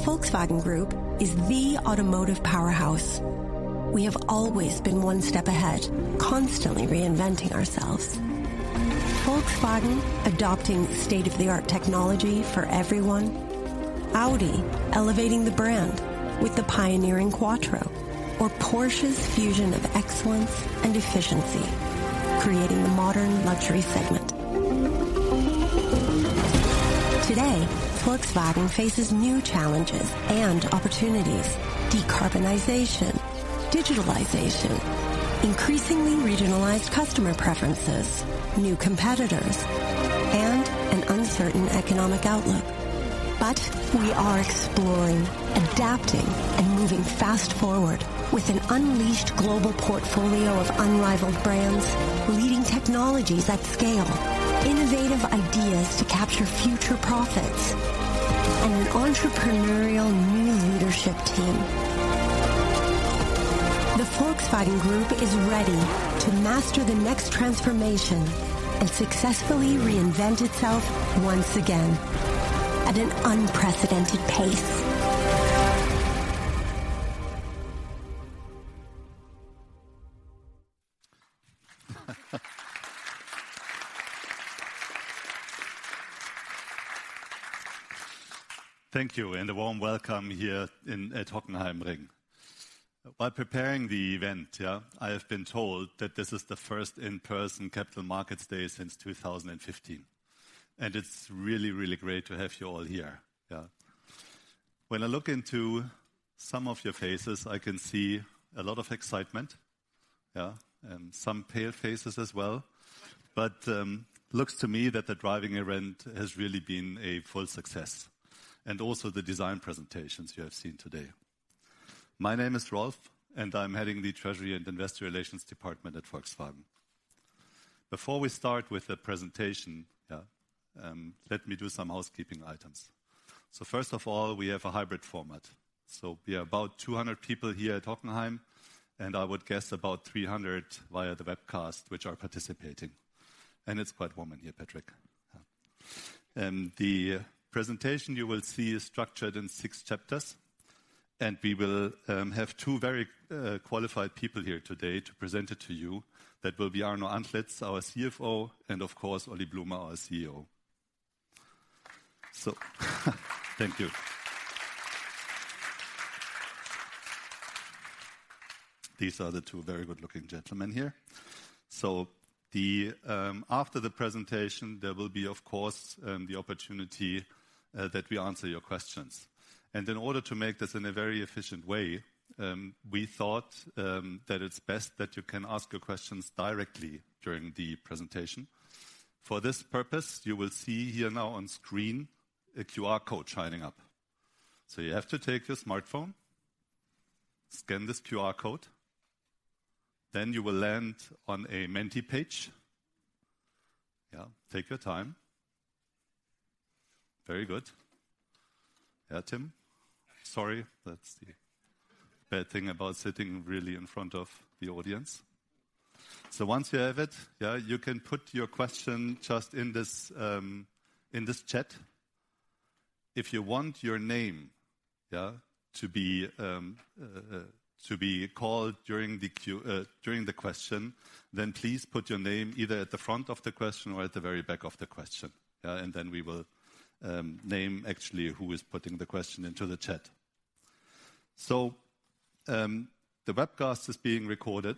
The Volkswagen Group is the automotive powerhouse. We have always been one step ahead, constantly reinventing ourselves. Volkswagen, adopting state-of-the-art technology for everyone. Audi, elevating the brand with the pioneering quattro, or Porsche's fusion of excellence and efficiency, creating the modern luxury segment. Today, Volkswagen faces new challenges and opportunities: decarbonization, digitalization, increasingly regionalized customer preferences, new competitors, and an uncertain economic outlook. But we are exploring, adapting, and moving fast forward with an unleashed global portfolio of unrivaled brands, leading technologies at scale, innovative ideas to capture future profits, and an entrepreneurial new leadership team. The Volkswagen Group is ready to master the next transformation and successfully reinvent itself once again at an unprecedented pace. Thank you, a warm welcome here at Hockenheimring. By preparing the event, I have been told that this is the first in-person Capital Markets Day since 2015. It's really great to have you all here. When I look into some of your faces, I can see a lot of excitement, and some pale faces as well. Looks to me that the driving event has really been a full success, and also the design presentations you have seen today. My name is Rolf, and I'm heading the Treasury and Investor Relations department at Volkswagen. Before we start with the presentation, let me do some housekeeping items. First of all, we have a hybrid format. We are about 200 people here at Hockenheim, and I would guess about 300 via the webcast, which are participating. It's quite warm in here, Patrick. The presentation you will see is structured in 6 chapters, and we will have two very qualified people here today to present it to you. That will be Arno Antlitz, our CFO, and of course, Oliver Blume, our CEO. Thank you. These are the two very good-looking gentlemen here. After the presentation, there will be, of course, the opportunity that we answer your questions. In order to make this in a very efficient way, we thought that it's best that you can ask your questions directly during the presentation. For this purpose, you will see here now on screen a QR code showing up. You have to take your smartphone, scan this QR code, then you will land on a Menti page. Take your time. Very good. Tim? Sorry, that's the bad thing about sitting really in front of the audience. Once you have it, you can put your question just in this chat. If you want your name to be called during the question, then please put your name either at the front of the question or at the very back of the question. We will name actually who is putting the question into the chat. The webcast is being recorded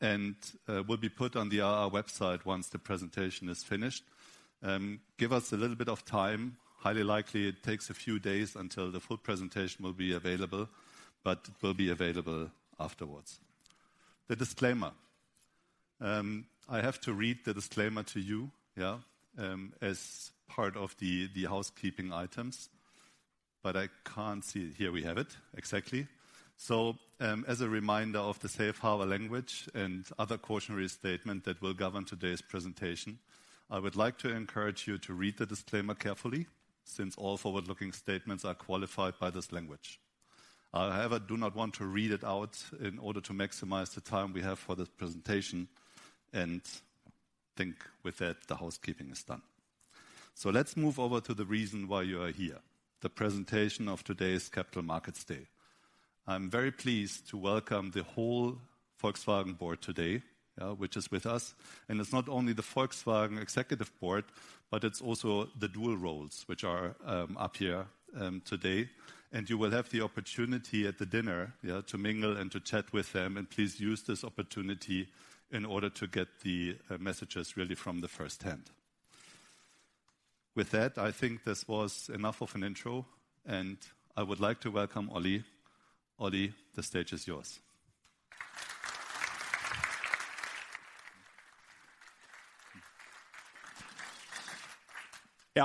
and will be put on our website once the presentation is finished. Give us a little bit of time. Highly likely, it takes a few days until the full presentation will be available, but will be available afterwards. The disclaimer. I have to read the disclaimer to you, yeah, as part of the housekeeping items, I can't see it. Here we have it. Exactly. As a reminder of the safe harbor language and other cautionary statement that will govern today's presentation, I would like to encourage you to read the disclaimer carefully, since all forward-looking statements are qualified by this language. I, however, do not want to read it out in order to maximize the time we have for this presentation, think with that, the housekeeping is done. Let's move over to the reason why you are here, the presentation of today's Capital Markets Day. I'm very pleased to welcome the whole Volkswagen Board today, which is with us. It's not only the Volkswagen Executive Board, but it's also the dual roles, which are up here today. You will have the opportunity at the dinner, yeah, to mingle and to chat with them, and please use this opportunity in order to get the messages really from the first hand. With that, I think this was enough of an intro, and I would like to welcome Oli. Oli, the stage is yours.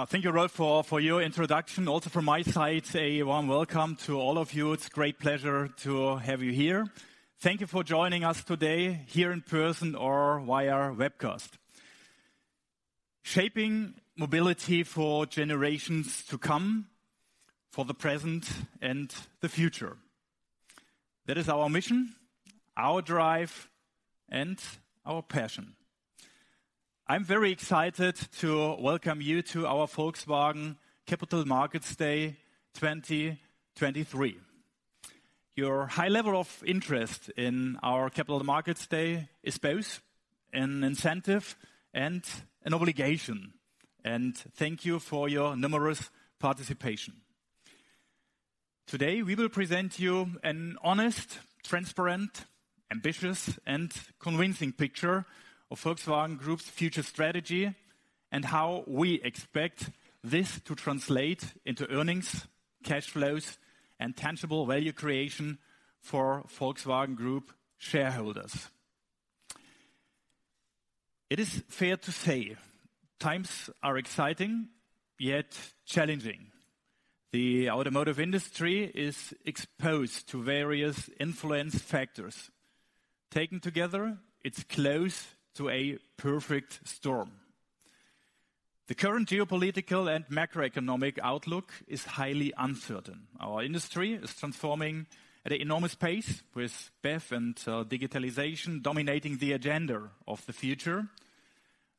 Thank you, Rolf, for your introduction. From my side, a warm welcome to all of you. It's a great pleasure to have you here. Thank you for joining us today here in person or via webcast. Shaping mobility for generations to come, for the present and the future. That is our mission, our drive, and our passion. I'm very excited to welcome you to our Volkswagen Capital Markets Day 2023. Your high level of interest in our Capital Markets Day is both an incentive and an obligation. Thank you for your numerous participation. Today, we will present you an honest, transparent, ambitious, and convincing picture of Volkswagen Group's future strategy and how we expect this to translate into earnings, cash flows, and tangible value creation for Volkswagen Group shareholders. It is fair to say times are exciting, yet challenging. The automotive industry is exposed to various influence factors. Taken together, it's close to a perfect storm. The current geopolitical and macroeconomic outlook is highly uncertain. Our industry is transforming at an enormous pace, with BEV and digitalization dominating the agenda of the future.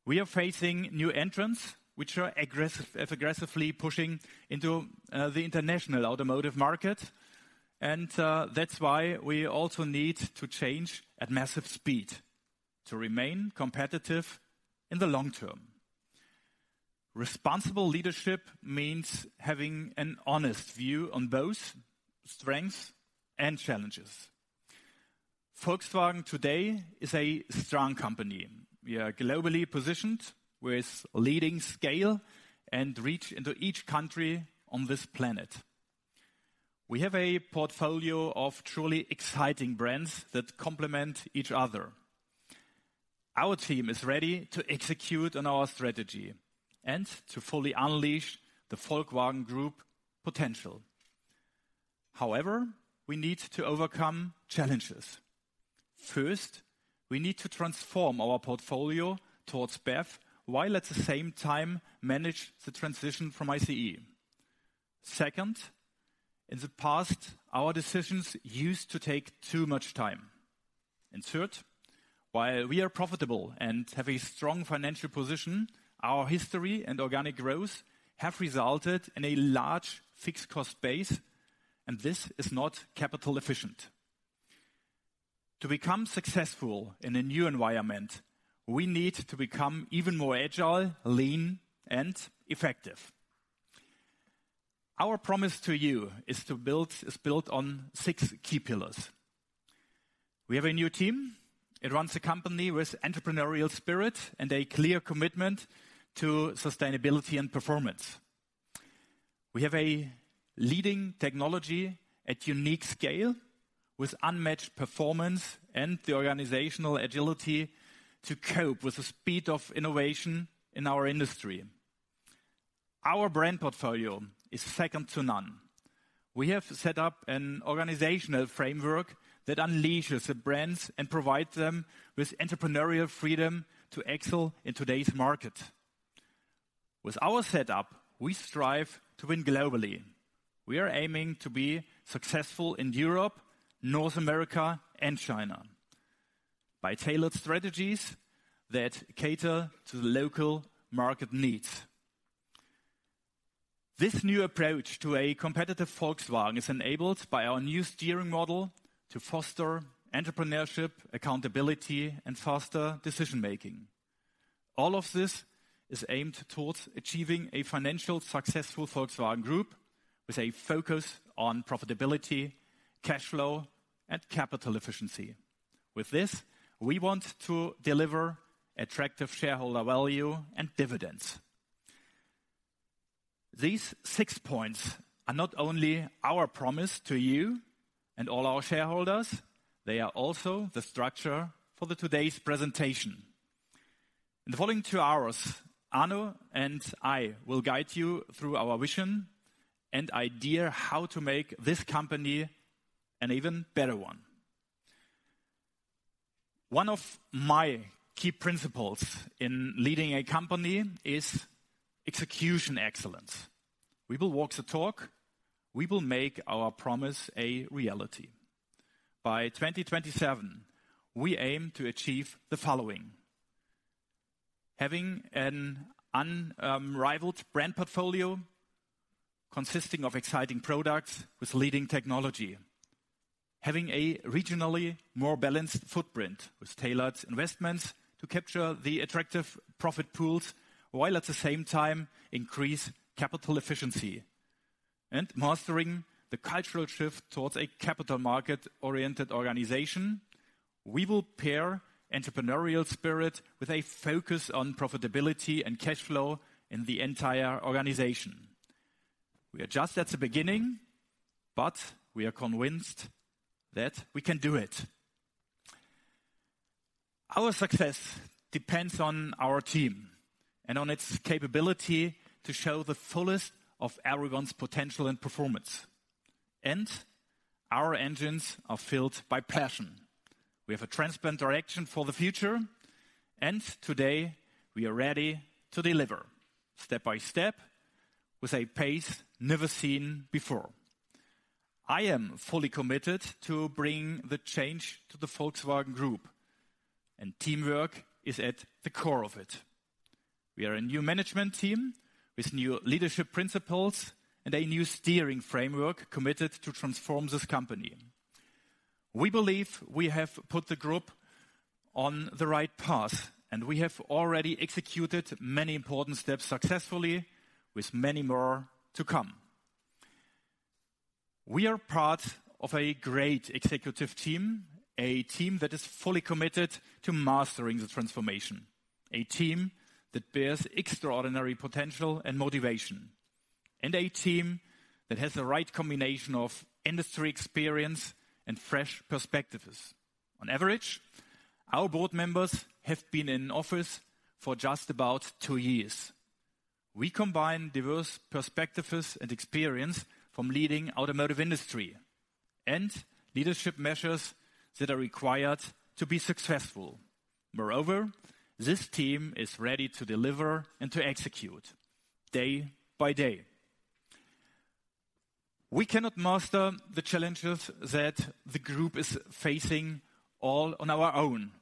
We are facing new entrants, which are aggressively pushing into the international automotive market, and that's why we also need to change at massive speed to remain competitive in the long term. Responsible leadership means having an honest view on both strengths and challenges. Volkswagen today is a strong company. We are globally positioned with leading scale and reach into each country on this planet. We have a portfolio of truly exciting brands that complement each other. Our team is ready to execute on our strategy and to fully unleash the Volkswagen Group potential. However, we need to overcome challenges. First, we need to transform our portfolio towards BEV, while at the same time manage the transition from ICE. Second, in the past, our decisions used to take too much time. Third, while we are profitable and have a strong financial position, our history and organic growth have resulted in a large fixed cost base, and this is not capital efficient. To become successful in a new environment, we need to become even more agile, lean, and effective. Our promise to you is built on six key pillars. We have a new team. It runs the company with entrepreneurial spirit and a clear commitment to sustainability and performance. We have a leading technology at unique scale, with unmatched performance and the organizational agility to cope with the speed of innovation in our industry. Our brand portfolio is second to none. We have set up an organizational framework that unleashes the brands and provides them with entrepreneurial freedom to excel in today's market. With our setup, we strive to win globally. We are aiming to be successful in Europe, North America, and China by tailored strategies that cater to the local market needs. This new approach to a competitive Volkswagen is enabled by our new steering model to foster entrepreneurship, accountability, and faster decision-making. All of this is aimed towards achieving a financial successful Volkswagen Group with a focus on profitability, cash flow, and capital efficiency. With this, we want to deliver attractive shareholder value and dividends. These six points are not only our promise to you and all our shareholders, they are also the structure for the today's presentation. In the following two hours, Arno and I will guide you through our vision and idea how to make this company an even better one. One of my key principles in leading a company is execution excellence. We will walk the talk. We will make our promise a reality. By 2027, we aim to achieve the following: having an unrivaled brand portfolio consisting of exciting products with leading technology, having a regionally more balanced footprint with tailored investments to capture the attractive profit pools, while at the same time increase capital efficiency and mastering the cultural shift towards a capital market-oriented organization. We will pair entrepreneurial spirit with a focus on profitability and cash flow in the entire organization. We are just at the beginning, We are convinced that we can do it. Our success depends on our team and on its capability to show the fullest of everyone's potential and performance. Our engines are filled by passion. We have a transparent direction for the future. Today we are ready to deliver step by step, with a pace never seen before. I am fully committed to bringing the change to the Volkswagen Group. Teamwork is at the core of it. We are a new management team with new leadership principles and a new steering framework committed to transform this company. We believe we have put the group on the right path. We have already executed many important steps successfully, with many more to come. We are part of a great executive team, a team that is fully committed to mastering the transformation, a team that bears extraordinary potential and motivation, a team that has the right combination of industry experience and fresh perspectives. On average, our board members have been in office for just about two years. We combine diverse perspectives and experience from leading automotive industry, leadership measures that are required to be successful. Moreover, this team is ready to deliver and to execute day by day. We cannot master the challenges that the Group is facing all on our own.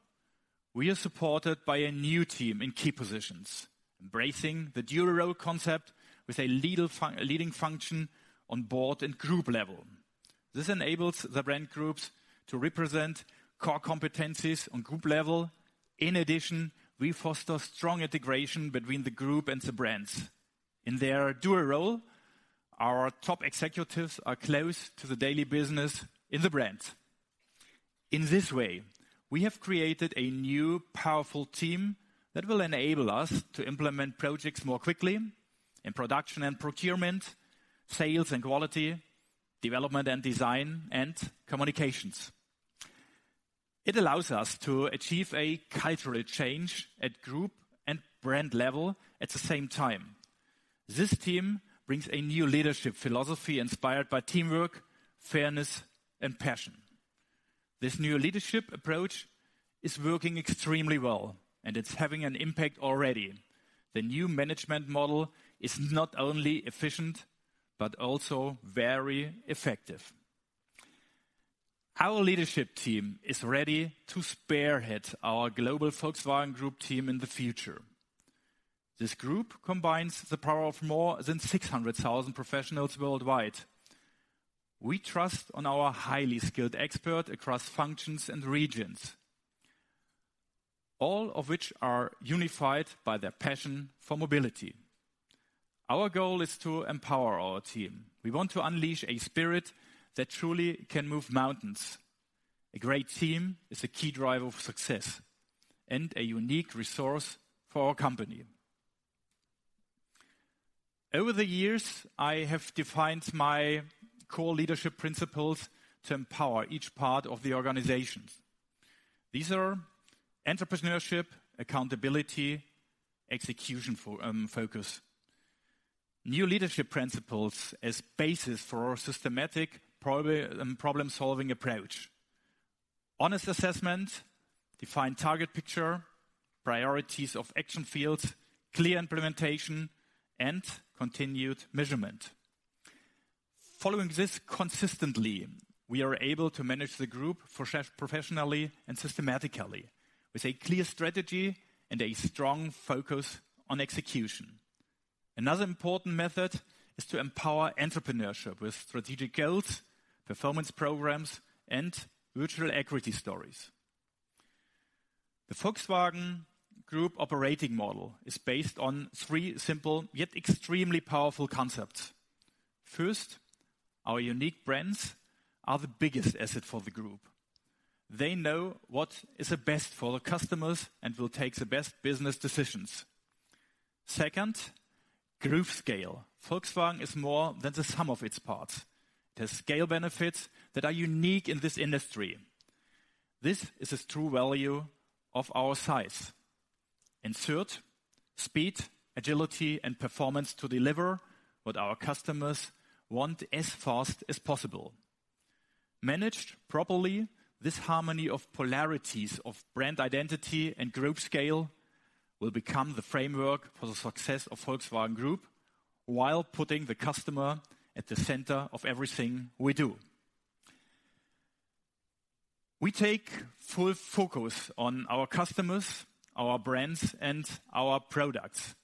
We are supported by a new team in key positions, embracing the dual role concept with a lead function on Board and Group level. This enables the Brand Groups to represent core competencies on Group level. In addition, we foster strong integration between the Group and the Brands. In their dual role, our top executives are close to the daily business in the brands. In this way, we have created a new, powerful team that will enable us to implement projects more quickly in production and procurement, sales and quality, development and design, and communications. It allows us to achieve a cultural change at group and brand level at the same time. This team brings a new leadership philosophy inspired by teamwork, fairness, and passion. This new leadership approach is working extremely well, and it's having an impact already. The new management model is not only efficient, but also very effective. Our leadership team is ready to spearhead our global Volkswagen Group team in the future. This group combines the power of more than 600,000 professionals worldwide. We trust on our highly skilled expert across functions and regions, all of which are unified by their passion for mobility. Our goal is to empower our team. We want to unleash a spirit that truly can move mountains. A great team is a key driver of success and a unique resource for our company. Over the years, I have defined my core leadership principles to empower each part of the organizations. These are entrepreneurship, accountability, execution, focus. New leadership principles as basis for our systematic problem-solving approach: honest assessment, defined target picture, priorities of action fields, clear implementation, and continued measurement. Following this consistently, we are able to manage the group professionally and systematically, with a clear strategy and a strong focus on execution. Another important method is to empower entrepreneurship with strategic goals, performance programs, and virtual equity stories. The Volkswagen Group operating model is based on three simple, yet extremely powerful concepts. First, our unique brands are the biggest asset for the group. They know what is the best for the customers and will take the best business decisions. Second, group scale. Volkswagen is more than the sum of its parts. It has scale benefits that are unique in this industry. This is the true value of our size. Third, speed, agility, and performance to deliver what our customers want as fast as possible. Managed properly, this harmony of polarities of brand identity and group scale will become the framework for the success of Volkswagen Group, while putting the customer at the center of everything we do. We take full focus on our customers, our brands, and our products.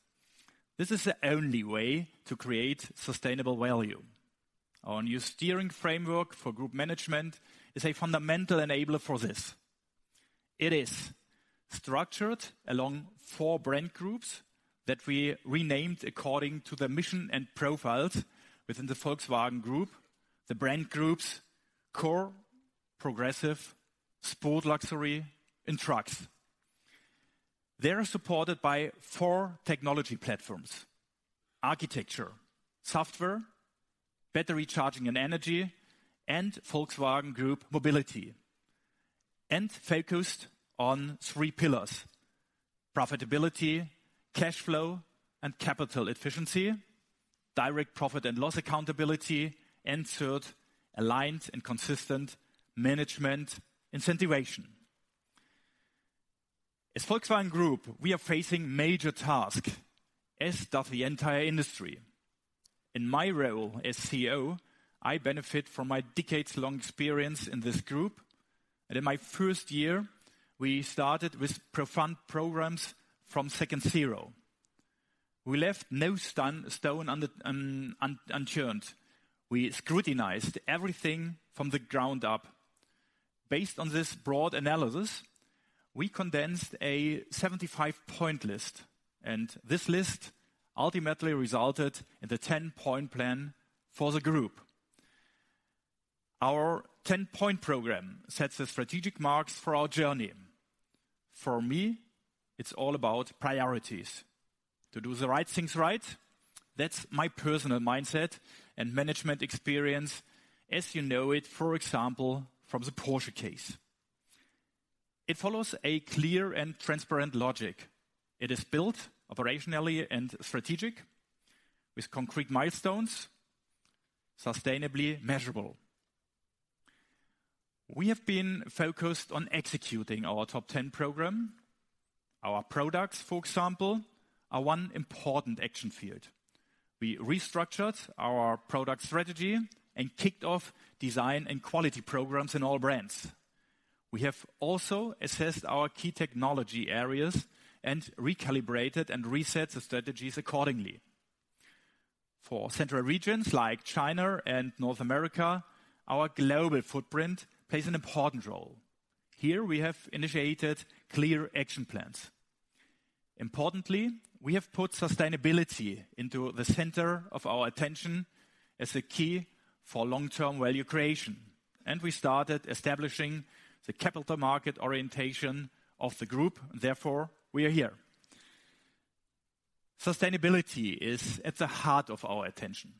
This is the only way to create sustainable value. Our new steering framework for group management is a fundamental enabler for this. It is structured along four brand groups that we renamed according to the mission and profiles within the Volkswagen Group, the brand group's Core, Progressive, Sport Luxury, and Trucks. They are supported by four technology platforms: architecture, software, battery charging and energy, and Volkswagen Group Mobility, and focused on three pillars: profitability, cash flow, and capital efficiency, direct profit and loss accountability, and third, aligned and consistent management incentivation. As Volkswagen Group, we are facing major tasks, as does the entire industry. In my role as CEO, I benefit from my decades-long experience in this group, and in my first year, we started with profound programs from second zero. We left no stone unturned. We scrutinized everything from the ground up. Based on this broad analysis, we condensed a 75-point list, and this list ultimately resulted in the 10-point plan for the Group. Our 10-point program sets the strategic marks for our journey. For me, it's all about priorities. To do the right things right, that's my personal mindset and management experience, as you know it, for example, from the Porsche case. It follows a clear and transparent logic. It is built operationally and strategic with concrete milestones, sustainably measurable. We have been focused on executing our top 10 program. Our products, for example, are one important action field. We restructured our product strategy and kicked off design and quality programs in all brands. We have also assessed our key technology areas and recalibrated and reset the strategies accordingly. For central regions like China and North America, our global footprint plays an important role. Here we have initiated clear action plans. Importantly, we have put sustainability into the center of our attention as a key for long-term value creation, and we started establishing the capital market orientation of the group, therefore, we are here. Sustainability is at the heart of our attention.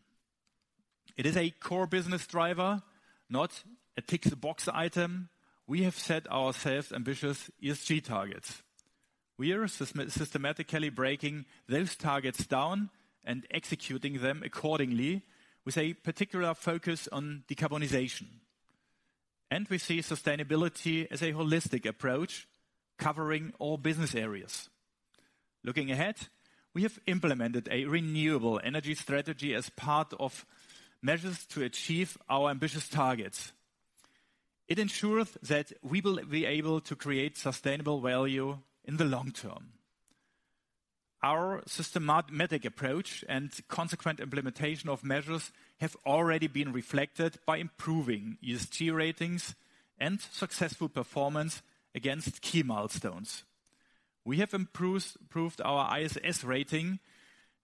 It is a core business driver, not a tick-the-box item. We have set ourselves ambitious ESG targets. We are systematically breaking those targets down and executing them accordingly, with a particular focus on decarbonization. We see sustainability as a holistic approach covering all business areas. Looking ahead, we have implemented a renewable energy strategy as part of measures to achieve our ambitious targets. It ensures that we will be able to create sustainable value in the long term. Our systematic approach and consequent implementation of measures have already been reflected by improving ESG ratings and successful performance against key milestones. We have improved our ISS rating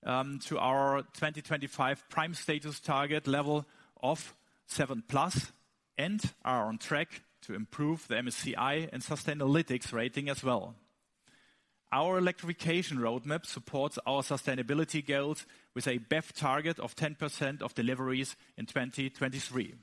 to our 2025 prime status target level of 7+, are on track to improve the MSCI and Sustainalytics rating as well. Our electrification roadmap supports our sustainability goals with a BEV target of 10% of deliveries in 2023.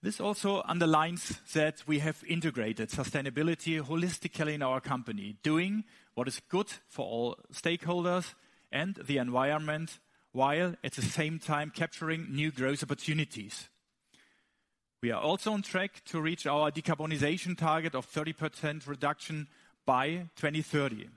This also underlines that we have integrated sustainability holistically in our company, doing what is good for all stakeholders and the environment, while at the same time capturing new growth opportunities. We are also on track to reach our decarbonization target of 30% reduction by 2030.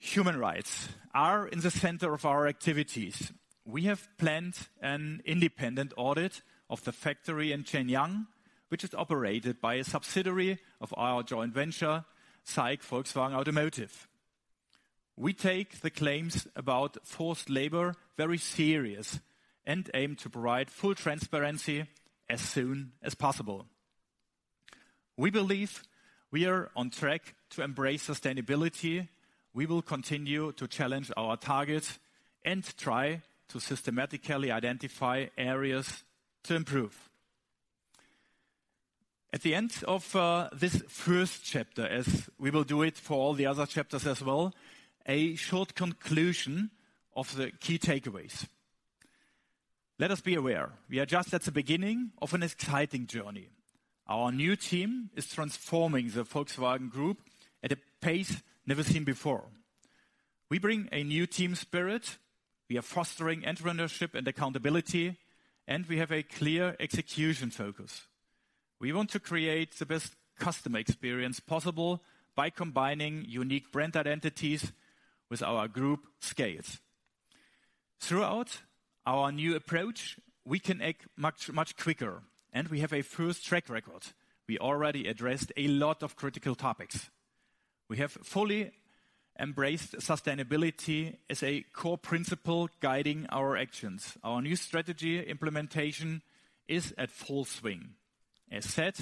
Human rights are in the center of our activities. We have planned an independent audit of the factory in Chenyang, which is operated by a subsidiary of our joint venture, SAIC Volkswagen Automotive. We take the claims about forced labor very serious and aim to provide full transparency as soon as possible. We believe we are on track to embrace sustainability. We will continue to challenge our targets and try to systematically identify areas to improve. At the end of this first chapter, as we will do it for all the other chapters as well, a short conclusion of the key takeaways. Let us be aware, we are just at the beginning of an exciting journey. Our new team is transforming the Volkswagen Group at a pace never seen before. We bring a new team spirit, we are fostering entrepreneurship and accountability, and we have a clear execution focus. We want to create the best customer experience possible by combining unique brand identities with our group scales. Throughout our new approach, we can act much, much quicker, and we have a first track record. We already addressed a lot of critical topics. We have fully embraced sustainability as a core principle guiding our actions. Our new strategy implementation is at full swing. As said,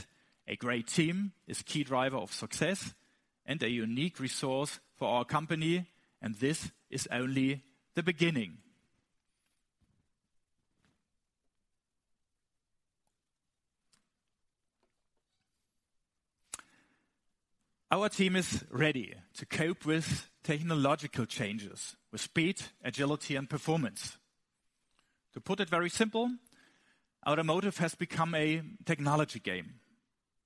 a great team is key driver of success and a unique resource for our company, and this is only the beginning. Our team is ready to cope with technological changes, with speed, agility and performance. To put it very simple, automotive has become a technology game,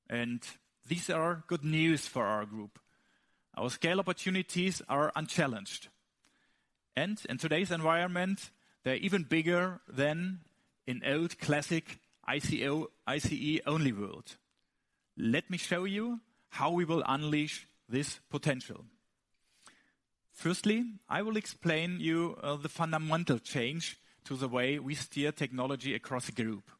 and these are good news for our group. Our scale opportunities are unchallenged.... In today's environment, they're even bigger than in old classic ICE-only world. Let me show you how we will unleash this potential. Firstly, I will explain you the fundamental change to the way we steer technology across the group.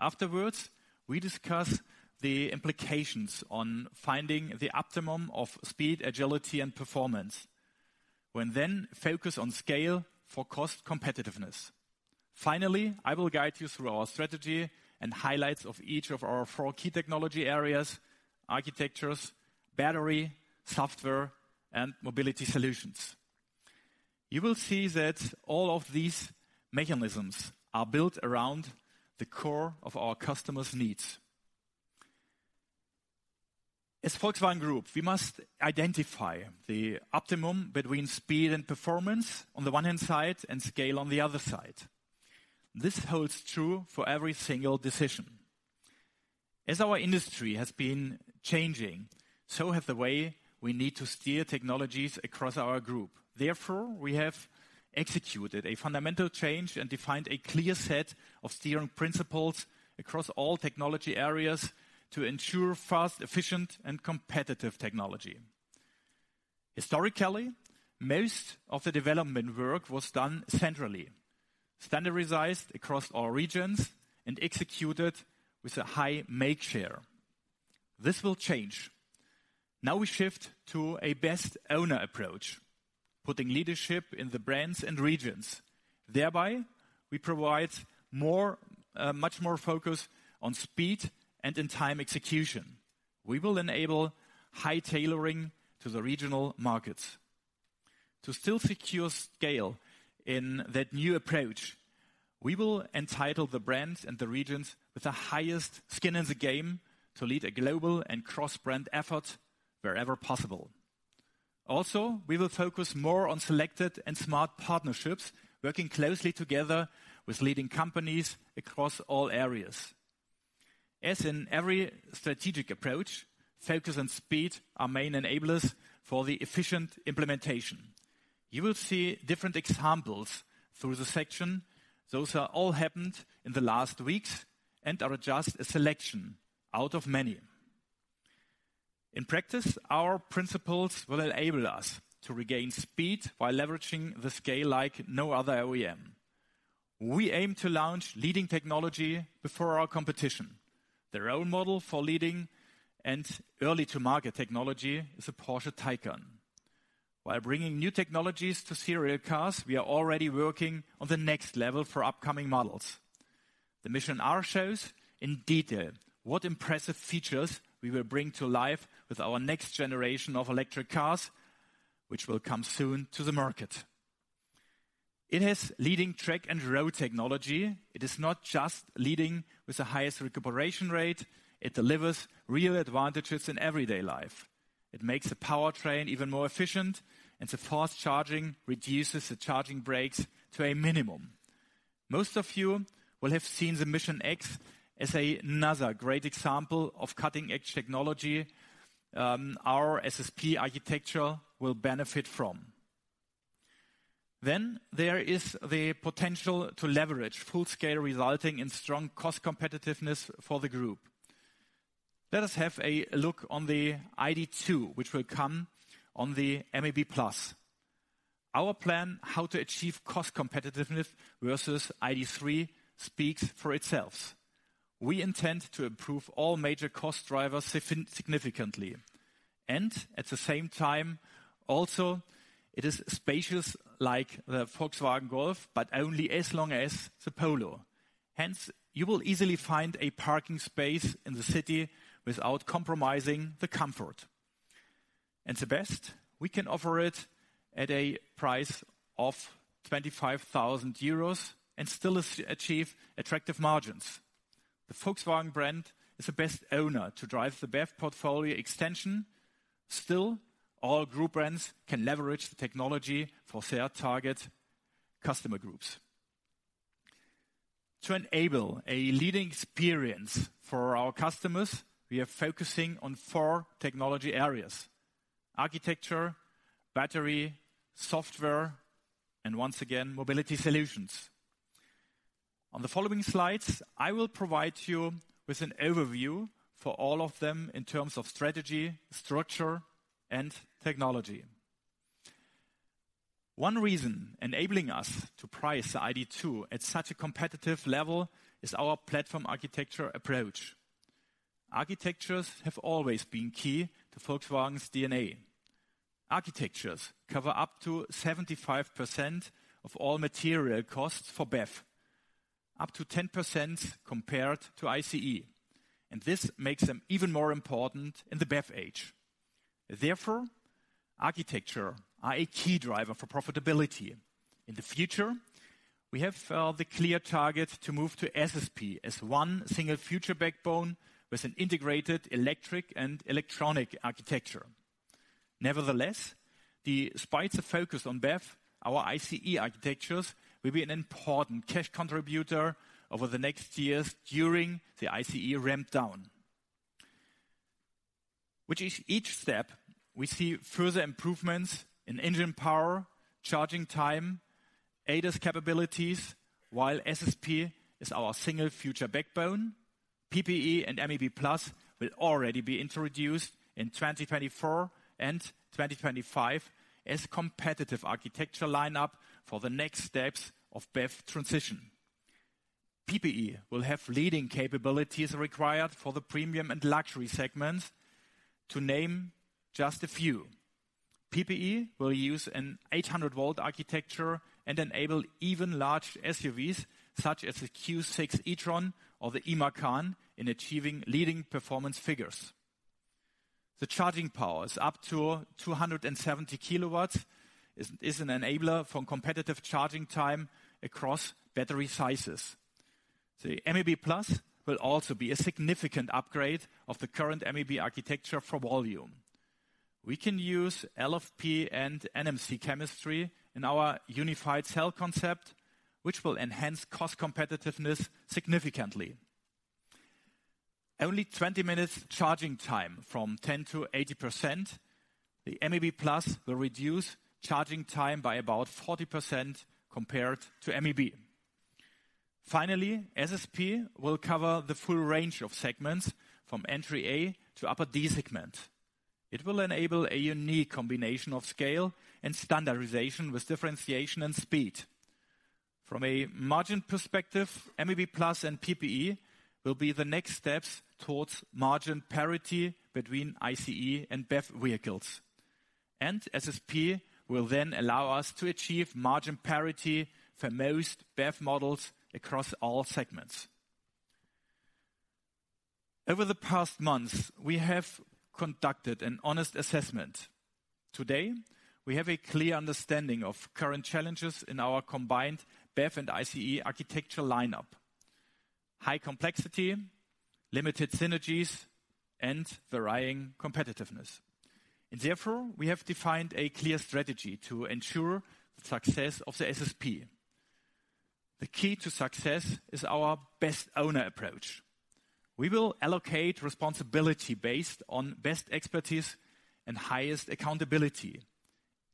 Afterwards, we discuss the implications on finding the optimum of speed, agility, and performance. We then focus on scale for cost competitiveness. Finally, I will guide you through our strategy and highlights of each of our four key technology areas: architectures, battery, software, and mobility solutions. You will see that all of these mechanisms are built around the core of our customers' needs. As Volkswagen Group, we must identify the optimum between speed and performance on the one hand side and scale on the other side. This holds true for every single decision. As our industry has been changing, so have the way we need to steer technologies across our group. Therefore, we have executed a fundamental change and defined a clear set of steering principles across all technology areas to ensure fast, efficient, and competitive technology. Historically, most of the development work was done centrally, standardized across all regions, and executed with a high make share. This will change. Now we shift to a best owner approach, putting leadership in the brands and regions. Thereby, we provide much more focus on speed and in-time execution. We will enable high tailoring to the regional markets. To still secure scale in that new approach, we will entitle the brands and the regions with the highest skin in the game to lead a global and cross-brand effort wherever possible. We will focus more on selected and smart partnerships, working closely together with leading companies across all areas. As in every strategic approach, focus and speed are main enablers for the efficient implementation. You will see different examples through the section. Those are all happened in the last weeks and are just a selection out of many. In practice, our principles will enable us to regain speed by leveraging the scale like no other OEM. We aim to launch leading technology before our competition. Their own model for leading and early-to-market technology is a Porsche Taycan. While bringing new technologies to serial cars, we are already working on the next level for upcoming models. The Mission R shows in detail what impressive features we will bring to life with our next generation of electric cars, which will come soon to the market. It has leading track and road technology. It is not just leading with the highest recuperation rate, it delivers real advantages in everyday life. It makes the powertrain even more efficient, and the fast charging reduces the charging breaks to a minimum. Most of you will have seen the Mission X as another great example of cutting-edge technology, our SSP architecture will benefit from. There is the potential to leverage full scale, resulting in strong cost competitiveness for the group. Let us have a look on the ID.2, which will come on the MEB+. Our plan how to achieve cost competitiveness versus ID.3 speaks for itself. We intend to improve all major cost drivers significantly, and at the same time, also, it is spacious, like the Volkswagen Golf, but only as long as the Polo. Hence, you will easily find a parking space in the city without compromising the comfort. The best, we can offer it at a price of 25,000 euros and still achieve attractive margins. The Volkswagen brand is the best owner to drive the BEV portfolio extension. Still, all group brands can leverage the technology for their target customer groups. To enable a leading experience for our customers, we are focusing on four technology areas: architecture, battery, software, and once again, mobility solutions. On the following slides, I will provide you with an overview for all of them in terms of strategy, structure, and technology. One reason enabling us to price the ID.2 at such a competitive level is our platform architecture approach. Architectures have always been key to Volkswagen's DNA. Architectures cover up to 75% of all material costs for BEV, up to 10% compared to ICE, and this makes them even more important in the BEV age. Architecture are a key driver for profitability. In the future, we have the clear target to move to SSP as one single future backbone with an integrated electric and electronic architecture. Nevertheless, despite the focus on BEV, our ICE architectures will be an important cash contributor over the next years during the ICE ramp down. Which is each step, we see further improvements in engine power, charging time, ADAS capabilities, while SSP is our single future backbone. PPE and MEB+ will already be introduced in 2024 and 2025 as competitive architecture lineup for the next steps of BEV transition. PPE will have leading capabilities required for the premium and luxury segments, to name just a few. PPE will use an 800-volt architecture and enable even large SUVs, such as the Q6 e-tron or the Macan, in achieving leading performance figures. The charging power is up to 270 kW, is an enabler for competitive charging time across battery sizes. The MEB+ will also be a significant upgrade of the current MEB architecture for volume. We can use LFP and NMC chemistry in our Unified Cell concept, which will enhance cost competitiveness significantly. Only 20 minutes charging time from 10%-80%, the MEB+ will reduce charging time by about 40% compared to MEB. Finally, SSP will cover the full range of segments from entry A to upper D segment. It will enable a unique combination of scale and standardization with differentiation and speed. From a margin perspective, MEB+ and PPE will be the next steps towards margin parity between ICE and BEV vehicles. SSP will then allow us to achieve margin parity for most BEV models across all segments. Over the past months, we have conducted an honest assessment. Today, we have a clear understanding of current challenges in our combined BEV and ICE architectural lineup: high complexity, limited synergies, and varying competitiveness. Therefore, we have defined a clear strategy to ensure the success of the SSP. The key to success is our best owner approach. We will allocate responsibility based on best expertise and highest accountability.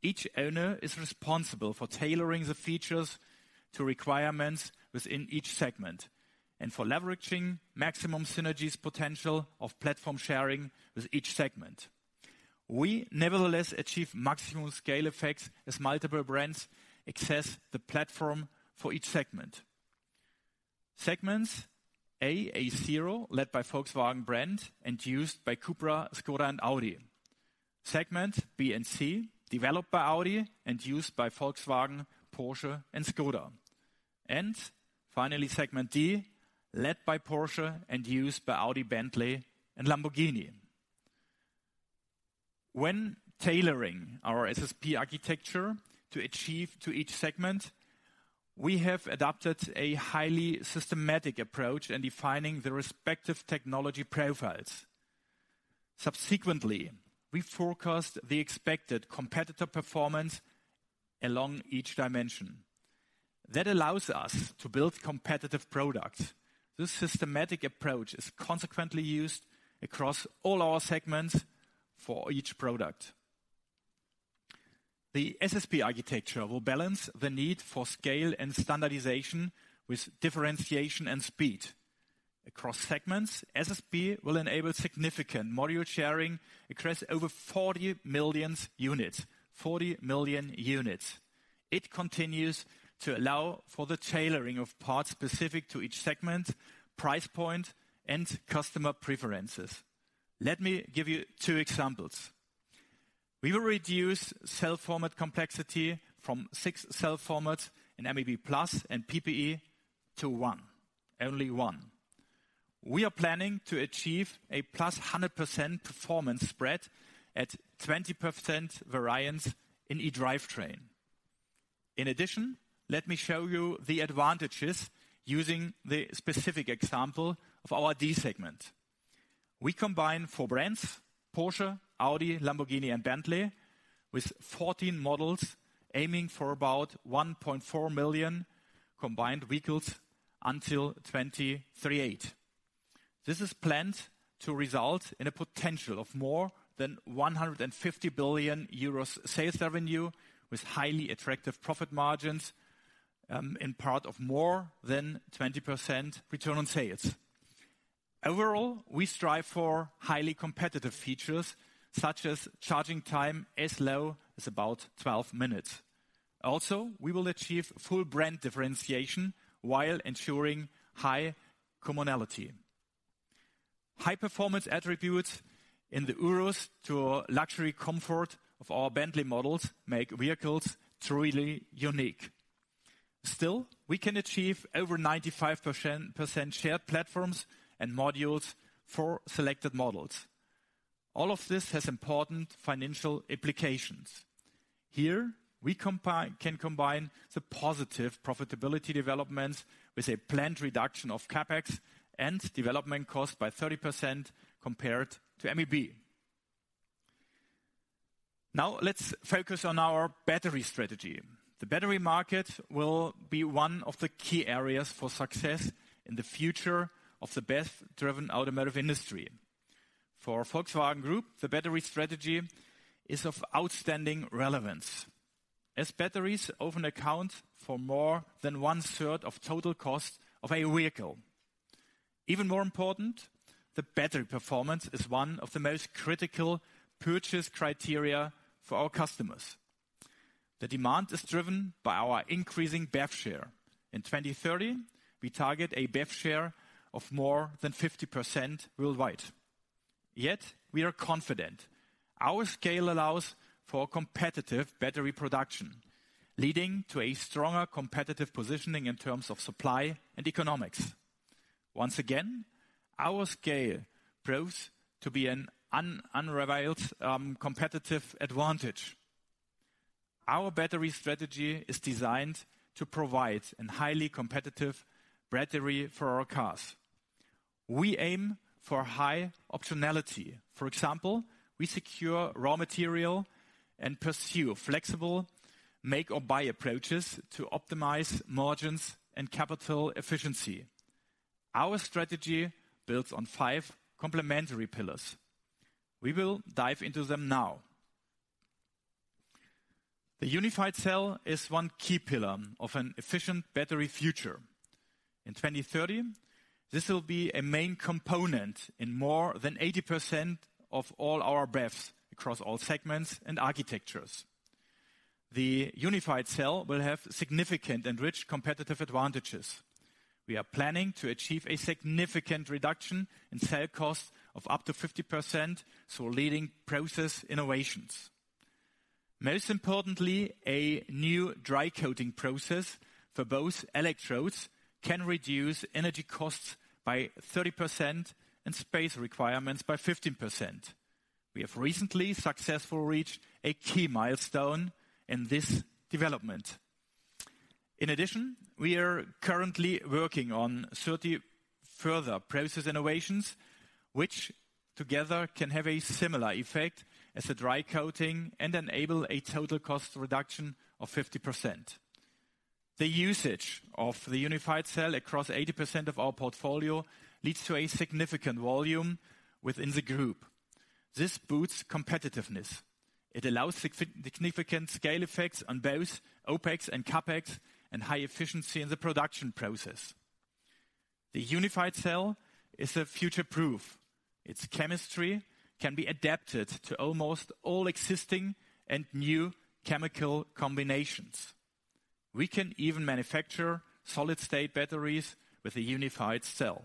Each owner is responsible for tailoring the features to requirements within each segment, and for leveraging maximum synergies potential of platform sharing with each segment. We nevertheless achieve maximum scale effects as multiple brands access the platform for each segment. Segments A zero, led by Volkswagen Brand and used by CUPRA, Škoda, and Audi. Segment B and C, developed by Audi and used by Volkswagen, Porsche, and Škoda. Finally, segment D, led by Porsche and used by Audi, Bentley, and Lamborghini. When tailoring our SSP architecture to each segment, we have adopted a highly systematic approach in defining the respective technology profiles. Subsequently, we forecast the expected competitor performance along each dimension. That allows us to build competitive products. This systematic approach is consequently used across all our segments for each product. The SSP architecture will balance the need for scale and standardization with differentiation and speed. Across segments, SSP will enable significant module sharing across over 40 million units. It continues to allow for the tailoring of parts specific to each segment, price point, and customer preferences. Let me give you 2 examples. We will reduce cell format complexity from 6 cell formats in MEB+ and PPE to 1, only 1. We are planning to achieve a +100% performance spread at 20% variance in e-drivetrain. Let me show you the advantages using the specific example of our D segment. We combine 4 brands, Porsche, Audi, Lamborghini, and Bentley, with 14 models, aiming for about 1.4 million combined vehicles until 2038. This is planned to result in a potential of more than 150 billion euros sales revenue, with highly attractive profit margins, in part of more than 20% return on sales. We strive for highly competitive features, such as charging time as low as about 12 minutes. We will achieve full brand differentiation while ensuring high commonality. High-performance attributes in the Urus to luxury comfort of our Bentley models make vehicles truly unique. We can achieve over 95% shared platforms and modules for selected models. All of this has important financial implications. Here, we can combine the positive profitability developments with a planned reduction of CapEx and development cost by 30% compared to MEB. Let's focus on our battery strategy. The battery market will be one of the key areas for success in the future of the BEV-driven automotive industry. For Volkswagen Group, the battery strategy is of outstanding relevance, as batteries often account for more than one-third of total cost of a vehicle. Even more important, the battery performance is one of the most critical purchase criteria for our customers. The demand is driven by our increasing BEV share. In 2030, we target a BEV share of more than 50% worldwide. We are confident our scale allows for competitive battery production, leading to a stronger competitive positioning in terms of supply and economics. Once again, our scale proves to be an unrivaled competitive advantage. Our battery strategy is designed to provide a highly competitive battery for our cars. We aim for high optionality. For example, we secure raw material and pursue flexible make or buy approaches to optimize margins and capital efficiency. Our strategy builds on five complementary pillars. We will dive into them now. The Unified Cell is one key pillar of an efficient battery future. In 2030, this will be a main component in more than 80% of all our BEVs across all segments and architectures. The Unified Cell will have significant and rich competitive advantages. We are planning to achieve a significant reduction in cell costs of up to 50%, through leading process innovations. Most importantly, a new Dry Coating process for both electrodes can reduce energy costs by 30% and space requirements by 15%. We have recently successfully reached a key milestone in this development. We are currently working on 30 further process innovations, which together can have a similar effect as the Dry Coating and enable a total cost reduction of 50%. The usage of the Unified Cell across 80% of our portfolio leads to a significant volume within the group. This boosts competitiveness. It allows significant scale effects on both OpEx and CapEx, and high efficiency in the production process. The Unified Cell is a future-proof. Its chemistry can be adapted to almost all existing and new chemical combinations. We can even manufacture solid-state batteries with a Unified Cell.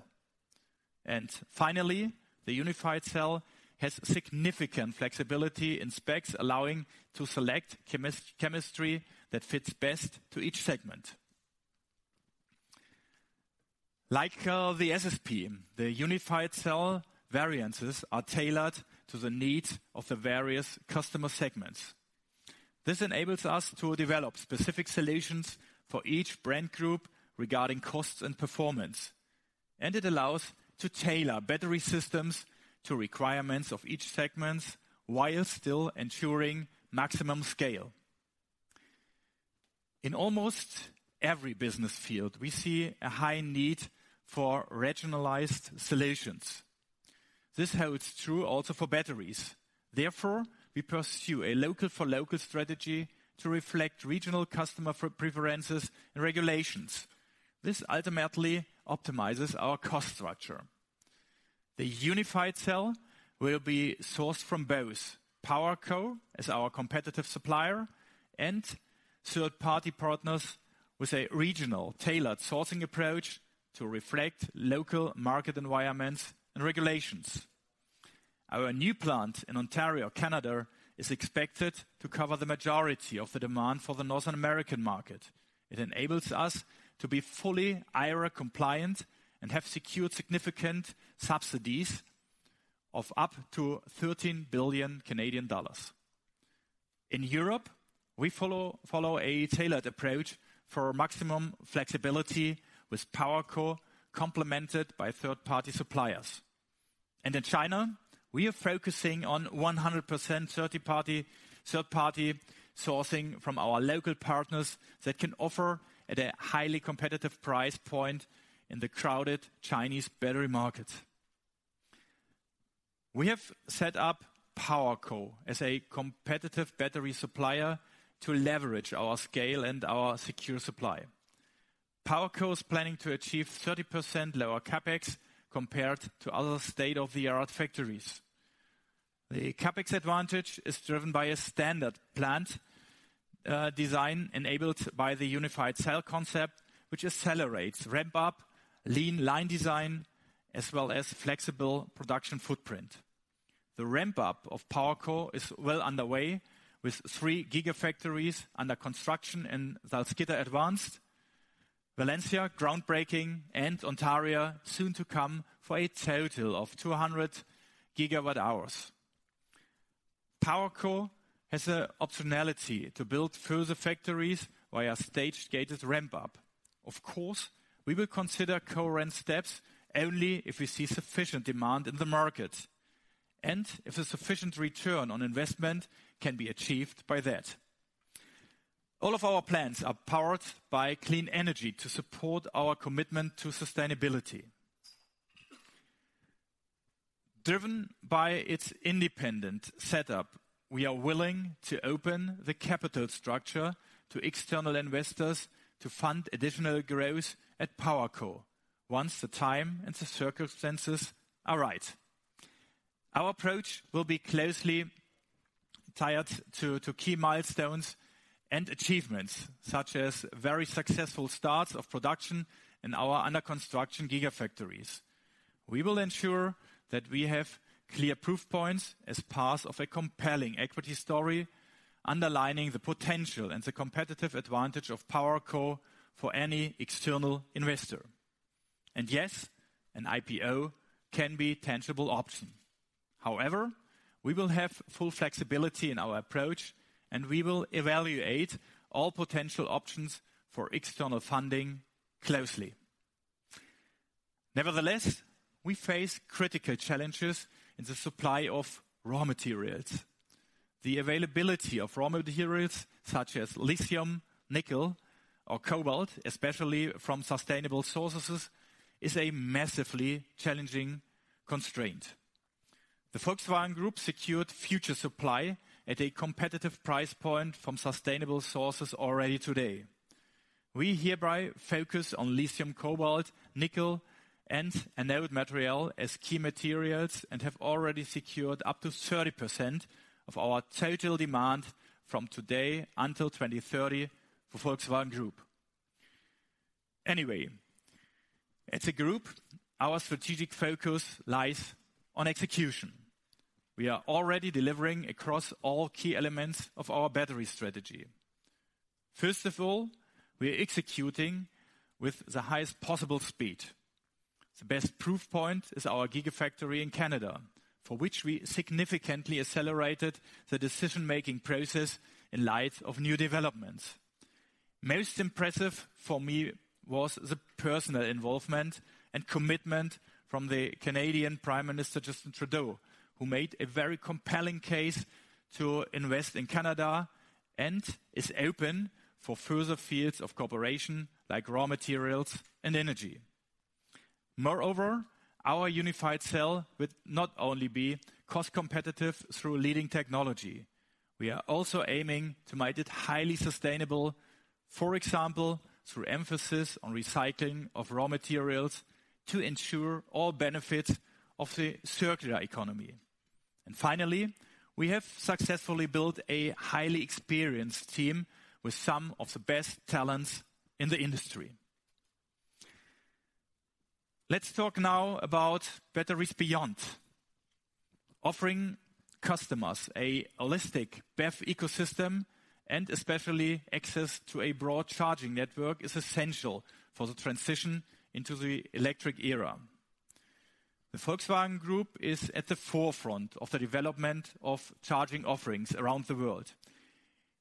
Finally, the unified cell has significant flexibility in specs, allowing to select chemistry that fits best to each segment. Like the SSP, the unified cell variances are tailored to the needs of the various customer segments. This enables us to develop specific solutions for each brand group regarding costs and performance, and it allows to tailor battery systems to requirements of each segment, while still ensuring maximum scale. In almost every business field, we see a high need for regionalized solutions. This holds true also for batteries. Therefore, we pursue a local-for-local strategy to reflect regional customer preferences and regulations. This ultimately optimizes our cost structure. The unified cell will be sourced from both PowerCo, as our competitive supplier, and third-party partners with a regional tailored sourcing approach to reflect local market environments and regulations. Our new plant in Ontario, Canada, is expected to cover the majority of the demand for the Northern American market. It enables us to be fully IRA compliant and have secured significant subsidies of up to 13 billion Canadian dollars. In Europe, we follow a tailored approach for maximum flexibility with PowerCo, complemented by third-party suppliers. In China, we are focusing on 100% third-party sourcing from our local partners that can offer at a highly competitive price point in the crowded Chinese battery market. We have set up PowerCo as a competitive battery supplier to leverage our scale and our secure supply. PowerCo is planning to achieve 30% lower CapEx compared to other state-of-the-art factories. The CapEx advantage is driven by a standard plant design, enabled by the unified cell concept, which accelerates ramp-up, lean line design, as well as flexible production footprint. The ramp-up of PowerCo is well underway, with three gigafactories under construction in Salzgitter Advanced, Valencia, groundbreaking, and Ontario soon to come for a total of 200 gigawatt hours. PowerCo has the optionality to build further factories via staged gated ramp-up. Of course, we will consider current steps only if we see sufficient demand in the market, and if a sufficient return on investment can be achieved by that. All of our plans are powered by clean energy to support our commitment to sustainability. Driven by its independent setup, we are willing to open the capital structure to external investors to fund additional growth at PowerCo, once the time and the circumstances are right. Our approach will be closely tied to key milestones and achievements, such as very successful starts of production in our under-construction gigafactories. We will ensure that we have clear proof points as part of a compelling equity story, underlining the potential and the competitive advantage of PowerCo for any external investor. Yes, an IPO can be tangible option. However, we will have full flexibility in our approach, and we will evaluate all potential options for external funding closely. Nevertheless, we face critical challenges in the supply of raw materials. The availability of raw materials, such as lithium, nickel, or cobalt, especially from sustainable sources, is a massively challenging constraint. The Volkswagen Group secured future supply at a competitive price point from sustainable sources already today. We hereby focus on lithium, cobalt, nickel, and anode material as key materials, and have already secured up to 30% of our total demand from today until 2030 for Volkswagen Group. As a group, our strategic focus lies on execution. We are already delivering across all key elements of our battery strategy. First of all, we are executing with the highest possible speed. The best proof point is our gigafactory in Canada, for which we significantly accelerated the decision-making process in light of new developments. Most impressive for me was the personal involvement and commitment from the Canadian Prime Minister, Justin Trudeau, who made a very compelling case to invest in Canada and is open for further fields of cooperation, like raw materials and energy. Moreover, our Unified Cell will not only be cost competitive through leading technology, we are also aiming to make it highly sustainable, for example, through emphasis on recycling of raw materials to ensure all benefits of the circular economy. Finally, we have successfully built a highly experienced team with some of the best talents in the industry. Let's talk now about batteries beyond. Offering customers a holistic BEV ecosystem, especially access to a broad charging network, is essential for the transition into the electric era. The Volkswagen Group is at the forefront of the development of charging offerings around the world.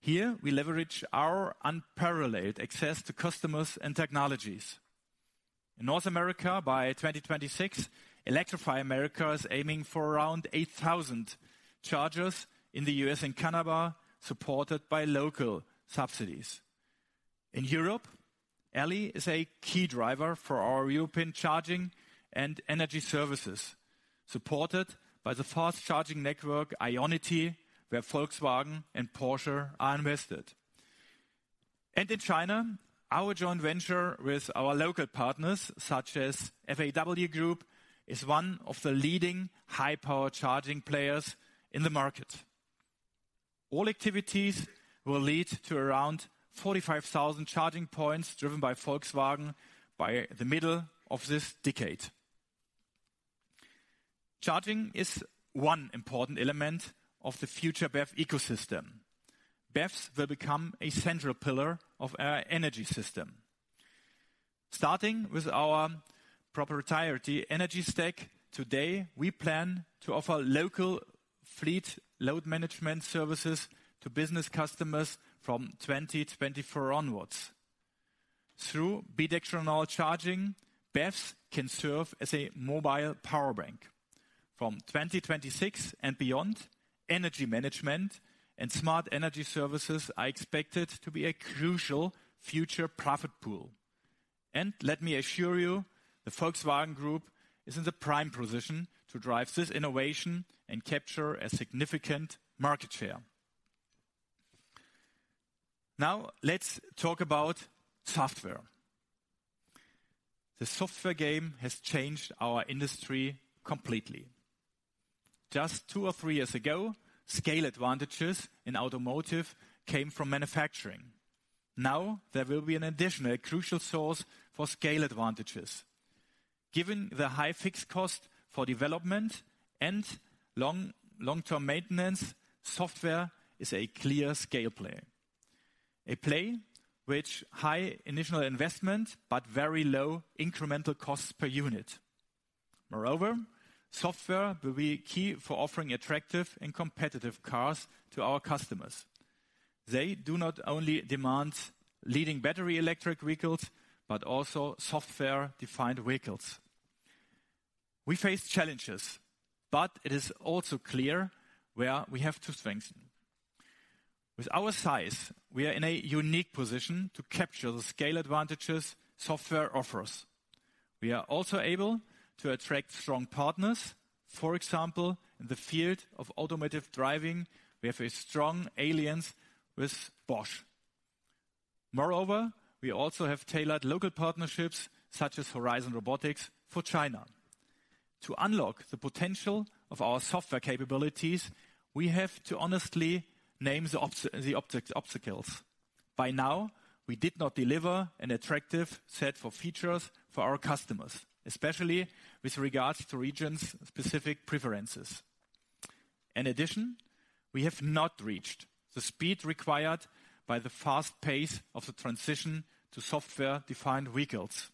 Here, we leverage our unparalleled access to customers and technologies. In North America, by 2026, Electrify America is aiming for around 8,000 chargers in the U.S. and Canada, supported by local subsidies. In Europe, Elli is a key driver for our European charging and energy services, supported by the fast-charging network, IONITY, where Volkswagen and Porsche are invested. In China, our joint venture with our local partners, such as FAW Group, is one of the leading high-power charging players in the market. All activities will lead to around 45,000 charging points, driven by Volkswagen, by the middle of this decade. Charging is one important element of the future BEV ecosystem. BEVs will become a central pillar of our energy system. Starting with our proprietary energy stack, today, we plan to offer local fleet load management services to business customers from 2024 onwards. Through bidirectional charging, BEVs can serve as a mobile power bank. From 2026 and beyond, energy management and smart energy services are expected to be a crucial future profit pool. Let me assure you, the Volkswagen Group is in the prime position to drive this innovation and capture a significant market share. Let's talk about software. The software game has changed our industry completely. Just 2 or 3 years ago, scale advantages in automotive came from manufacturing. There will be an additional crucial source for scale advantages. Given the high fixed cost for development and long-term maintenance, software is a clear scale play. A play which high initial investment, but very low incremental costs per unit. Software will be key for offering attractive and competitive cars to our customers. They do not only demand leading battery electric vehicles, but also software-defined vehicles. We face challenges, it is also clear where we have 2 strengths. With our size, we are in a unique position to capture the scale advantages software offers. We are also able to attract strong partners. For example, in the field of automotive driving, we have a strong alliance with Bosch. We also have tailored local partnerships, such as Horizon Robotics, for China. To unlock the potential of our software capabilities, we have to honestly name the obstacles. By now, we did not deliver an attractive set of features for our customers, especially with regards to regions' specific preferences. In addition, we have not reached the speed required by the fast pace of the transition to software-defined vehicles.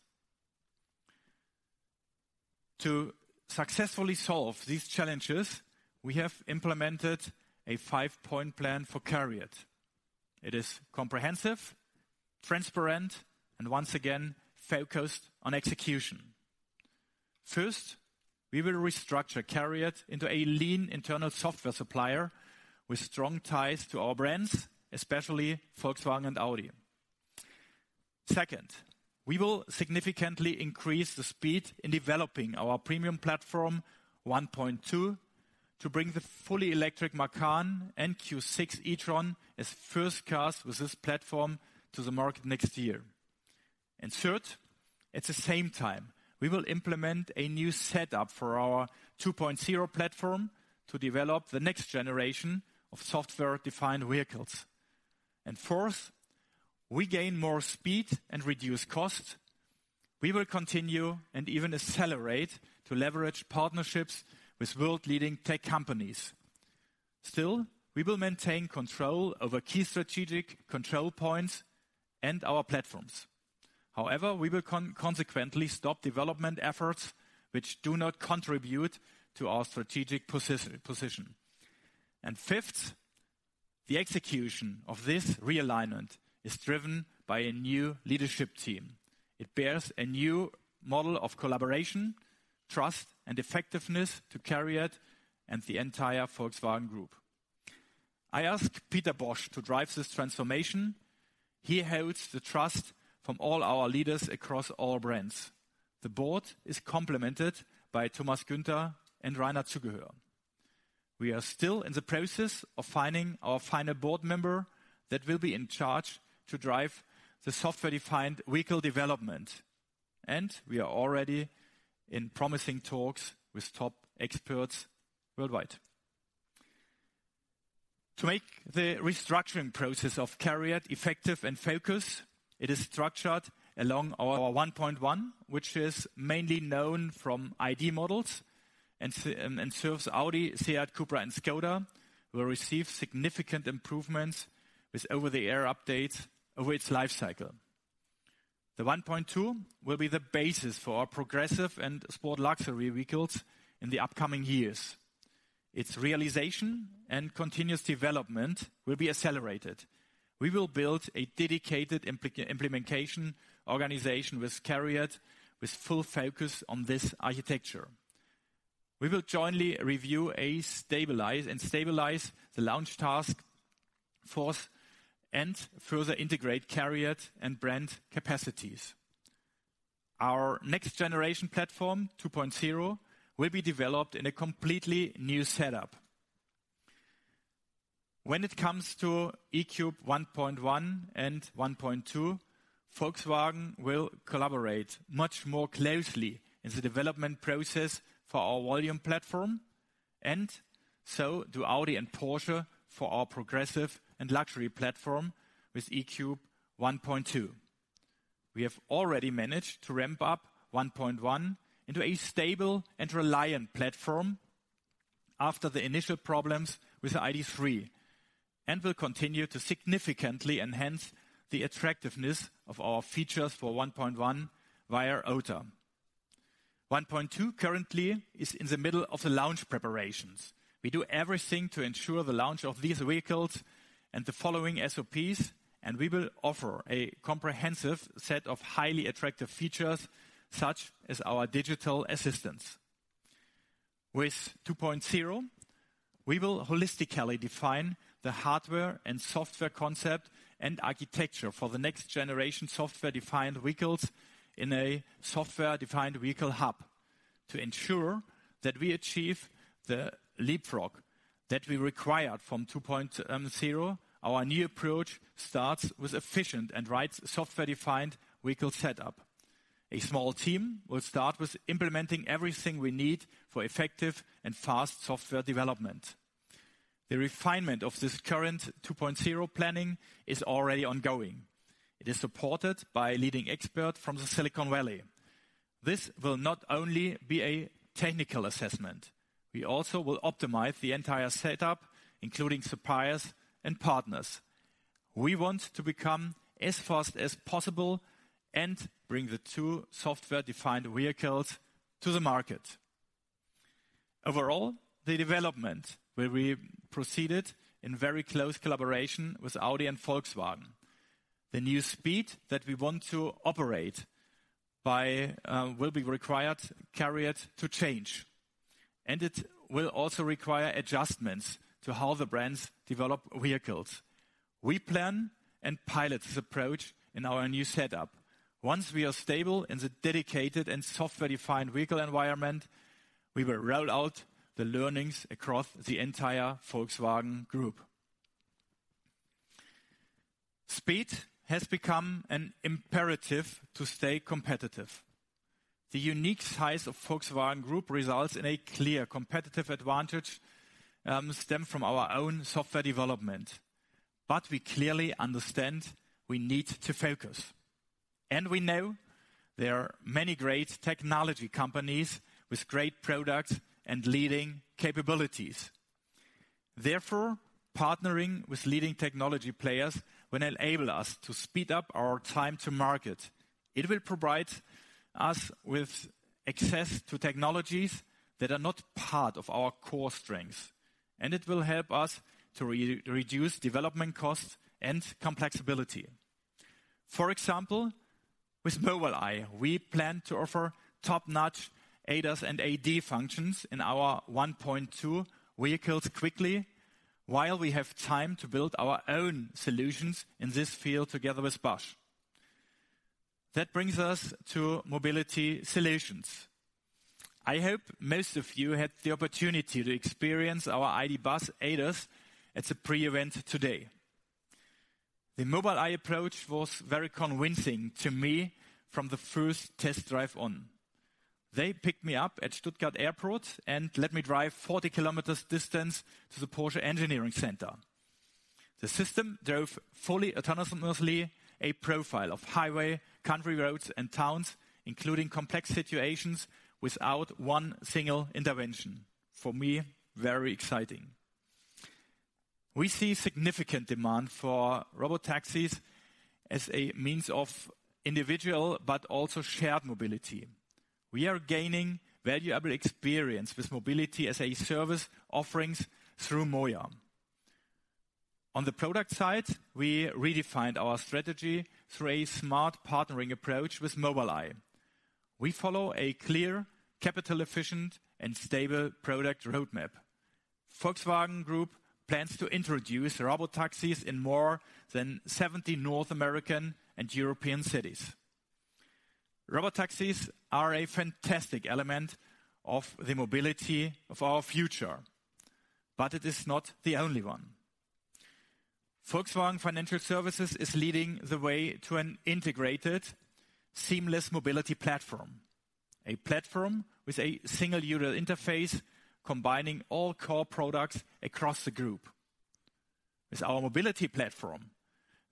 To successfully solve these challenges, we have implemented a five-point plan for CARIAD. It is comprehensive, transparent, and once again, focused on execution. First, we will restructure CARIAD into a lean internal software supplier with strong ties to our brands, especially Volkswagen and Audi. Second, we will significantly increase the speed in developing our Premium Platform 1.2 to bring the fully electric Macan and Q6 e-tron as first cars with this platform to the market next year. Third, at the same time, we will implement a new setup for our 2.0 platform to develop the next generation of software-defined vehicles. Fourth, we gain more speed and reduce cost. We will continue and even accelerate to leverage partnerships with world-leading tech companies. Still, we will maintain control over key strategic control points and our platforms. However, we will consequently stop development efforts which do not contribute to our strategic position. Fifth, the execution of this realignment is driven by a new leadership team. It bears a new model of collaboration, trust, and effectiveness to CARIAD and the entire Volkswagen Group. I asked Peter Bosch to drive this transformation. He holds the trust from all our leaders across all brands. The board is complemented by Thomas Günther and Rainer Zugehör. We are still in the process of finding our final board member that will be in charge to drive the software-defined vehicle development, and we are already in promising talks with top experts worldwide. To make the restructuring process of CARIAD effective and focused, it is structured along our 1.1, which is mainly known from ID. models and serves Audi, SEAT, CUPRA, and Škoda, will receive significant improvements with Over-the-Air updates over its life cycle. The 1.2 will be the basis for our Progressive and Sport Luxury vehicles in the upcoming years. Its realization and continuous development will be accelerated. We will build a dedicated implementation organization with CARIAD, with full focus on this architecture. We will jointly review, stabilize the launch task force and further integrate CARIAD and brand capacities. Our next generation platform, 2.0, will be developed in a completely new setup. When it comes to E³ 1.1 and 1.2, Volkswagen will collaborate much more closely in the development process for our volume platform, and so do Audi and Porsche for our progressive and luxury platform with E³ 1.2. We have already managed to ramp up 1.1 into a stable and reliant platform after the initial problems with the ID.3, and will continue to significantly enhance the attractiveness of our features for 1.1 via OTA. 1.2 currently is in the middle of the launch preparations. We do everything to ensure the launch of these vehicles and the following SOPs, and we will offer a comprehensive set of highly attractive features, such as our digital assistants. With 2.0, we will holistically define the hardware and software concept and architecture for the next generation software-defined vehicles in a software-defined vehicle hub. To ensure that we achieve the leapfrog that we require from 2.0, our new approach starts with efficient and right software-defined vehicle setup. A small team will start with implementing everything we need for effective and fast software development. The refinement of this current 2.0 planning is already ongoing. It is supported by a leading expert from the Silicon Valley. This will not only be a technical assessment, we also will optimize the entire setup, including suppliers and partners. We want to become as fast as possible and bring the 2 software-defined vehicles to the market. Overall, the development, where we proceeded in very close collaboration with Audi and Volkswagen, the new speed that we want to operate by, will be required, carried to change, and it will also require adjustments to how the brands develop vehicles. We plan and pilot this approach in our new setup. Once we are stable in the dedicated and software-defined vehicle environment, we will roll out the learnings across the entire Volkswagen Group. Speed has become an imperative to stay competitive. The unique size of Volkswagen Group results in a clear competitive advantage, stem from our own software development. We clearly understand we need to focus, and we know there are many great technology companies with great products and leading capabilities. Therefore, partnering with leading technology players will enable us to speed up our time to market. It will provide us with access to technologies that are not part of our core strengths, and it will help us to reduce development costs and complexity. For example, with Mobileye, we plan to offer top-notch ADAS and AD functions in our 1.2 vehicles quickly, while we have time to build our own solutions in this field together with Bosch. That brings us to mobility solutions. I hope most of you had the opportunity to experience our ID. Buzz ADAS at the pre-event today. The Mobileye approach was very convincing to me from the first test drive on. They picked me up at Stuttgart Airport and let me drive 40 kilometers distance to the Porsche Engineering Center. The system drove fully autonomously, a profile of highway, country roads, and towns, including complex situations, without 1 single intervention. For me, very exciting. We see significant demand for robotaxis as a means of individual but also shared mobility. We are gaining valuable experience with mobility as a service offerings through MOIA. On the product side, we redefined our strategy through a smart partnering approach with Mobileye. We follow a clear, capital-efficient, and stable product roadmap. Volkswagen Group plans to introduce robotaxis in more than 70 North American and European cities. robotaxis are a fantastic element of the mobility of our future, but it is not the only one. Volkswagen Financial Services is leading the way to an integrated, seamless mobility platform, a platform with a single user interface, combining all core products across the group. With our mobility platform,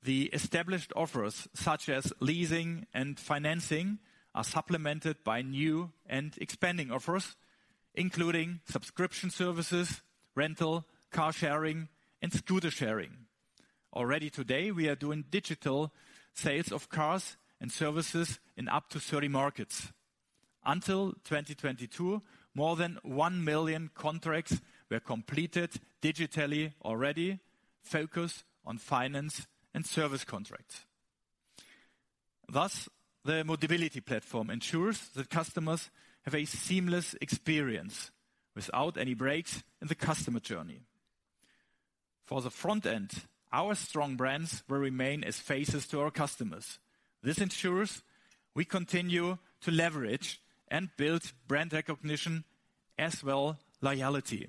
the established offers, such as leasing and financing, are supplemented by new and expanding offers, including subscription services, rental, car sharing, and scooter sharing. Already today, we are doing digital sales of cars and services in up to 30 markets. Until 2022, more than 1 million contracts were completed digitally already, focused on finance and service contracts. Thus, the mobility platform ensures that customers have a seamless experience without any breaks in the customer journey. For the front end, our strong brands will remain as faces to our customers. This ensures we continue to leverage and build brand recognition, as well, loyalty.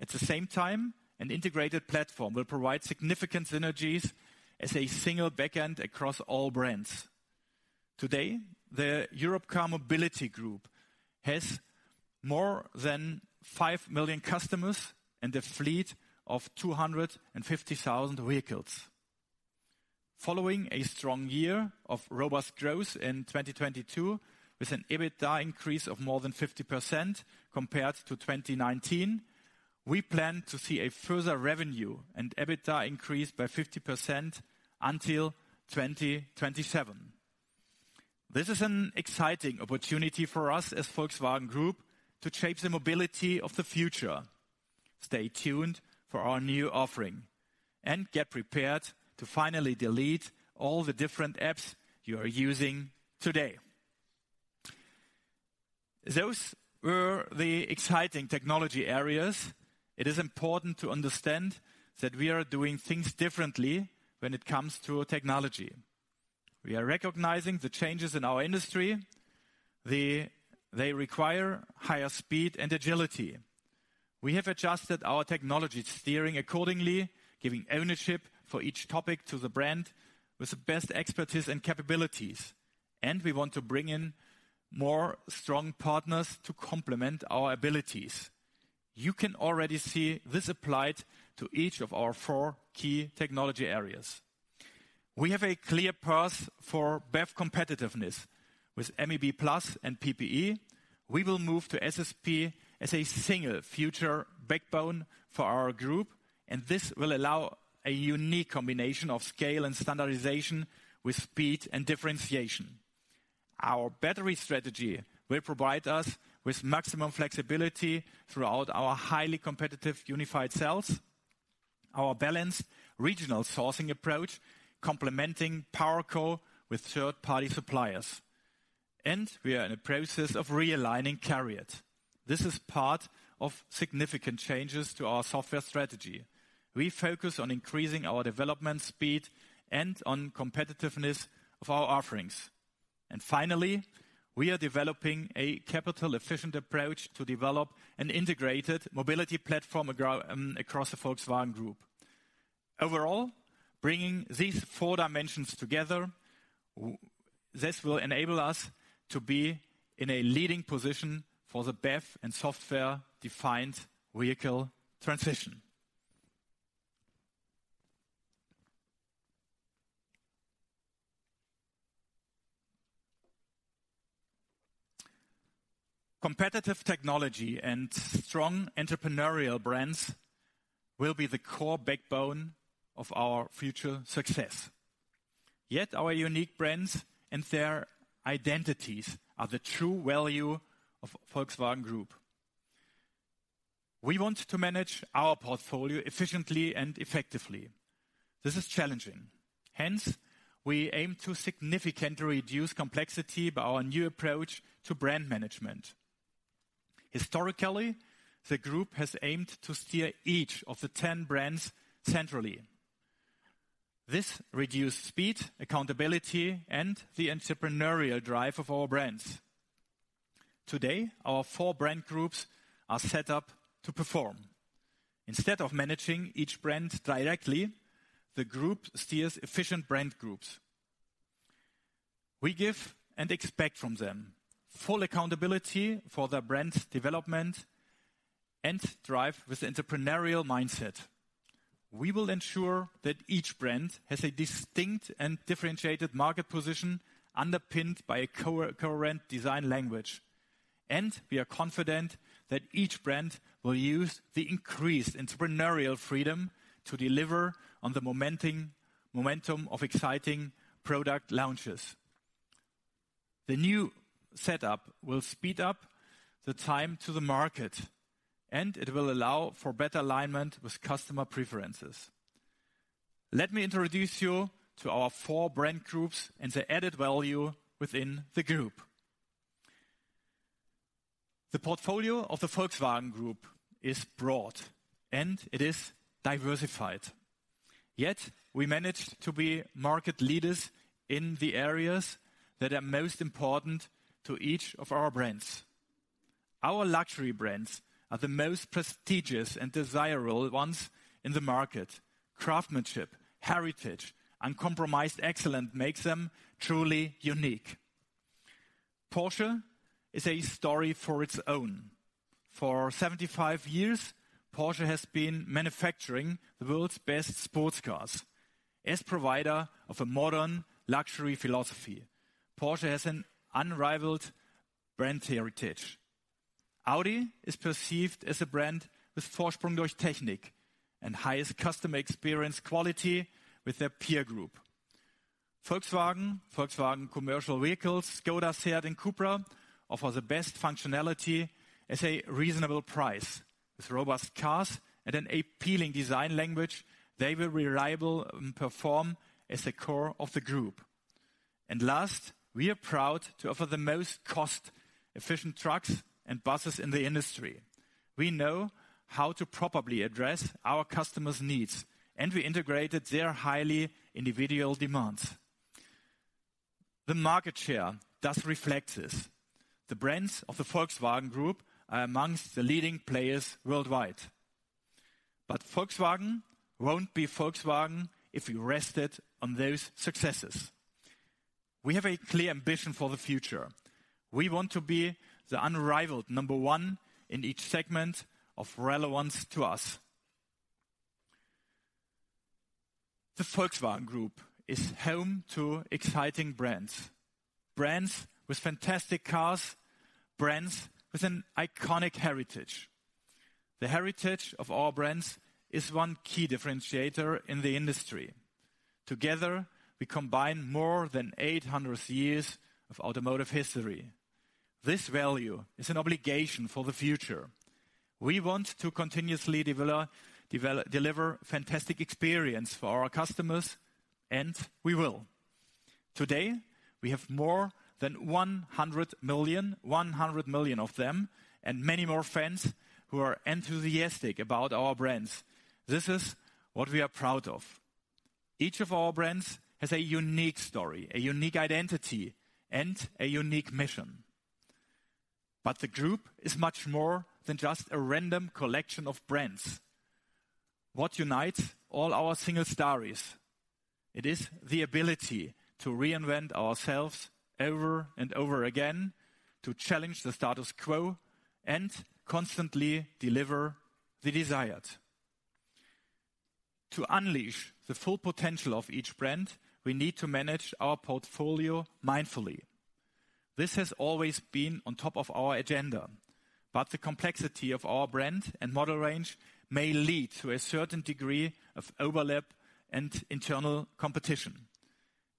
At the same time, an integrated platform will provide significant synergies as a single backend across all brands. Today, the Europcar Mobility Group has more than 5 million customers and a fleet of 250,000 vehicles. Following a strong year of robust growth in 2022, with an EBITDA increase of more than 50% compared to 2019, we plan to see a further revenue and EBITDA increase by 50% until 2027. This is an exciting opportunity for us as Volkswagen Group to shape the mobility of the future. Stay tuned for our new offering and get prepared to finally delete all the different apps you are using today. Those were the exciting technology areas. It is important to understand that we are doing things differently when it comes to technology. We are recognizing the changes in our industry. They require higher speed and agility. We have adjusted our technology steering accordingly, giving ownership for each topic to the brand with the best expertise and capabilities, and we want to bring in more strong partners to complement our abilities. You can already see this applied to each of our 4 key technology areas. We have a clear path for BEV competitiveness. With MEB+ and PPE, we will move to SSP as a single future backbone for our group. This will allow a unique combination of scale and standardization with speed and differentiation. Our battery strategy will provide us with maximum flexibility throughout our highly competitive Unified Cells, our balanced regional sourcing approach, complementing PowerCo with third-party suppliers. We are in a process of realigning CARIAD. This is part of significant changes to our software strategy. We focus on increasing our development speed and on competitiveness of our offerings. Finally, we are developing a capital-efficient approach to develop an integrated mobility platform across the Volkswagen Group. Overall, bringing these four dimensions together, this will enable us to be in a leading position for the BEV and software-defined vehicle transition. Competitive technology and strong entrepreneurial brands will be the core backbone of our future success. Yet our unique brands and their identities are the true value of Volkswagen Group. We want to manage our portfolio efficiently and effectively. This is challenging. Hence, we aim to significantly reduce complexity by our new approach to brand management. Historically, the group has aimed to steer each of the 10 brands centrally. This reduced speed, accountability, and the entrepreneurial drive of our brands. Today, our four brand groups are set up to perform. Instead of managing each brand directly, the group steers efficient brand groups. We give and expect from them full accountability for their brand's development and drive with the entrepreneurial mindset. We will ensure that each brand has a distinct and differentiated market position, underpinned by a co-current design language. We are confident that each brand will use the increased entrepreneurial freedom to deliver on the momentum of exciting product launches. The new setup will speed up the time to the market. It will allow for better alignment with customer preferences. Let me introduce you to our four brand groups and the added value within the group. The portfolio of the Volkswagen Group is broad and it is diversified, yet we managed to be market leaders in the areas that are most important to each of our brands. Our luxury brands are the most prestigious and desirable ones in the market. Craftsmanship, heritage, and compromised excellence makes them truly unique. Porsche is a story for its own. For 75 years, Porsche has been manufacturing the world's best sports cars. As provider of a modern luxury philosophy, Porsche has an unrivaled brand heritage. Audi is perceived as a brand with Vorsprung durch Technik and highest customer experience quality with their peer group. Volkswagen Commercial Vehicles, Škoda, SEAT, and CUPRA offer the best functionality as a reasonable price. With robust cars and an appealing design language, they were reliable and perform as the core of the group. Last, we are proud to offer the most cost-efficient trucks and buses in the industry. We know how to properly address our customers' needs. We integrated their highly individual demands. The market share does reflect this. The brands of the Volkswagen Group are amongst the leading players worldwide. Volkswagen won't be Volkswagen if we rested on those successes. We have a clear ambition for the future. We want to be the unrivaled number one in each segment of relevance to us. The Volkswagen Group is home to exciting brands with fantastic cars, brands with an iconic heritage. The heritage of our brands is one key differentiator in the industry. Together, we combine more than 800 years of automotive history. This value is an obligation for the future. We want to continuously develop, deliver fantastic experience for our customers, and we will. Today, we have more than 100 million of them, and many more fans who are enthusiastic about our brands. This is what we are proud of. Each of our brands has a unique story, a unique identity, and a unique mission. The group is much more than just a random collection of brands. What unites all our single stories? It is the ability to reinvent ourselves over and over again, to challenge the status quo. Constantly deliver the desired. To unleash the full potential of each brand, we need to manage our portfolio mindfully. This has always been on top of our agenda, but the complexity of our brand and model range may lead to a certain degree of overlap and internal competition.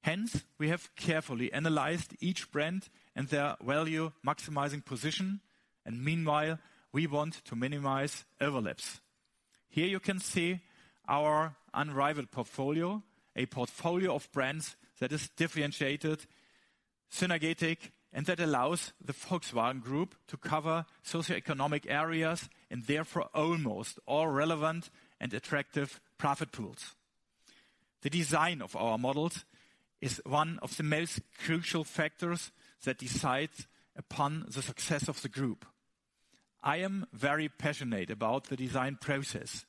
Hence, we have carefully analyzed each brand and their value-maximizing position, and meanwhile, we want to minimize overlaps. Here you can see our unrivaled portfolio, a portfolio of brands that is differentiated, synergetic, and that allows the Volkswagen Group to cover socioeconomic areas and therefore, almost all relevant and attractive profit pools. The design of our models is one of the most crucial factors that decide upon the success of the group. I am very passionate about the design process,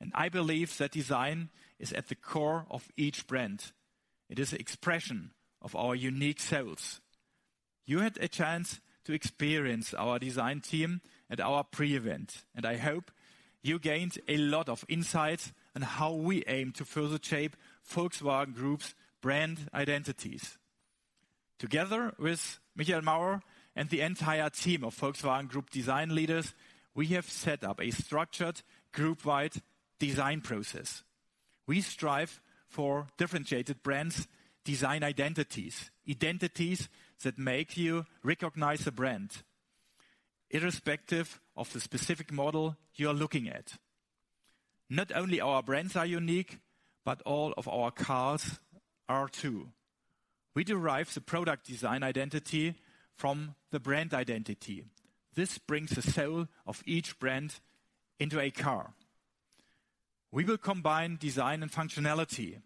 and I believe that design is at the core of each brand. It is an expression of our unique selves. You had a chance to experience our design team at our pre-event, and I hope you gained a lot of insight on how we aim to further shape Volkswagen Group's brand identities. Together with Michael Mauer and the entire team of Volkswagen Group Design leaders, we have set up a structured, group-wide design process. We strive for differentiated brands, design identities that make you recognize a brand, irrespective of the specific model you are looking at. Not only our brands are unique, but all of our cars are, too. We derive the product design identity from the brand identity. This brings the soul of each brand into a car. We will combine design and functionality.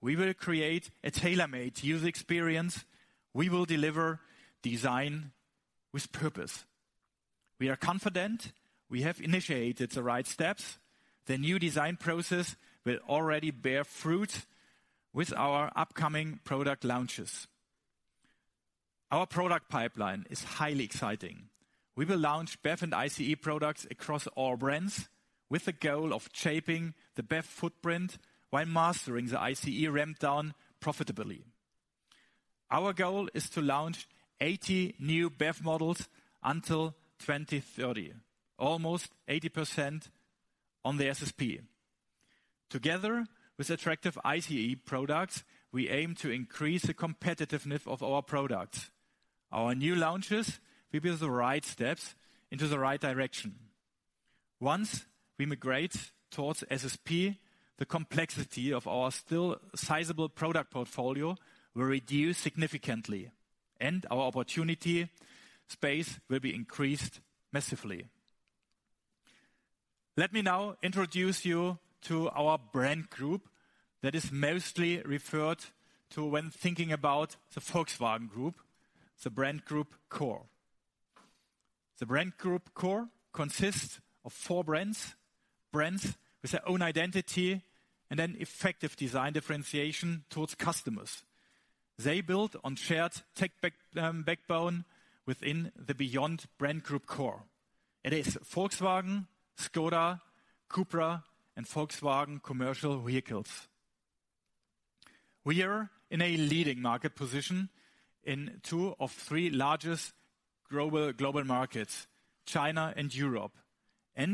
We will create a tailor-made user experience. We will deliver design with purpose. We are confident we have initiated the right steps. The new design process will already bear fruit with our upcoming product launches. Our product pipeline is highly exciting. We will launch BEV and ICE products across all brands, with the goal of shaping the BEV footprint while mastering the ICE ramp down profitably. Our goal is to launch 80 new BEV models until 2030, almost 80% on the SSP. Together with attractive ICE products, we aim to increase the competitiveness of our products. Our new launches will be the right steps into the right direction. Once we migrate towards SSP, the complexity of our still sizable product portfolio will reduce significantly, and our opportunity space will be increased massively. Let me now introduce you to our Brand Group that is mostly referred to when thinking about the Volkswagen Group, the Brand Group Core. The Brand Group Core consists of four brands with their own identity and an effective design differentiation towards customers. They build on shared tech backbone within the Beyond Brand Group Core. It is Volkswagen, Škoda, CUPRA, and Volkswagen Commercial Vehicles. We are in a leading market position in two of three largest global markets, China and Europe. We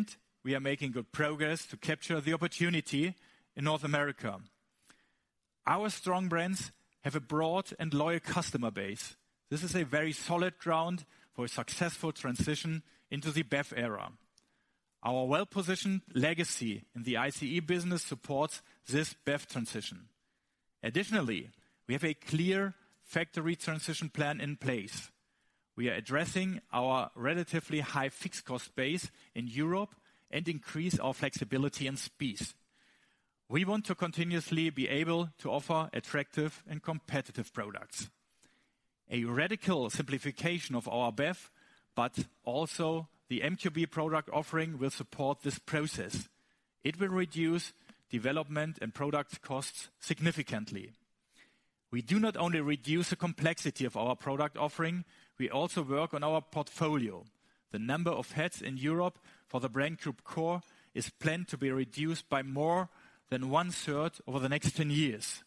are making good progress to capture the opportunity in North America. Our strong brands have a broad and loyal customer base. This is a very solid ground for a successful transition into the BEV era. Our well-positioned legacy in the ICE business supports this BEV transition. Additionally, we have a clear factory transition plan in place. We are addressing our relatively high fixed cost base in Europe and increase our flexibility and speed. We want to continuously be able to offer attractive and competitive products. A radical simplification of our BEV, but also the MQB product offering, will support this process. It will reduce development and product costs significantly. We do not only reduce the complexity of our product offering, we also work on our portfolio. The number of heads in Europe for the Brand Group Core is planned to be reduced by more than one-third over the next 10 years.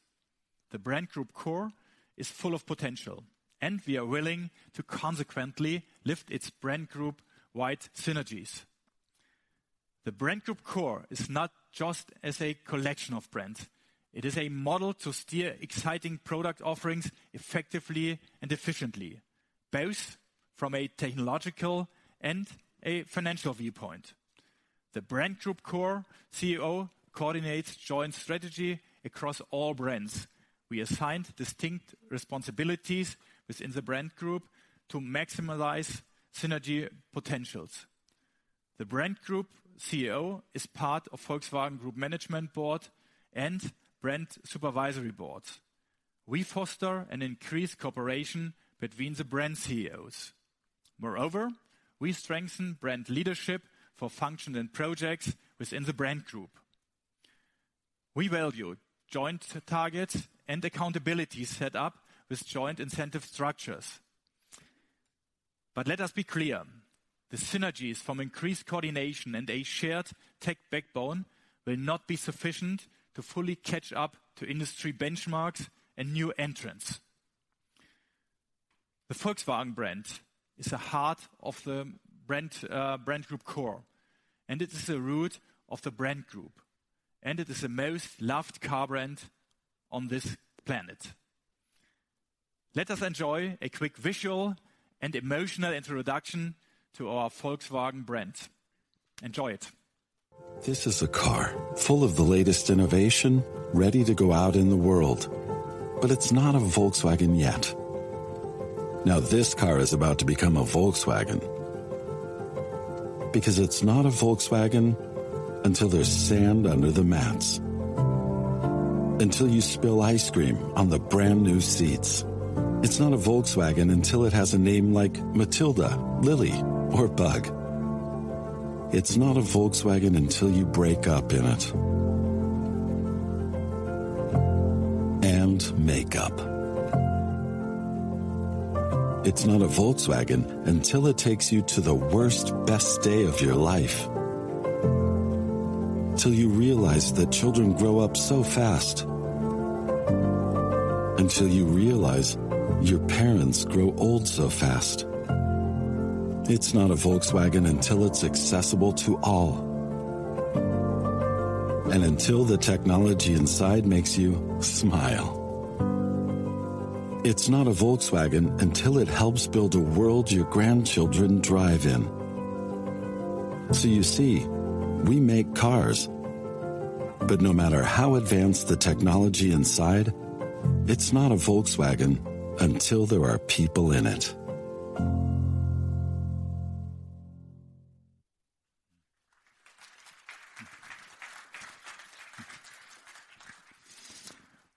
The Brand Group Core is full of potential, and we are willing to consequently lift its brand group-wide synergies. The Brand Group Core is not just as a collection of brands, it is a model to steer exciting product offerings effectively and efficiently, both from a technological and a financial viewpoint. The Brand Group Core CEO coordinates joint strategy across all brands. We assigned distinct responsibilities within the brand group to maximize synergy potentials. The brand group CEO is part of Volkswagen Group Management Board and brand supervisory boards. We foster an increased cooperation between the brand CEOs. We strengthen brand leadership for functions and projects within the brand group. We value joint targets and accountability set up with joint incentive structures. Let us be clear, the synergies from increased coordination and a shared tech backbone will not be sufficient to fully catch up to industry benchmarks and new entrants. The Volkswagen brand is the heart of the Brand Group Core, and it is the root of the brand group, and it is the most loved car brand on this planet. Let us enjoy a quick visual and emotional introduction to our Volkswagen brand. Enjoy it! This is a car full of the latest innovation, ready to go out in the world. It's not a Volkswagen yet. This car is about to become a Volkswagen. It's not a Volkswagen until there's sand under the mats, until you spill ice cream on the brand-new seats. It's not a Volkswagen until it has a name like Matilda, Lily, or Bug. It's not a Volkswagen until you break up in it, and make up. It's not a Volkswagen until it takes you to the worst, best day of your life, till you realize that children grow up so fast, until you realize your parents grow old so fast. It's not a Volkswagen until it's accessible to all, and until the technology inside makes you smile. It's not a Volkswagen until it helps build a world your grandchildren drive in. You see, we make cars, but no matter how advanced the technology inside, it's not a Volkswagen until there are people in it.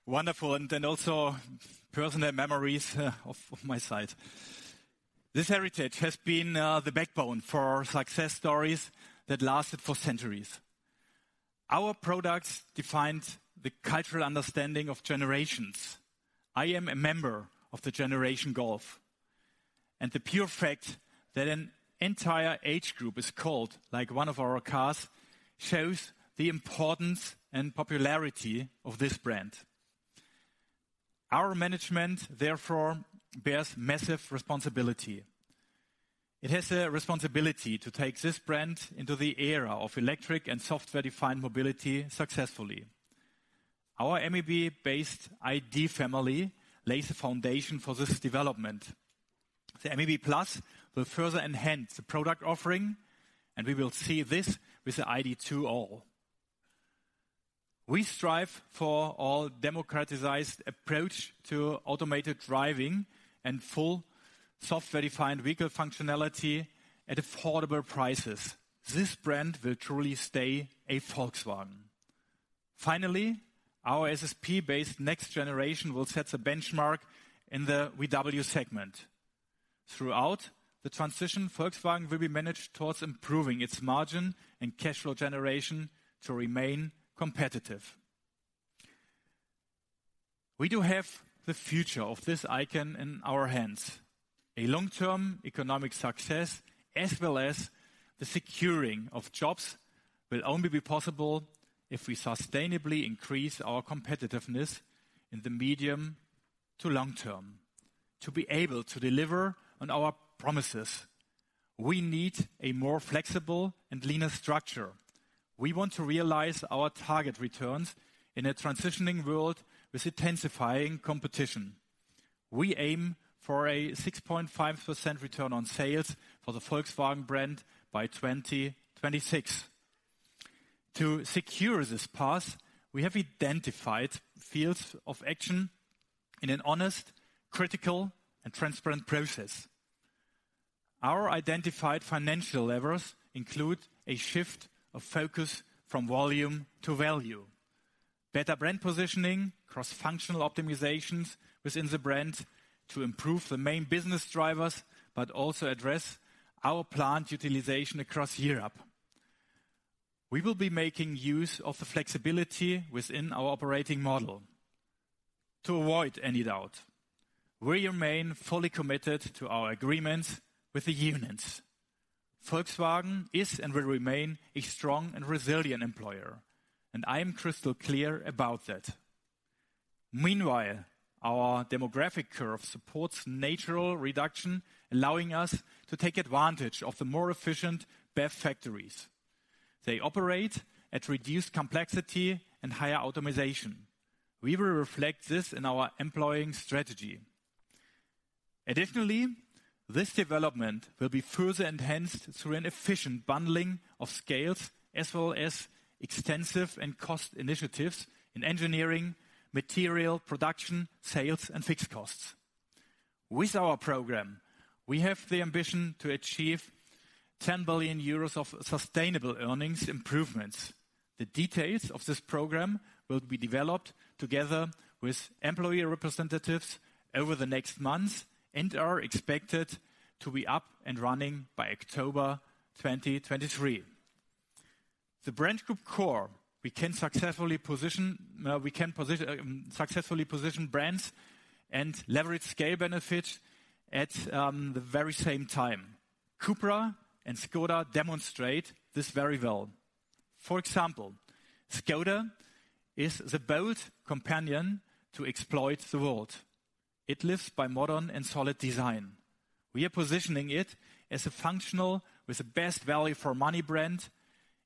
Wonderful, and also personal memories of my side. This heritage has been the backbone for success stories that lasted for centuries. Our products defined the cultural understanding of generations. I am a member of the Generation Golf, the pure fact that an entire age group is called like one of our cars, shows the importance and popularity of this brand. Our management, therefore, bears massive responsibility. It has a responsibility to take this brand into the era of electric and software-defined mobility successfully. Our MEB-based ID family lays the foundation for this development. The MEB+ will further enhance the product offering, and we will see this with the ID. 2all. We strive for all democratized approach to automated driving and full software-defined vehicle functionality at affordable prices. This brand will truly stay a Volkswagen. Our SSP-based next generation will set a benchmark in the VW segment. Throughout the transition, Volkswagen will be managed towards improving its margin and cash flow generation to remain competitive. We do have the future of this icon in our hands. A long-term economic success, as well as the securing of jobs, will only be possible if we sustainably increase our competitiveness in the medium to long term. To be able to deliver on our promises, we need a more flexible and leaner structure. We want to realize our target returns in a transitioning world with intensifying competition. We aim for a 6.5% return on sales for the Volkswagen brand by 2026. To secure this path, we have identified fields of action in an honest, critical, and transparent process. Our identified financial levers include a shift of focus from volume to value, better brand positioning, cross-functional optimizations within the brand to improve the main business drivers, but also address our plant utilization across Europe. We will be making use of the flexibility within our operating model. To avoid any doubt, we remain fully committed to our agreements with the unions. Volkswagen is and will remain a strong and resilient employer, and I am crystal clear about that. Meanwhile, our demographic curve supports natural reduction, allowing us to take advantage of the more efficient BEV factories. They operate at reduced complexity and higher automization. We will reflect this in our employing strategy. Additionally, this development will be further enhanced through an efficient bundling of scales as well as extensive and cost initiatives in engineering, material production, sales, and fixed costs. With our program, we have the ambition to achieve 10 billion euros of sustainable earnings improvements. The details of this program will be developed together with employee representatives over the next months and are expected to be up and running by October 2023. The Brand Group Core, we can successfully position brands and leverage scale benefit at the very same time. CUPRA and Škoda demonstrate this very well. For example, Škoda is the bold companion to exploit the world. It lives by modern and solid design. We are positioning it as a functional with the best value for money brand,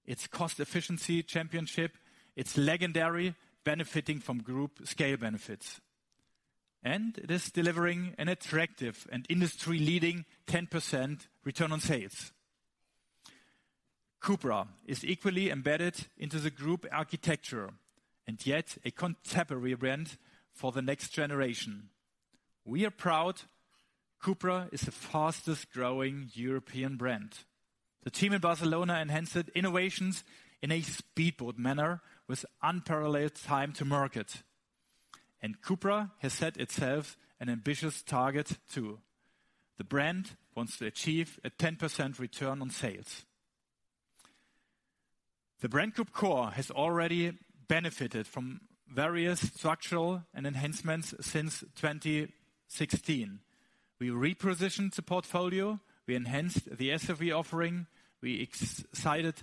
its cost efficiency championship, its legendary benefiting from Group scale benefits, and it is delivering an attractive and industry-leading 10% return on sales. CUPRA is equally embedded into the Group architecture, yet a contemporary brand for the next generation. We are proud CUPRA is the fastest-growing European brand. The team in Barcelona enhanced its innovations in a speedboat manner with unparalleled time to market. CUPRA has set itself an ambitious target, too. The brand wants to achieve a 10% return on sales. The Brand Group Core has already benefited from various structural and enhancements since 2016. We repositioned the portfolio, we enhanced the SUV offering, we exited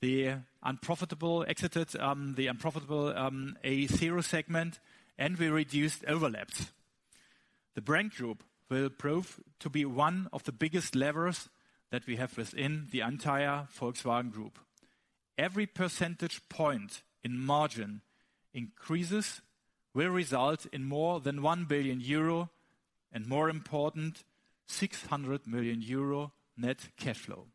the unprofitable A zero segment, and we reduced overlaps. The brand group will prove to be one of the biggest levers that we have within the entire Volkswagen Group. Every percentage point in margin increases will result in more than 1 billion euro, and more important, 600 million euro net cash flow.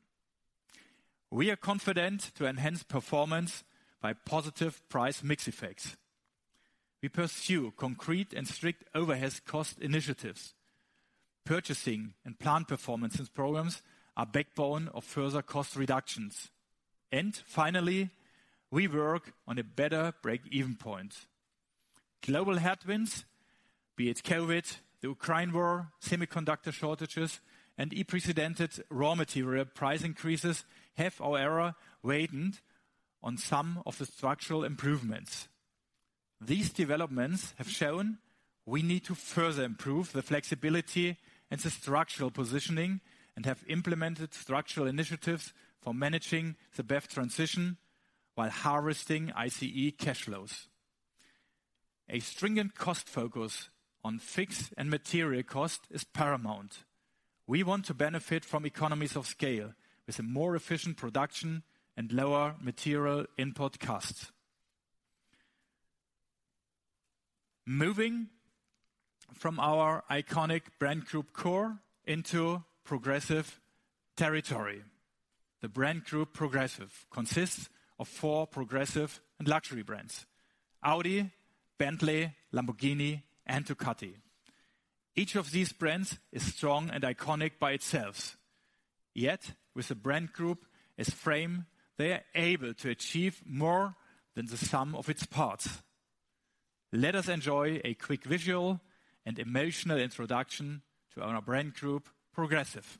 We are confident to enhance performance by positive price mix effects. We pursue concrete and strict overhead cost initiatives. Purchasing and plant performance programs are backbone of further cost reductions. Finally, we work on a better break-even point. Global headwinds, be it COVID, the Ukraine war, semiconductor shortages, and unprecedented raw material price increases, have however weighed in on some of the structural improvements. These developments have shown we need to further improve the flexibility and the structural positioning, and have implemented structural initiatives for managing the BEV transition while harvesting ICE cash flows. A stringent cost focus on fixed and material cost is paramount. We want to benefit from economies of scale with a more efficient production and lower material input costs. Moving from our iconic Brand Group Core into Progressive territory. The Brand Group Progressive consists of four progressive and luxury brands: Audi, Bentley, Lamborghini, and Ducati. Each of these brands is strong and iconic by itself, yet with the brand group as frame, they are able to achieve more than the sum of its parts. Let us enjoy a quick visual and emotional introduction to our Brand Group Progressive.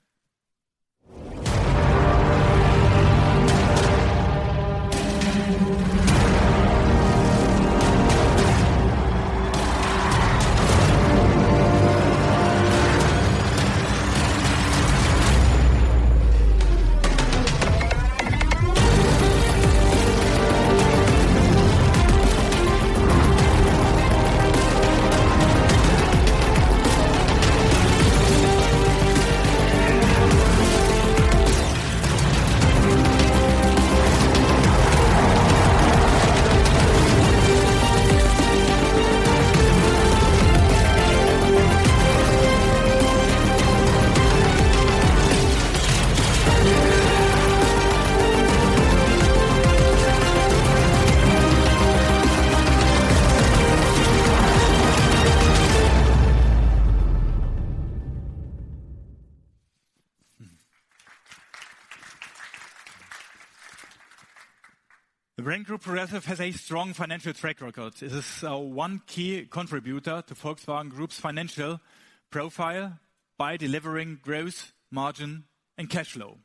The Brand Group Progressive has a strong financial track record. It is one key contributor to Volkswagen Group's financial profile by delivering growth, margin, and cash flow.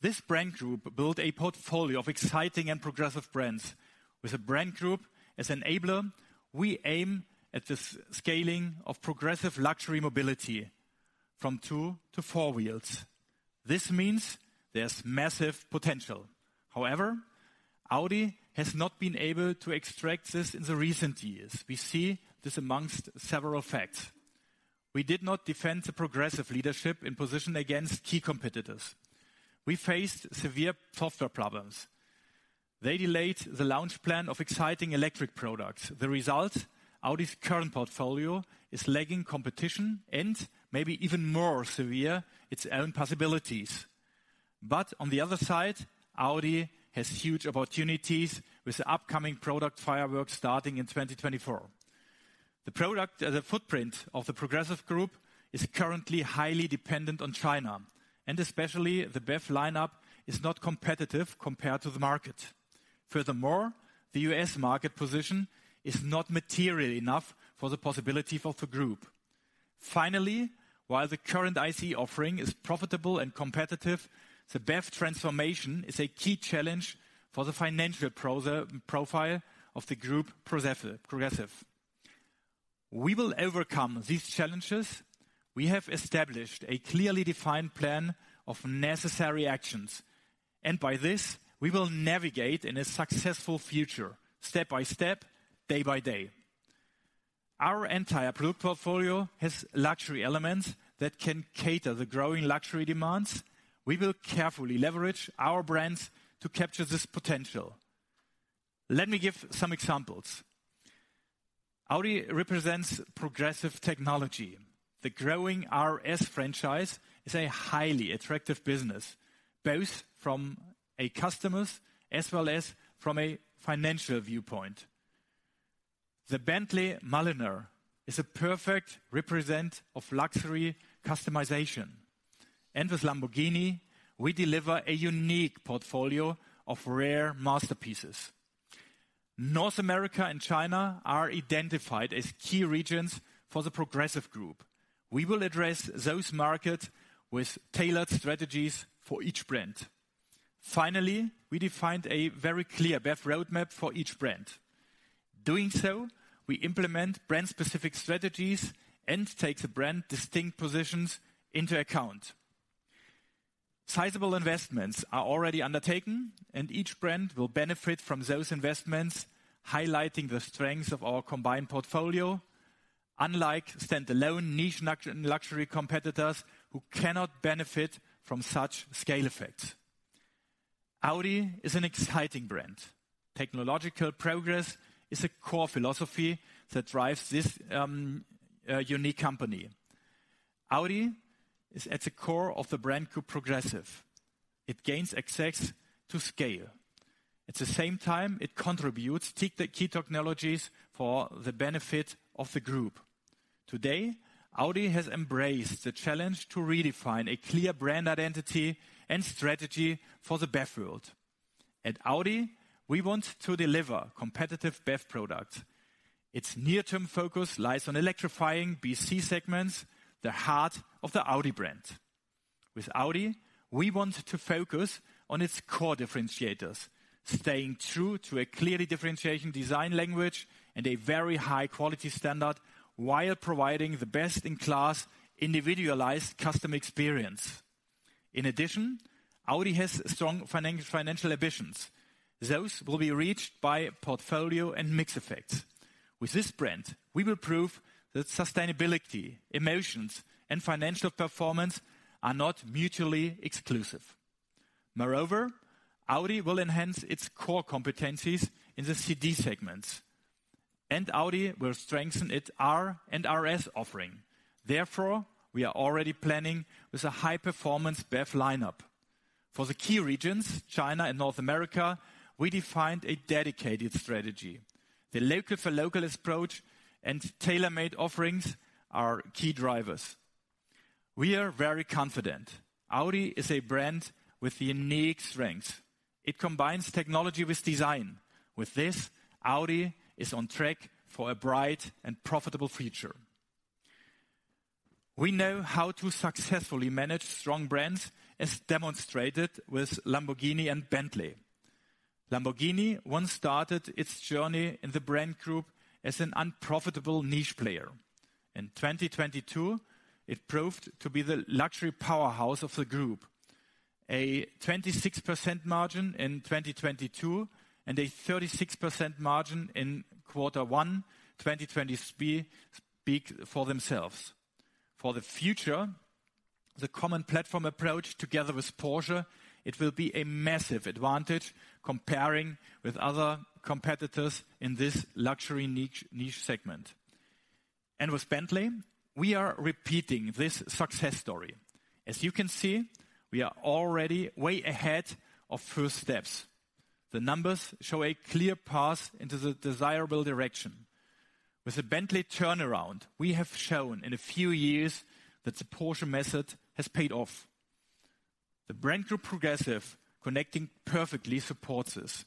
This brand group built a portfolio of exciting and progressive brands. With the brand group as enabler, we aim at the scaling of progressive luxury mobility from two to four wheels. This means there's massive potential. However, Audi has not been able to extract this in the recent years. We see this amongst several facts. We did not defend the progressive leadership and position against key competitors. We faced severe software problems. They delayed the launch plan of exciting electric products. The result, Audi's current portfolio is lagging competition and, maybe even more severe, its own possibilities. On the other side, Audi has huge opportunities with the upcoming product fireworks starting in 2024. The product, the footprint of the Brand Group Progressive is currently highly dependent on China, and especially the BEV lineup is not competitive compared to the market. Furthermore, the U.S. market position is not material enough for the possibility of the group. Finally, while the current ICE offering is profitable and competitive, the BEV transformation is a key challenge for the financial profile of the Brand Group Progressive. We will overcome these challenges. We have established a clearly defined plan of necessary actions, by this, we will navigate in a successful future, step by step, day by day. Our entire product portfolio has luxury elements that can cater the growing luxury demands. We will carefully leverage our brands to capture this potential. Let me give some examples. Audi represents progressive technology. The growing RS franchise is a highly attractive business, both from a customer's as well as from a financial viewpoint. The Bentley Mulliner is a perfect represent of luxury customization. With Lamborghini, we deliver a unique portfolio of rare masterpieces. North America and China are identified as key regions for the Brand Group Progressive. We will address those markets with tailored strategies for each brand. Finally, we defined a very clear BEV roadmap for each brand. Doing so, we implement brand-specific strategies and take the brand distinct positions into account. Sizable investments are already undertaken, each brand will benefit from those investments, highlighting the strengths of our combined portfolio, unlike standalone niche luxury competitors who cannot benefit from such scale effects. Audi is an exciting brand. Technological progress is a core philosophy that drives this unique company. Audi is at the core of the Brand Group Progressive. It gains access to scale. At the same time, it contributes to the key technologies for the benefit of the group. Today, Audi has embraced the challenge to redefine a clear brand identity and strategy for the BEV world. At Audi, we want to deliver competitive BEV products. Its near-term focus lies on electrifying BC segments, the heart of the Audi brand. With Audi, we want to focus on its core differentiators, staying true to a clearly differentiation design language and a very high quality standard, while providing the best-in-class individualized customer experience. In addition, Audi has strong financial ambitions. Those will be reached by portfolio and mix effects. With this brand, we will prove that sustainability, emotions, and financial performance are not mutually exclusive. Moreover, Audi will enhance its core competencies in the CD segments, and Audi will strengthen its R and RS offering. Therefore, we are already planning with a high-performance BEV lineup. For the key regions, China and North America, we defined a dedicated strategy. The local for local approach and tailor-made offerings are key drivers. We are very confident Audi is a brand with unique strengths. It combines technology with design. With this, Audi is on track for a bright and profitable future. We know how to successfully manage strong brands, as demonstrated with Lamborghini and Bentley. Lamborghini once started its journey in the brand group as an unprofitable niche player. In 2022, it proved to be the luxury powerhouse of the group. A 26% margin in 2022 and a 36% margin in quarter one 2023 speak for themselves. For the future, the common platform approach, together with Porsche, it will be a massive advantage comparing with other competitors in this luxury niche segment. With Bentley, we are repeating this success story. As you can see, we are already way ahead of first steps. The numbers show a clear path into the desirable direction. With the Bentley turnaround, we have shown in a few years that the Porsche method has paid off. The Brand Group Progressive, connecting perfectly, supports this.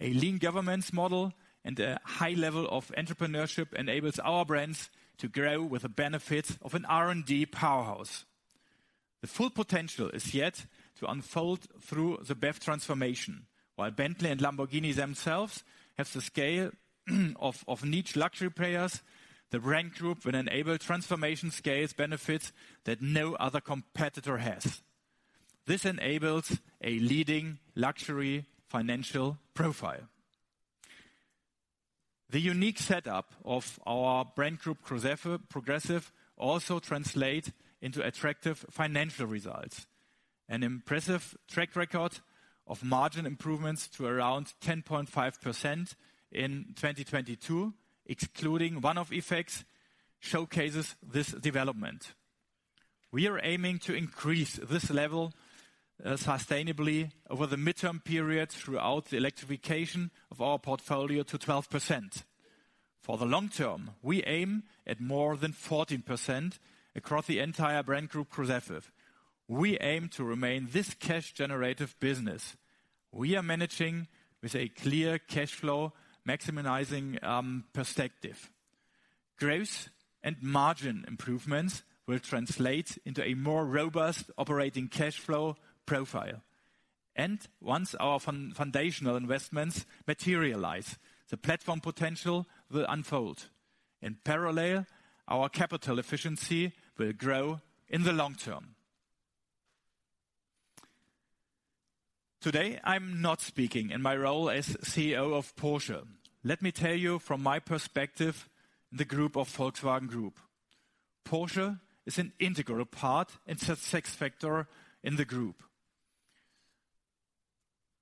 A lean governance model and a high level of entrepreneurship enables our brands to grow with the benefits of an R&D powerhouse. The full potential is yet to unfold through the BEV transformation. While Bentley and Lamborghini themselves have the scale of niche luxury players, the Brand Group will enable transformation scales benefits that no other competitor has. This enables a leading luxury financial profile. The unique setup of our Brand Group Progressive also translate into attractive financial results. An impressive track record of margin improvements to around 10.5% in 2022, excluding one-off effects, showcases this development. We are aiming to increase this level sustainably over the midterm period throughout the electrification of our portfolio to 12%. For the long term, we aim at more than 14% across the entire Brand Group Progressive. We aim to remain this cash-generative business. We are managing with a clear cash flow, maximizing perspective. Growth and margin improvements will translate into a more robust operating cash flow profile. Once our foundational investments materialize, the platform potential will unfold. In parallel, our capital efficiency will grow in the long term. Today, I'm not speaking in my role as CEO of Porsche. Let me tell you from my perspective, the group of Volkswagen Group. Porsche is an integral part and success factor in the group.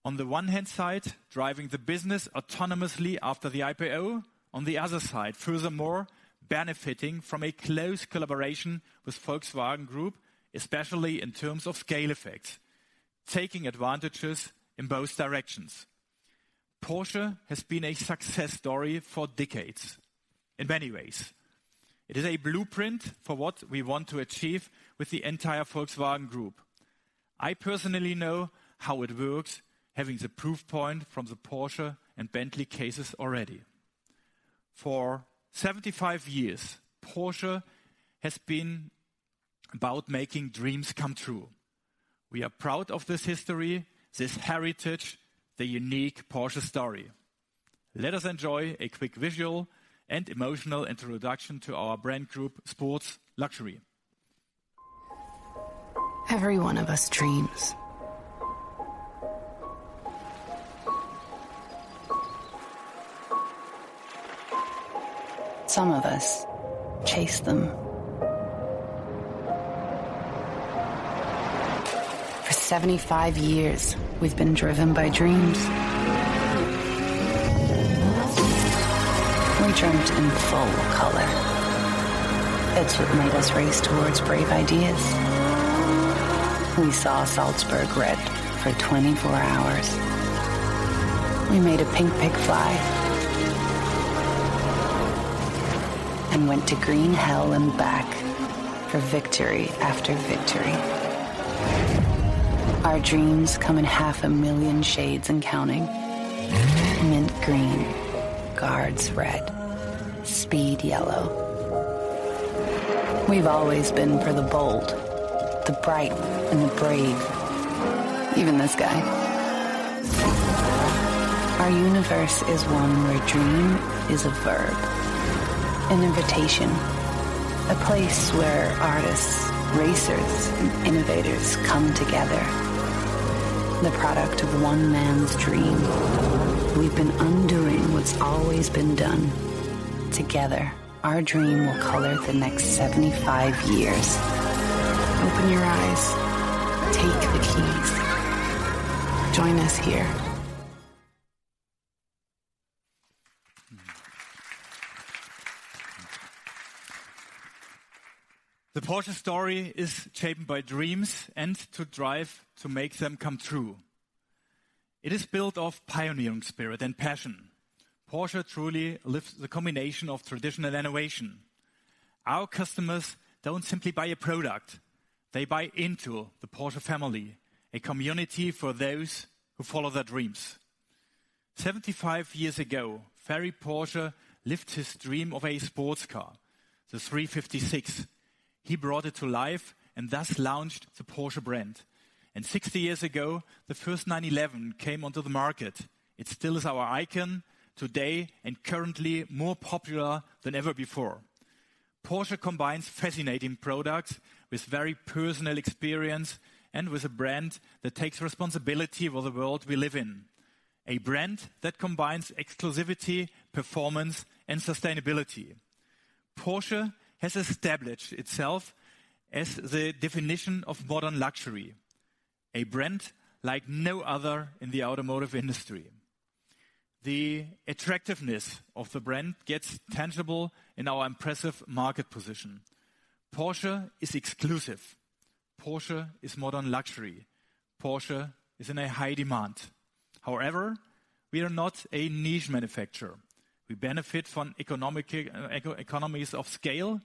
On the one hand side, driving the business autonomously after the IPO, on the other side, furthermore, benefiting from a close collaboration with Volkswagen Group, especially in terms of scale effects, taking advantages in both directions. Porsche has been a success story for decades, in many ways. It is a blueprint for what we want to achieve with the entire Volkswagen Group. I personally know how it works, having the proof point from the Porsche and Bentley cases already. For 75 years, Porsche has been about making dreams come true. We are proud of this history, this heritage, the unique Porsche story. Let us enjoy a quick visual and emotional introduction to our brand group, Sport Luxury. Every one of us dreams. Some of us chase them. For 75 years, we've been driven by dreams. We dreamt in full color. It's what made us race towards brave ideas. We saw Salzburg red for 24 hours. We made a pink pig fly. Went to green hell and back for victory after victory. Our dreams come in half a million shades and counting. Mint green, guards red, speed yellow. We've always been for the bold, the bright, and the brave. Even this guy. Our universe is one where dream is a verb, an invitation, a place where artists, racers, and innovators come together. The product of one man's dream. We've been undoing what's always been done. Together, our dream will color the next 75 years. Open your eyes, take the keys. Join us here. The Porsche story is shaped by dreams and to drive to make them come true. It is built of pioneering spirit and passion. Porsche truly lives the combination of traditional innovation. Our customers don't simply buy a product, they buy into the Porsche family, a community for those who follow their dreams. 75 years ago, Ferry Porsche lived his dream of a sports car, the 356. He brought it to life and thus launched the Porsche brand. 60 years ago, the first 911 came onto the market. It still is our icon today and currently more popular than ever before. Porsche combines fascinating products with very personal experience and with a brand that takes responsibility for the world we live in. A brand that combines exclusivity, performance, and sustainability. Porsche has established itself as the definition of modern luxury, a brand like no other in the automotive industry. The attractiveness of the brand gets tangible in our impressive market position. Porsche is exclusive, Porsche is modern luxury, Porsche is in a high demand. However, we are not a niche manufacturer. We benefit from economies of scale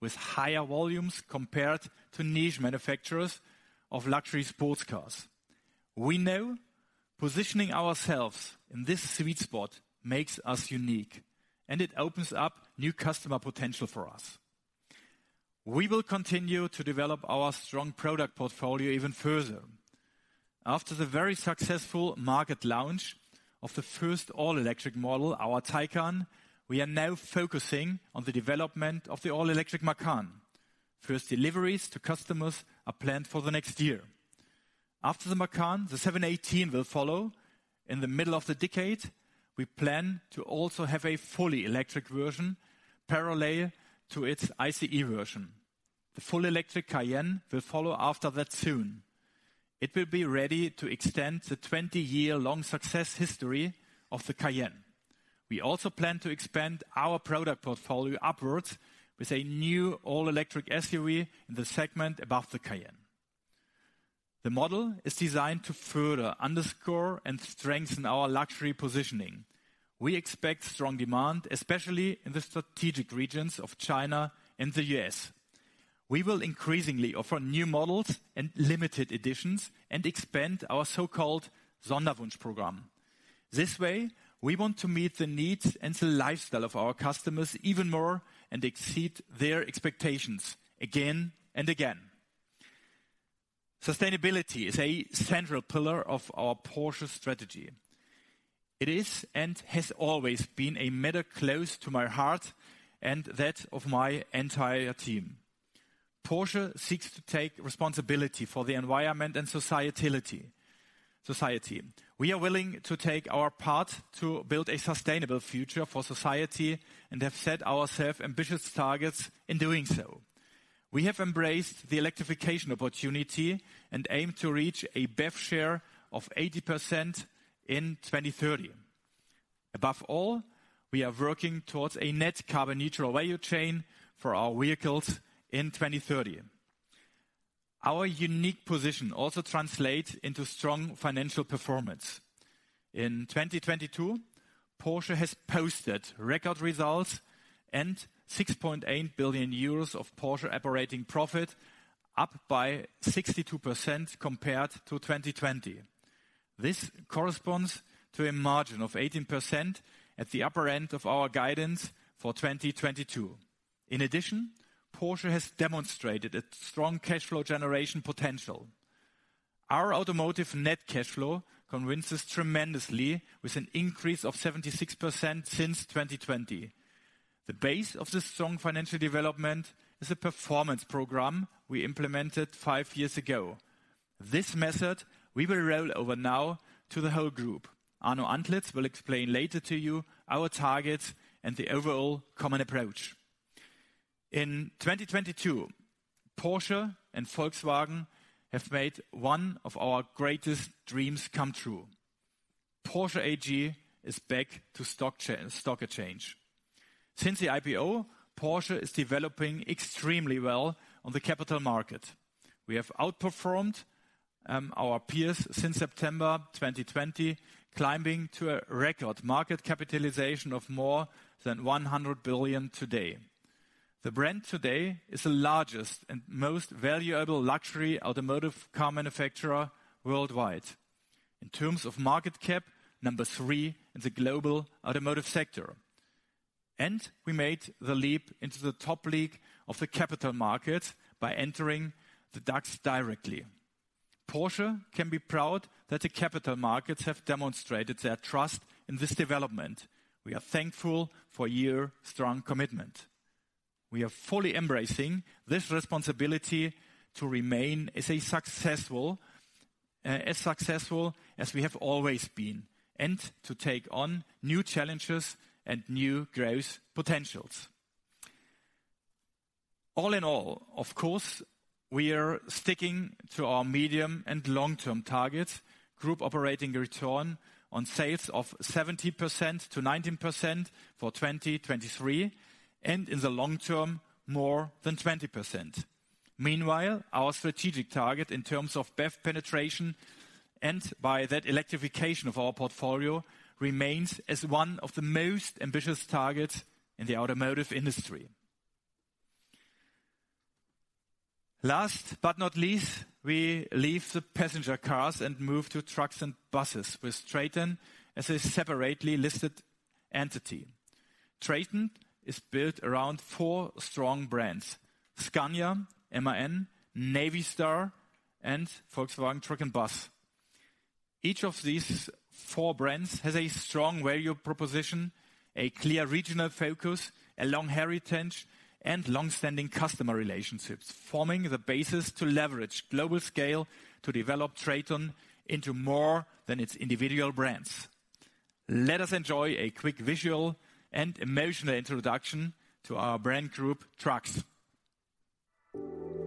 with higher volumes compared to niche manufacturers of luxury sports cars. We know positioning ourselves in this sweet spot makes us unique, and it opens up new customer potential for us. We will continue to develop our strong product portfolio even further. After the very successful market launch of the first all-electric model, our Taycan, we are now focusing on the development of the all-electric Macan. First deliveries to customers are planned for the next year. After the Macan, the 718 will follow. In the middle of the decade, we plan to also have a fully electric version parallel to its ICE version. The full electric Cayenne will follow after that soon. It will be ready to extend the 20-year-long success history of the Cayenne. We also plan to expand our product portfolio upwards with a new all-electric SUV in the segment above the Cayenne. The model is designed to further underscore and strengthen our luxury positioning. We expect strong demand, especially in the strategic regions of China and the U.S.. We will increasingly offer new models and limited editions and expand our so-called Sonderwunsch program. This way, we want to meet the needs and the lifestyle of our customers even more and exceed their expectations again and again. Sustainability is a central pillar of our Porsche strategy. It is, and has always been, a matter close to my heart and that of my entire team. Porsche seeks to take responsibility for the environment and society. We are willing to take our part to build a sustainable future for society and have set ourselves ambitious targets in doing so. We have embraced the electrification opportunity and aim to reach a BEV share of 80% in 2030. Above all, we are working towards a net carbon-neutral value chain for our vehicles in 2030. Our unique position also translates into strong financial performance. In 2022, Porsche has posted record results and 6.8 billion euros of Porsche operating profit, up by 62% compared to 2020. This corresponds to a margin of 18% at the upper end of our guidance for 2022. In addition, Porsche has demonstrated a strong cash flow generation potential. Our automotive net cash flow convinces tremendously, with an increase of 76% since 2020. The base of this strong financial development is a performance program we implemented 5 years ago. This method, we will roll over now to the whole group. Arno Antlitz will explain later to you our targets and the overall common approach. In 2022, Porsche and Volkswagen have made one of our greatest dreams come true. Porsche AG is back to stock exchange. Since the IPO, Porsche is developing extremely well on the capital market. We have outperformed our peers since September 2020, climbing to a record market capitalization of more than 100 billion today. The brand today is the largest and most valuable luxury automotive car manufacturer worldwide. In terms of market cap, number three in the global automotive sector, and we made the leap into the top league of the capital market by entering the DAX directly. Porsche can be proud that the capital markets have demonstrated their trust in this development. We are thankful for your strong commitment. We are fully embracing this responsibility to remain as successful as we have always been, and to take on new challenges and new growth potentials. All in all, of course, we are sticking to our medium and long-term targets, group operating return on sales of 70%-19% for 2023, and in the long term, more than 20%. Meanwhile, our strategic target in terms of BEV penetration, and by that electrification of our portfolio, remains as one of the most ambitious targets in the automotive industry. Last but not least, we leave the passenger cars and move to trucks and buses with TRATON as a separately listed entity. TRATON is built around four strong brands, Scania, MAN, Navistar, and Volkswagen Truck and Bus. Each of these four brands has a strong value proposition, a clear regional focus, a long heritage, and long-standing customer relationships, forming the basis to leverage global scale to develop TRATON into more than its individual brands. Let us enjoy a quick visual and emotional introduction to our brand group, Trucks. With its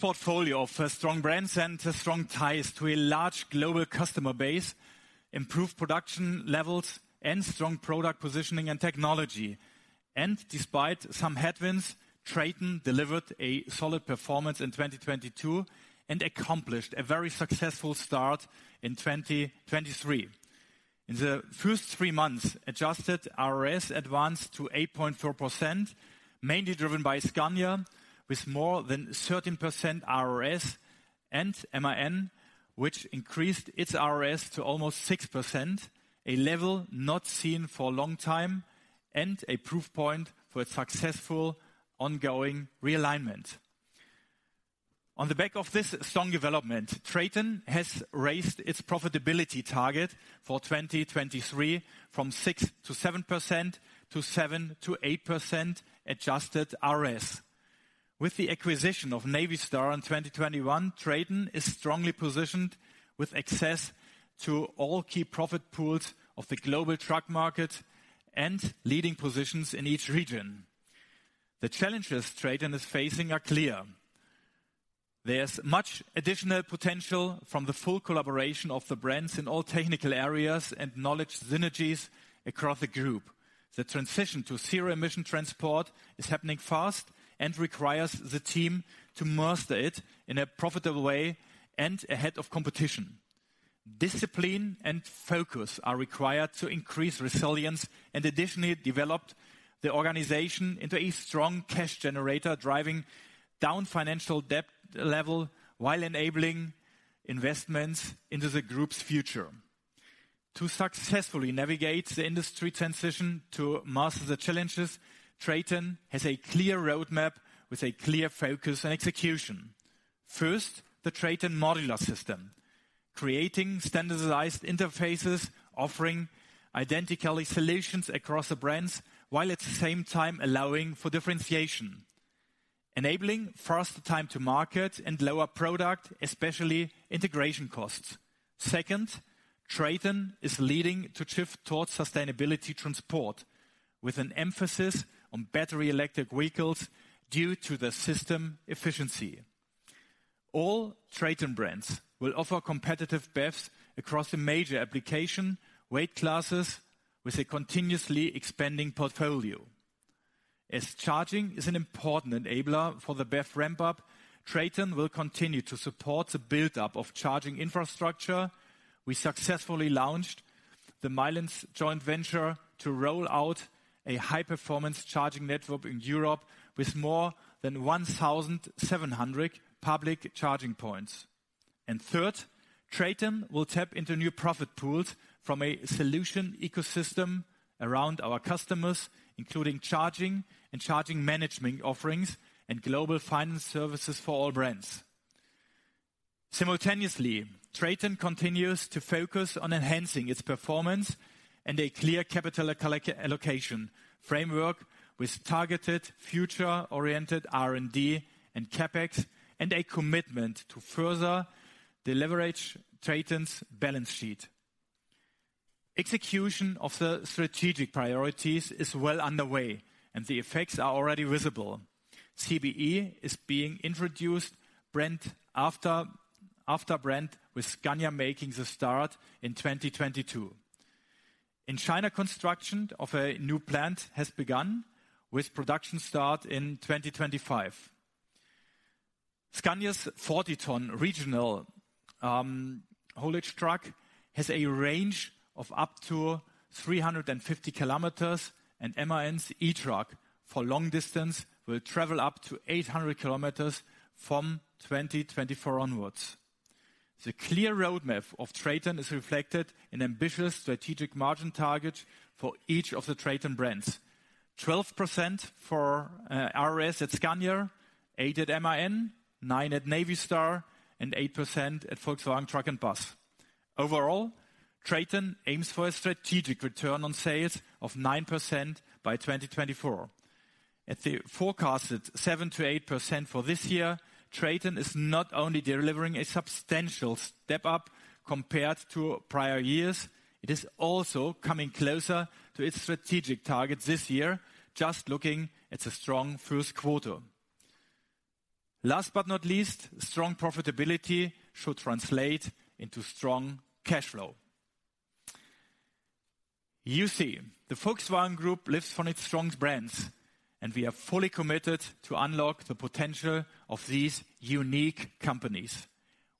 portfolio of strong brands and strong ties to a large global customer base, improved production levels and strong product positioning and technology. Despite some headwinds, TRATON delivered a solid performance in 2022, and accomplished a very successful start in 2023. In the first three months, adjusted RRS advanced to 8.4%, mainly driven by Scania, with more than 13% RRS, and MAN, which increased its RRS to almost 6%, a level not seen for a long time, and a proof point for a successful ongoing realignment. On the back of this strong development, TRATON has raised its profitability target for 2023 from 6%-7% to 7%-8% adjusted RRS. With the acquisition of Navistar in 2021, TRATON is strongly positioned with access to all key profit pools of the global truck market and leading positions in each region. The challenges TRATON is facing are clear. There's much additional potential from the full collaboration of the brands in all technical areas and knowledge synergies across the group. The transition to zero-emission transport is happening fast and requires the team to master it in a profitable way and ahead of competition. Discipline and focus are required to increase resilience, and additionally, develop the organization into a strong cash generator, driving down financial debt level while enabling investments into the group's future. To successfully navigate the industry transition to master the challenges, TRATON has a clear roadmap with a clear focus on execution. The TRATON Modular System, creating standardized interfaces, offering identically solutions across the brands, while at the same time allowing for differentiation, enabling faster time to market and lower product, especially integration costs. TRATON is leading to shift towards sustainability transport, with an emphasis on battery electric vehicles due to the system efficiency. All TRATON brands will offer competitive BEVs across the major application weight classes with a continuously expanding portfolio. As charging is an important enabler for the BEV ramp-up, TRATON will continue to support the buildup of charging infrastructure. We successfully launched the Milence joint venture to roll out a high-performance charging network in Europe with more than 1,700 public charging points. Third, TRATON will tap into new profit pools from a solution ecosystem around our customers, including charging and charging management offerings and global finance services for all brands. Simultaneously, TRATON continues to focus on enhancing its performance and a clear capital allocation framework with targeted, future-oriented R&D and CapEx, and a commitment to further leverage TRATON's balance sheet. Execution of the strategic priorities is well underway, and the effects are already visible. CBE is being introduced brand after brand, with Scania making the start in 2022. In China, construction of a new plant has begun, with production start in 2025. Scania's 40-ton regional haulage truck has a range of up to 350 kilometers, and MAN's eTruck for long distance will travel up to 800 kilometers from 2024 onwards. The clear roadmap of TRATON is reflected in ambitious strategic margin targets for each of the TRATON brands. 12% for RRS at Scania, 8% at MAN, 9% at Navistar, and 8% at Volkswagen Truck & Bus. Overall, TRATON aims for a strategic return on sales of 9% by 2024. At the forecasted 7%-8% for this year, TRATON is not only delivering a substantial step-up compared to prior years, it is also coming closer to its strategic target this year, just looking at the strong Q1. Last but not least, strong profitability should translate into strong cash flow. You see, the Volkswagen Group lives from its strong brands, and we are fully committed to unlock the potential of these unique companies.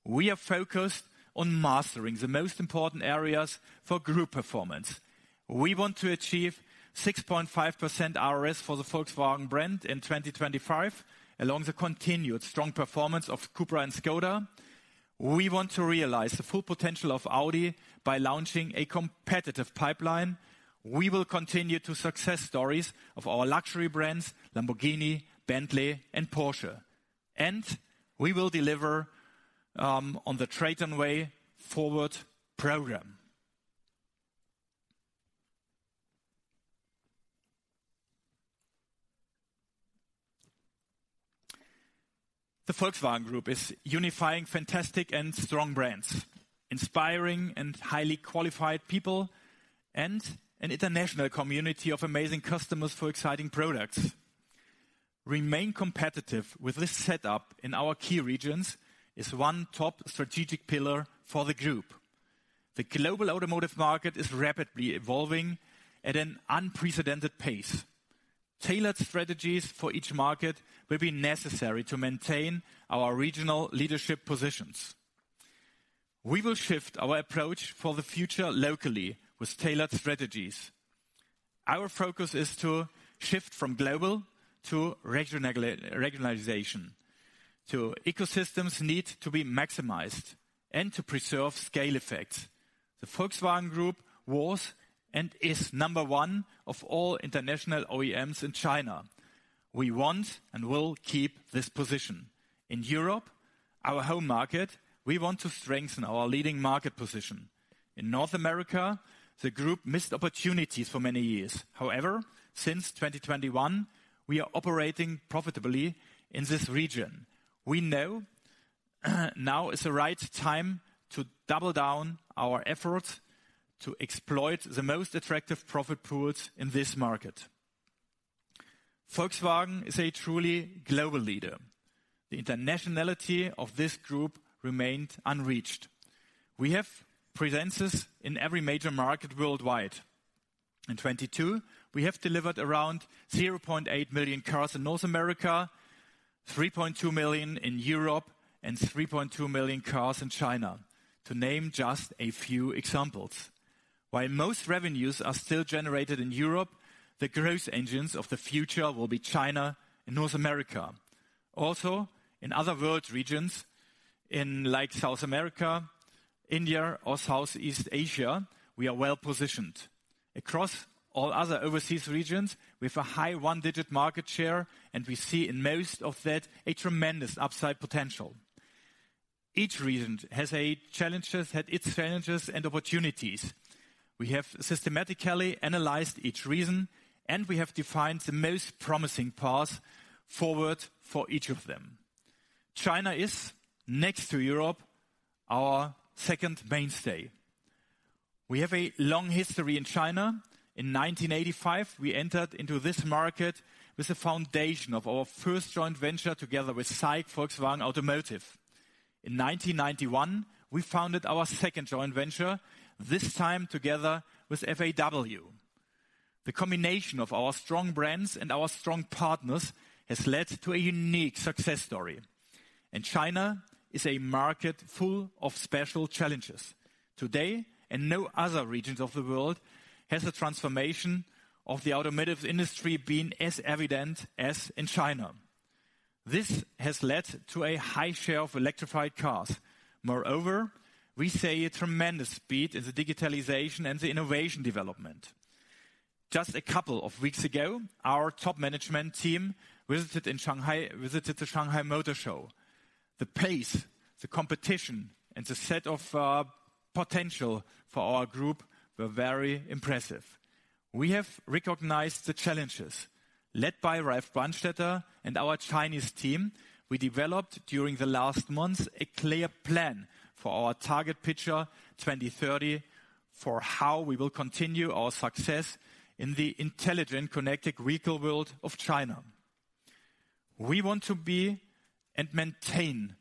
We are focused on mastering the most important areas for group performance. We want to achieve 6.5% RRS for the Volkswagen brand in 2025, along the continued strong performance of Cupra and Škoda. We want to realize the full potential of Audi by launching a competitive pipeline. We will continue the success stories of our luxury brands, Lamborghini, Bentley, and Porsche, and we will deliver on the TRATON Way Forward program. The Volkswagen Group is unifying fantastic and strong brands, inspiring and highly qualified people, and an international community of amazing customers for exciting products. Remain competitive with this setup in our key regions, is one top strategic pillar for the group. The global automotive market is rapidly evolving at an unprecedented pace. Tailored strategies for each market will be necessary to maintain our regional leadership positions. We will shift our approach for the future locally, with tailored strategies. Our focus is to shift from global to regionalization. Ecosystems need to be maximized and to preserve scale effects. The Volkswagen Group was and is number one of all international OEMs in China. We want and will keep this position. In Europe, our home market, we want to strengthen our leading market position. In North America, the group missed opportunities for many years. However, since 2021, we are operating profitably in this region. We know, now is the right time to double down our efforts to exploit the most attractive profit pools in this market. Volkswagen is a truly global leader. The internationality of this group remained unreached. We have presences in every major market worldwide. In 2022, we have delivered around 0.8 million cars in North America, 3.2 million in Europe, and 3.2 million cars in China, to name just a few examples. While most revenues are still generated in Europe, the growth engines of the future will be China and North America. Also, in other world regions, in like South America, India, or Southeast Asia, we are well positioned. Across all other overseas regions, we have a high 1-digit market share, and we see in most of that, a tremendous upside potential. Each region had its challenges and opportunities. We have systematically analyzed each region, and we have defined the most promising path forward for each of them. China is, next to Europe, our second mainstay. We have a long history in China. In 1985, we entered into this market with the foundation of our first joint venture together with SAIC Volkswagen Automotive. In 1991, we founded our second joint venture, this time together with FAW. The combination of our strong brands and our strong partners has led to a unique success story, and China is a market full of special challenges. Today, and no other regions of the world, has the transformation of the automotive industry been as evident as in China. This has led to a high share of electrified cars. Moreover, we see a tremendous speed in the digitalization and the innovation development. Just a couple of weeks ago, our top management team visited the Shanghai Motor Show. The pace, the competition, and the set of potential for our group were very impressive. We have recognized the challenges. Led by Ralf Brandstätter and our Chinese team, we developed, during the last months, a clear plan for our target picture 2030, for how we will continue our success in the intelligent, connected vehicle world of China. We want to be, and maintain,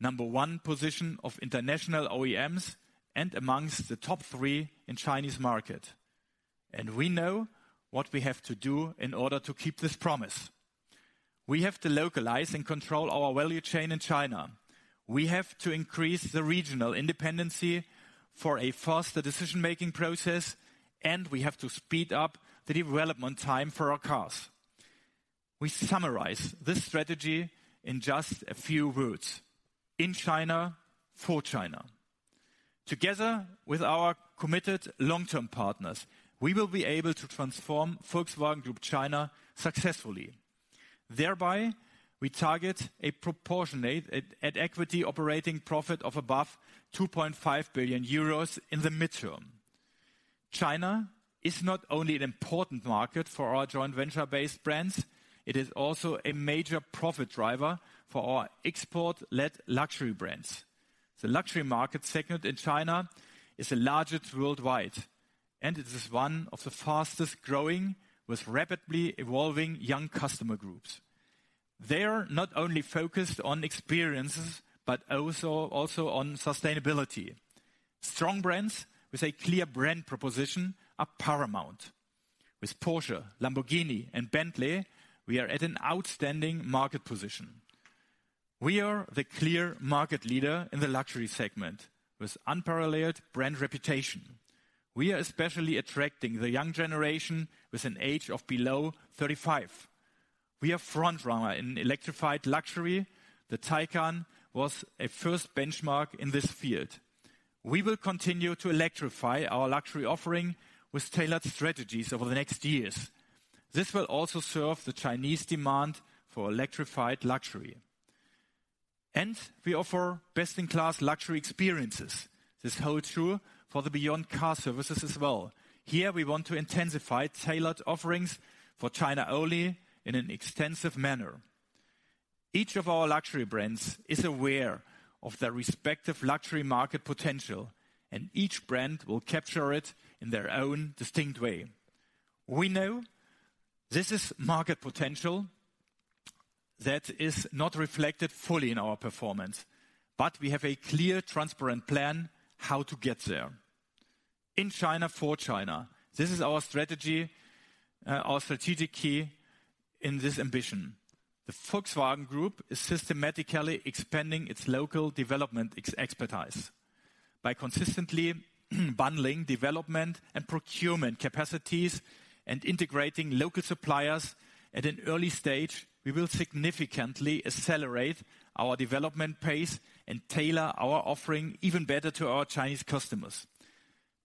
number 1 position of international OEMs and amongst the top 3 in Chinese market. We know what we have to do in order to keep this promise. We have to localize and control our value chain in China. We have to increase the regional independence for a faster decision-making process, and we have to speed up the development time for our cars. We summarize this strategy in just a few words: in China, for China. Together with our committed long-term partners, we will be able to transform Volkswagen Group China successfully. We target a proportionate at equity operating profit of above 2.5 billion euros in the midterm. China is not only an important market for our joint venture-based brands, it is also a major profit driver for our export-led luxury brands. The luxury market segment in China is the largest worldwide, it is one of the fastest growing with rapidly evolving young customer groups. They are not only focused on experiences, but also on sustainability. Strong brands with a clear brand proposition are paramount. With Porsche, Lamborghini, and Bentley, we are at an outstanding market position. We are the clear market leader in the luxury segment, with unparalleled brand reputation. We are especially attracting the young generation with an age of below 35. We are frontrunner in electrified luxury. The Taycan was a first benchmark in this field. We will continue to electrify our luxury offering with tailored strategies over the next years. This will also serve the Chinese demand for electrified luxury. We offer best-in-class luxury experiences. This holds true for the beyond car services as well. Here, we want to intensify tailored offerings for China only in an extensive manner. Each of our luxury brands is aware of their respective luxury market potential, and each brand will capture it in their own distinct way. We know this is market potential that is not reflected fully in our performance, but we have a clear, transparent plan how to get there. In China, for China, this is our strategy, our strategic key in this ambition. The Volkswagen Group is systematically expanding its local development expertise. By consistently bundling development and procurement capacities and integrating local suppliers at an early stage, we will significantly accelerate our development pace and tailor our offering even better to our Chinese customers.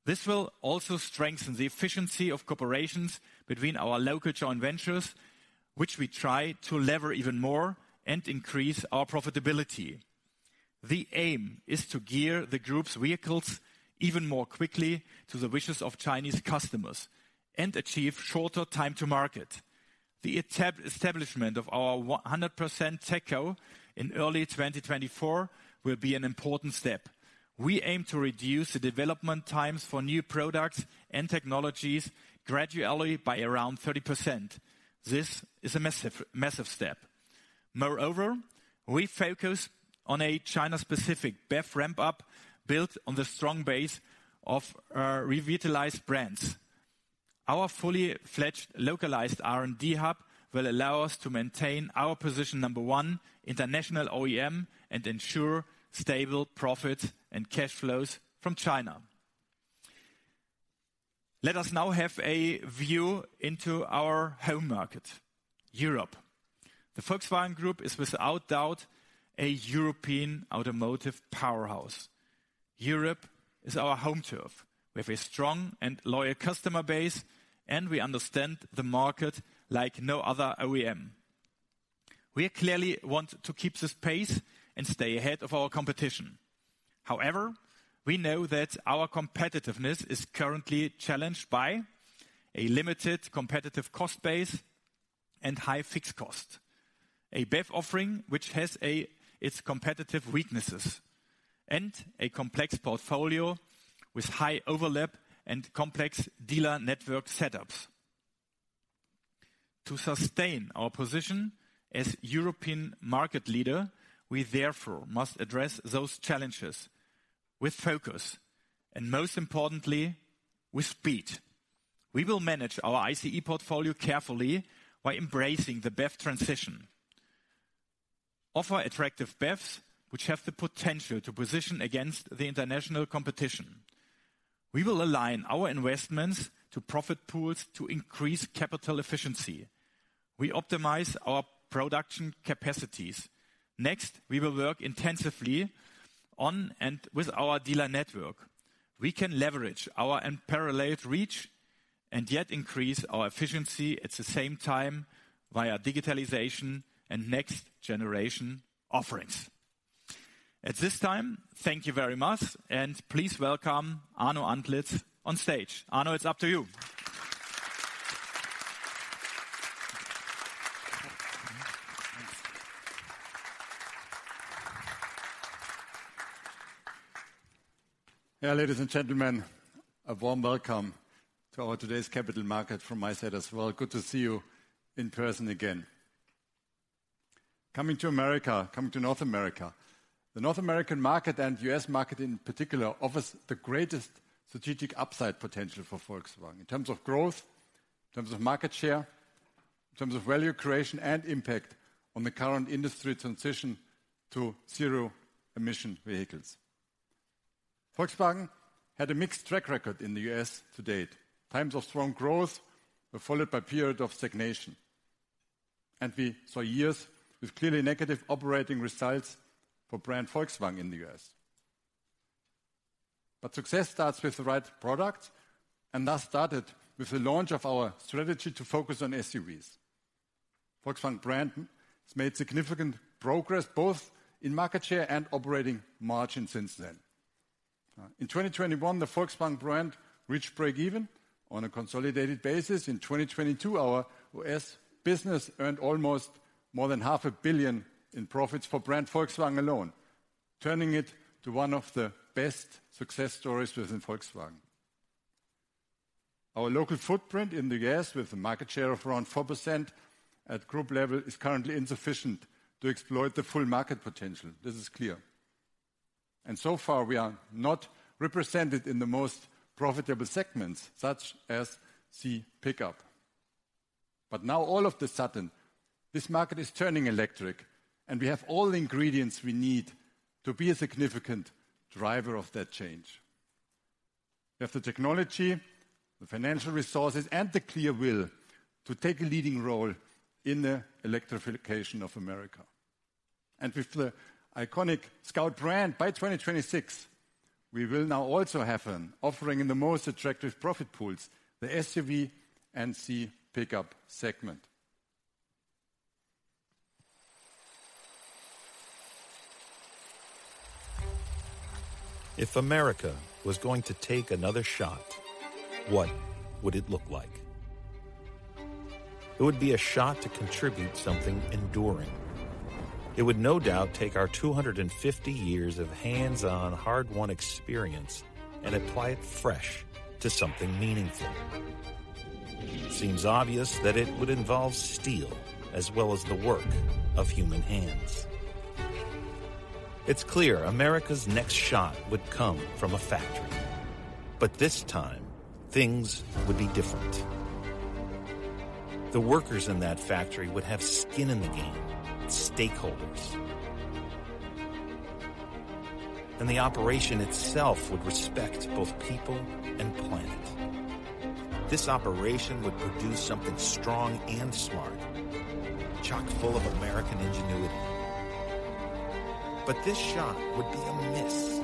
This will also strengthen the efficiency of corporations between our local joint ventures, which we try to lever even more and increase our profitability. The aim is to gear the Group's vehicles even more quickly to the wishes of Chinese customers and achieve shorter time to market. The establishment of our 100% TechCo in early 2024 will be an important step. We aim to reduce the development times for new products and technologies gradually by around 30%. This is a massive step. Moreover, we focus on a China-specific BEV ramp-up, built on the strong base of our revitalized brands. Our fully-fledged localized R&D hub will allow us to maintain our position number one international OEM, and ensure stable profit and cash flows from China. Let us now have a view into our home market, Europe. The Volkswagen Group is, without doubt, a European automotive powerhouse. Europe is our home turf. We have a strong and loyal customer base, and we understand the market like no other OEM. We clearly want to keep this pace and stay ahead of our competition. However, we know that our competitiveness is currently challenged by a limited competitive cost base and high fixed cost, a BEV offering, which has its competitive weaknesses, and a complex portfolio with high overlap and complex dealer network setups. To sustain our position as European market leader, we therefore must address those challenges with focus and, most importantly, with speed. We will manage our ICE portfolio carefully by embracing the BEV transition, offer attractive BEVs, which have the potential to position against the international competition. We will align our investments to profit pools to increase capital efficiency. We optimize our production capacities. Next, we will work intensively on and with our dealer network. We can leverage our unparalleled reach and yet increase our efficiency at the same time via digitalization and next-generation offerings. At this time, thank you very much, and please welcome Arno Antlitz on stage. Arno, it's up to you. Yeah, ladies and gentlemen, a warm welcome to our today's capital market from my side as well. Good to see you in person again. Coming to America, coming to North America, the North American market, and U.S. market in particular, offers the greatest strategic upside potential for Volkswagen in terms of growth, in terms of market share, in terms of value creation and impact on the current industry transition to zero-emission vehicles. Volkswagen had a mixed track record in the U.S. to date. Times of strong growth were followed by period of stagnation. We saw years with clearly negative operating results for brand Volkswagen in the U.S. Success starts with the right product, and that started with the launch of our strategy to focus on SUVs. Volkswagen brand has made significant progress, both in market share and operating margin since then. In 2021, the Volkswagen brand reached break even on a consolidated basis. In 2022, our U.S. business earned almost more than half a billion in profits for Volkswagen brand alone, turning it to one of the best success stories within Volkswagen. Our local footprint in the U.S., with a market share of around 4% at group level, is currently insufficient to exploit the full market potential. This is clear. So far, we are not represented in the most profitable segments, such as C pickup. Now all of the sudden, this market is turning electric, and we have all the ingredients we need to be a significant driver of that change. We have the technology, the financial resources, and the clear will to take a leading role in the electrification of America. With the iconic Scout brand, by 2026, we will now also have an offering in the most attractive profit pools, the SUV and C pickup segment. ... If America was going to take another shot, what would it look like? It would be a shot to contribute something enduring. It would no doubt take our 250 years of hands-on, hard-won experience and apply it fresh to something meaningful. It seems obvious that it would involve steel as well as the work of human hands. It's clear America's next shot would come from a factory, but this time things would be different. The workers in that factory would have skin in the game, stakeholders. The operation itself would respect both people and planet. This operation would produce something strong and smart, chock-full of American ingenuity. This shot would be a miss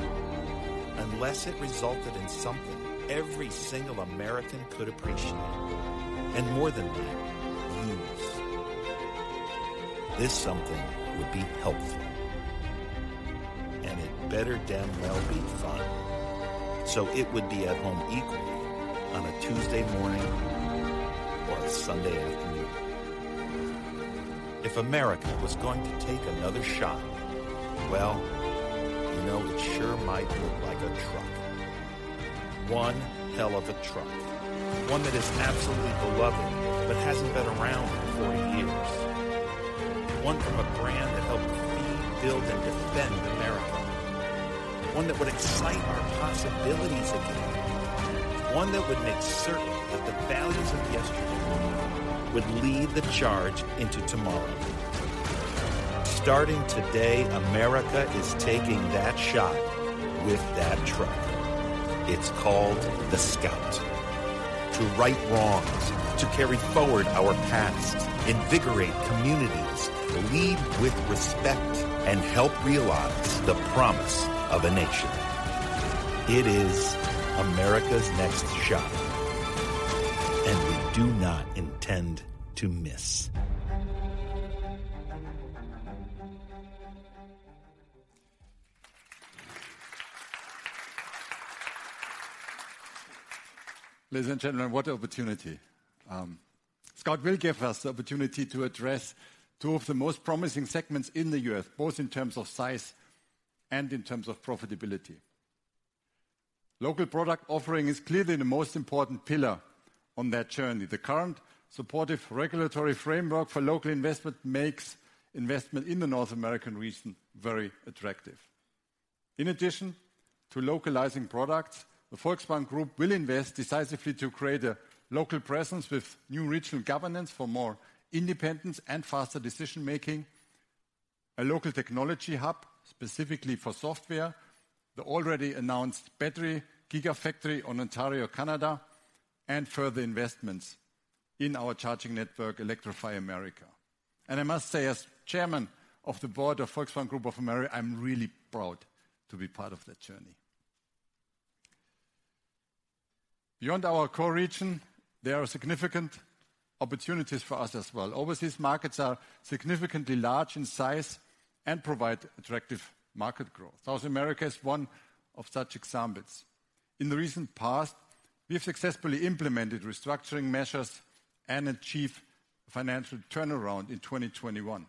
unless it resulted in something every single American could appreciate, and more than that, use. This something would be helpful, and it better damn well be fun. It would be at home equally on a Tuesday morning or a Sunday afternoon. If America was going to take another shot, well, you know, it sure might look like a truck. One hell of a truck. One that is absolutely beloved, but hasn't been around in 40 years. One from a brand that helped feed, build, and defend America. One that would excite our possibilities again. One that would make certain that the values of yesterday would lead the charge into tomorrow. Starting today, America is taking that shot with that truck. It's called the Scout. To right wrongs, to carry forward our past, invigorate communities, lead with respect, and help realize the promise of a nation. It is America's next shot, and we do not intend to miss. Ladies and gentlemen, what an opportunity! Scout will give us the opportunity to address two of the most promising segments in the U.S., both in terms of size and in terms of profitability. Local product offering is clearly the most important pillar on that journey. The current supportive regulatory framework for local investment makes investment in the North American region very attractive. In addition to localizing products, the Volkswagen Group will invest decisively to create a local presence with new regional governance for more independence and faster decision-making, a local technology hub, specifically for software, the already announced battery gigafactory on Ontario, Canada, and further investments in our charging network, Electrify America. I must say, as chairman of the board of Volkswagen Group of America, I'm really proud to be part of that journey. Beyond our core region, there are significant opportunities for us as well. Overseas markets are significantly large in size and provide attractive market growth. South America is one of such examples. In the recent past, we have successfully implemented restructuring measures and achieved financial turnaround in 2021.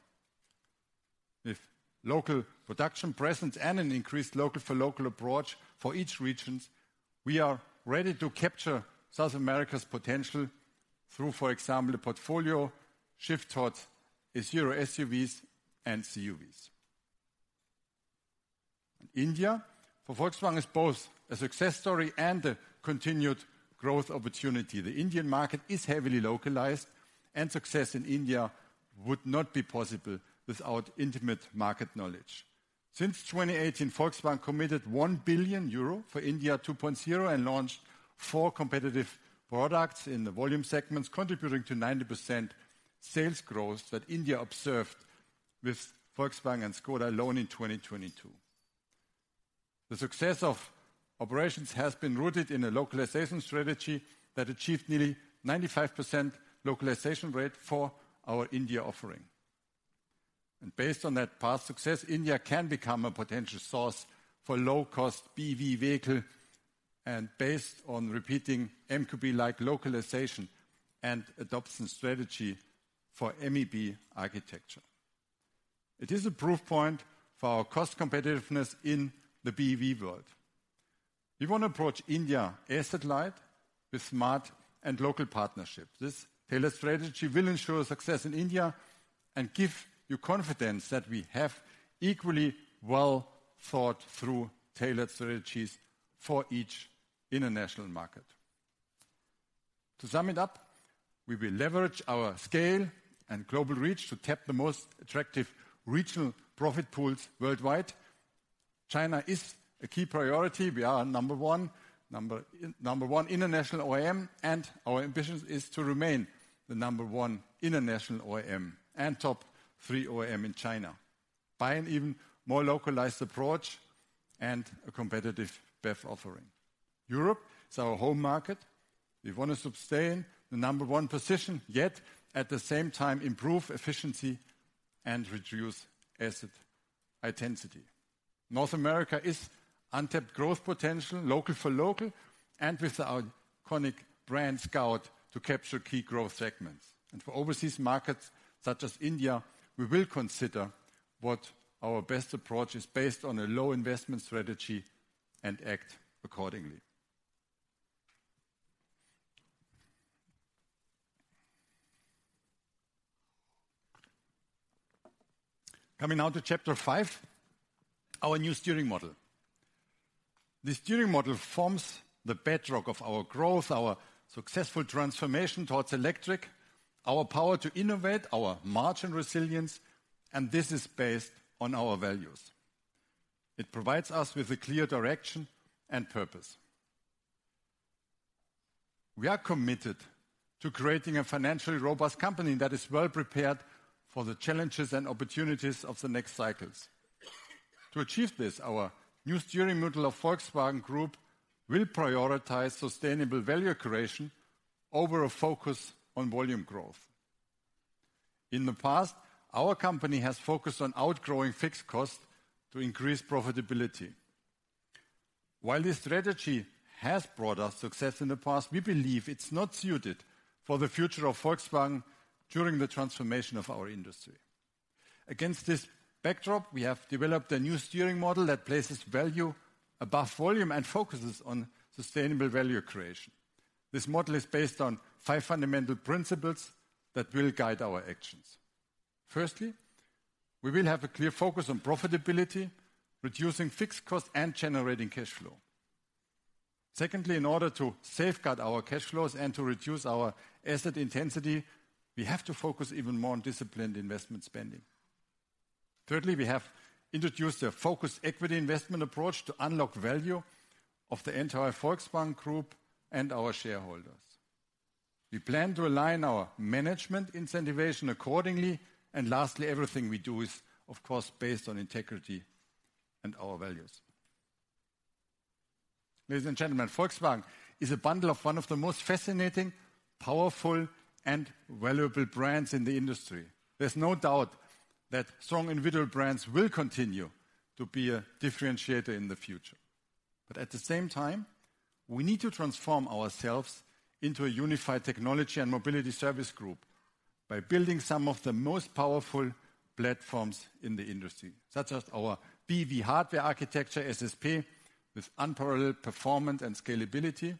With local production presence and an increased local for local approach for each regions, we are ready to capture South America's potential through, for example, a portfolio shift towards zero SUVs and CUVs. India, for Volkswagen, is both a success story and a continued growth opportunity. The Indian market is heavily localized, and success in India would not be possible without intimate market knowledge. Since 2018, Volkswagen committed 1 billion euro for India 2.0 and launched four competitive products in the volume segments, contributing to 90% sales growth that India observed with Volkswagen and Škoda alone in 2022. The success of operations has been rooted in a localization strategy that achieved nearly 95% localization rate for our India offering. Based on that past success, India can become a potential source for low-cost BEV vehicle and based on repeating MQB-like localization and adoption strategy for MEB architecture. It is a proof point for our cost competitiveness in the BEV world. We want to approach India asset light with smart and local partnerships. This tailored strategy will ensure success in India and give you confidence that we have equally well thought through tailored strategies for each international market. To sum it up, we will leverage our scale and global reach to tap the most attractive regional profit pools worldwide. China is a key priority. We are number one, number one international OEM, and our ambition is to remain the number one international OEM and top three OEM in China by an even more localized approach and a competitive BEV offering. Europe is our home market. We want to sustain the number one position, yet at the same time, improve efficiency and reduce asset intensity. North America is untapped growth potential, local for local, and with our iconic brand, Scout, to capture key growth segments. For overseas markets, such as India, we will consider what our best approach is based on a low investment strategy and act accordingly. Coming now to chapter five: our new steering model. The steering model forms the bedrock of our growth, our successful transformation towards electric, our power to innovate, our margin resilience, and this is based on our values. It provides us with a clear direction and purpose. We are committed to creating a financially robust company that is well prepared for the challenges and opportunities of the next cycles. To achieve this, our new steering model of Volkswagen Group will prioritize sustainable value creation over a focus on volume growth. In the past, our company has focused on outgrowing fixed costs to increase profitability. While this strategy has brought us success in the past, we believe it's not suited for the future of Volkswagen during the transformation of our industry. Against this backdrop, we have developed a new steering model that places value above volume and focuses on sustainable value creation. This model is based on five fundamental principles that will guide our actions. Firstly, we will have a clear focus on profitability, reducing fixed costs, and generating cash flow. Secondly, in order to safeguard our cash flows and to reduce our asset intensity, we have to focus even more on disciplined investment spending. Thirdly, we have introduced a focused equity investment approach to unlock value of the entire Volkswagen Group and our shareholders. We plan to align our management incentivation accordingly. Lastly, everything we do is, of course, based on integrity and our values. Ladies and gentlemen, Volkswagen is a bundle of one of the most fascinating, powerful, and valuable brands in the industry. There's no doubt that strong individual brands will continue to be a differentiator in the future. At the same time, we need to transform ourselves into a unified technology and mobility service group by building some of the most powerful platforms in the industry, such as our PPE hardware architecture, SSP, with unparalleled performance and scalability,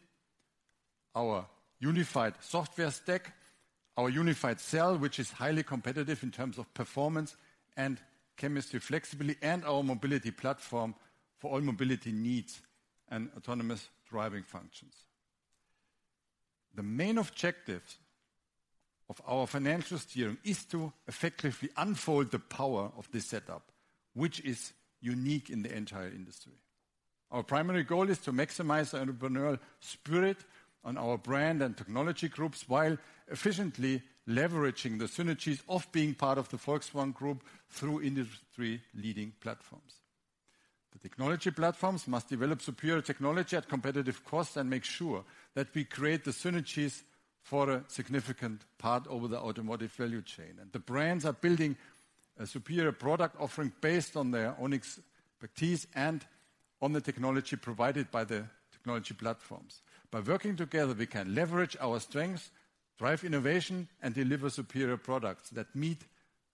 our unified software stack, our Unified Cell, which is highly competitive in terms of performance and chemistry flexibility, and our mobility platform for all mobility needs and autonomous driving functions. The main objective of our financial steering is to effectively unfold the power of this setup, which is unique in the entire industry. Our primary goal is to maximize the entrepreneurial spirit on our brand and technology groups, while efficiently leveraging the synergies of being part of the Volkswagen Group through industry-leading platforms. The technology platforms must develop superior technology at competitive costs and make sure that we create the synergies for a significant part over the automotive value chain. The brands are building a superior product offering based on their own expertise and on the technology provided by the technology platforms. By working together, we can leverage our strengths, drive innovation, and deliver superior products that meet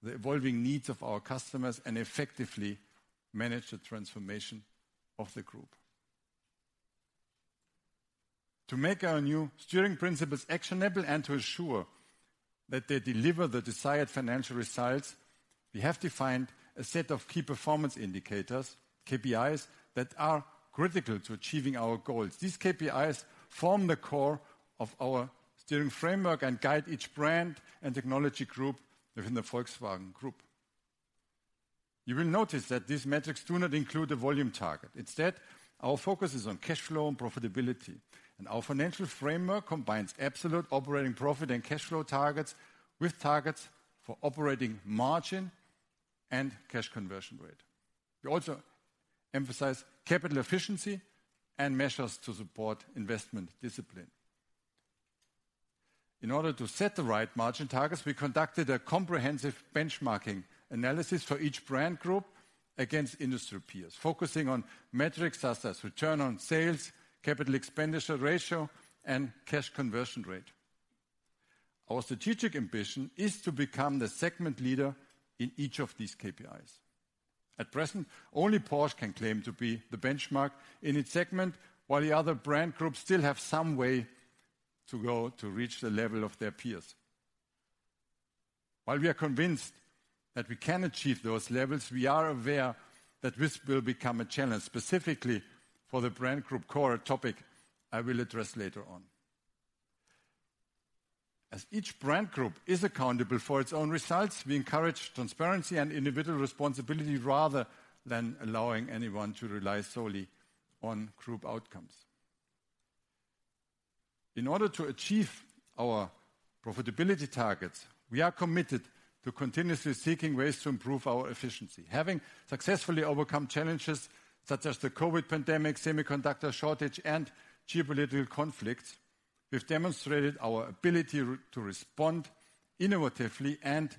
the evolving needs of our customers and effectively manage the transformation of the group. To make our new steering principles actionable and to ensure that they deliver the desired financial results, we have defined a set of Key Performance Indicators, KPIs, that are critical to achieving our goals. These KPIs form the core of our steering framework and guide each brand and technology group within the Volkswagen Group. You will notice that these metrics do not include a volume target. Instead, our focus is on cash flow and profitability, and our financial framework combines absolute operating profit and cash flow targets with targets for operating margin and cash conversion rate. We also emphasize capital efficiency and measures to support investment discipline. In order to set the right margin targets, we conducted a comprehensive benchmarking analysis for each brand group against industry peers, focusing on metrics such as return on sales, capital expenditure ratio, and cash conversion rate. Our strategic ambition is to become the segment leader in each of these KPIs. At present, only Porsche can claim to be the benchmark in its segment, while the other brand groups still have some way to go to reach the level of their peers. While we are convinced that we can achieve those levels, we are aware that this will become a challenge, specifically for the Brand Group Core, a topic I will address later on. As each brand group is accountable for its own results, we encourage transparency and individual responsibility, rather than allowing anyone to rely solely on group outcomes. In order to achieve our profitability targets, we are committed to continuously seeking ways to improve our efficiency. Having successfully overcome challenges such as the COVID pandemic, semiconductor shortage, and geopolitical conflicts, we've demonstrated our ability to respond innovatively and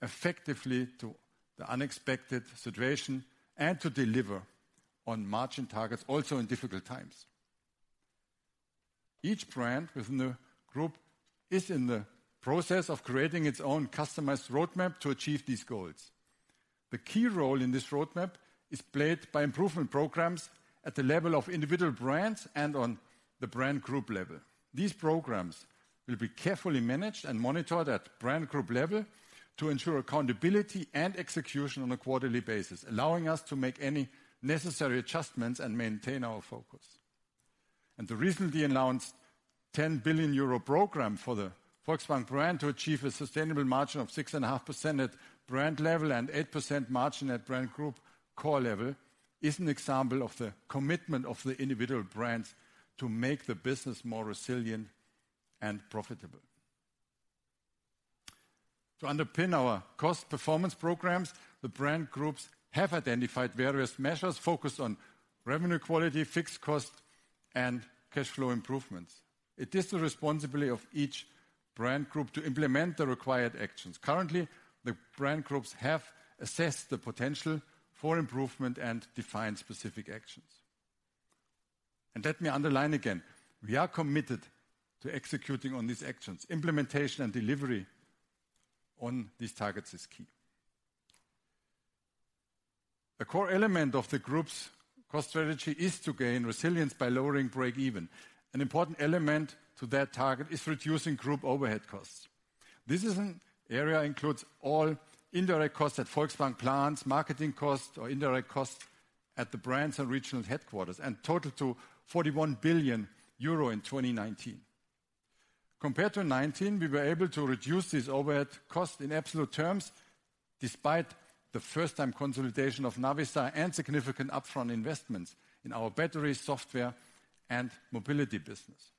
effectively to the unexpected situation and to deliver on margin targets, also in difficult times. Each brand within the group is in the process of creating its own customized roadmap to achieve these goals. The key role in this roadmap is played by improvement programs at the level of individual brands and on the Brand Group level. These programs will be carefully managed and monitored at Brand Group level to ensure accountability and execution on a quarterly basis, allowing us to make any necessary adjustments and maintain our focus. The recently announced 10 billion euro program for the Volkswagen brand to achieve a sustainable margin of 6.5% at brand level and 8% margin at Brand Group Core level, is an example of the commitment of the individual brands to make the business more resilient and profitable. To underpin our cost performance programs, the Brand Groups have identified various measures focused on revenue quality, fixed cost, and cash flow improvements. It is the responsibility of each Brand Group to implement the required actions. Currently, the brand groups have assessed the potential for improvement and defined specific actions. Let me underline again, we are committed to executing on these actions. Implementation and delivery on these targets is key. A core element of the group's cost strategy is to gain resilience by lowering break-even. An important element to that target is reducing group overhead costs. This is an area includes all indirect costs at Volkswagen plants, marketing costs or indirect costs at the brands and regional headquarters, and total to 41 billion euro in 2019. Compared to 2019, we were able to reduce these overhead costs in absolute terms, despite the first time consolidation of Navistar and significant upfront investments in our battery, software, and mobility business.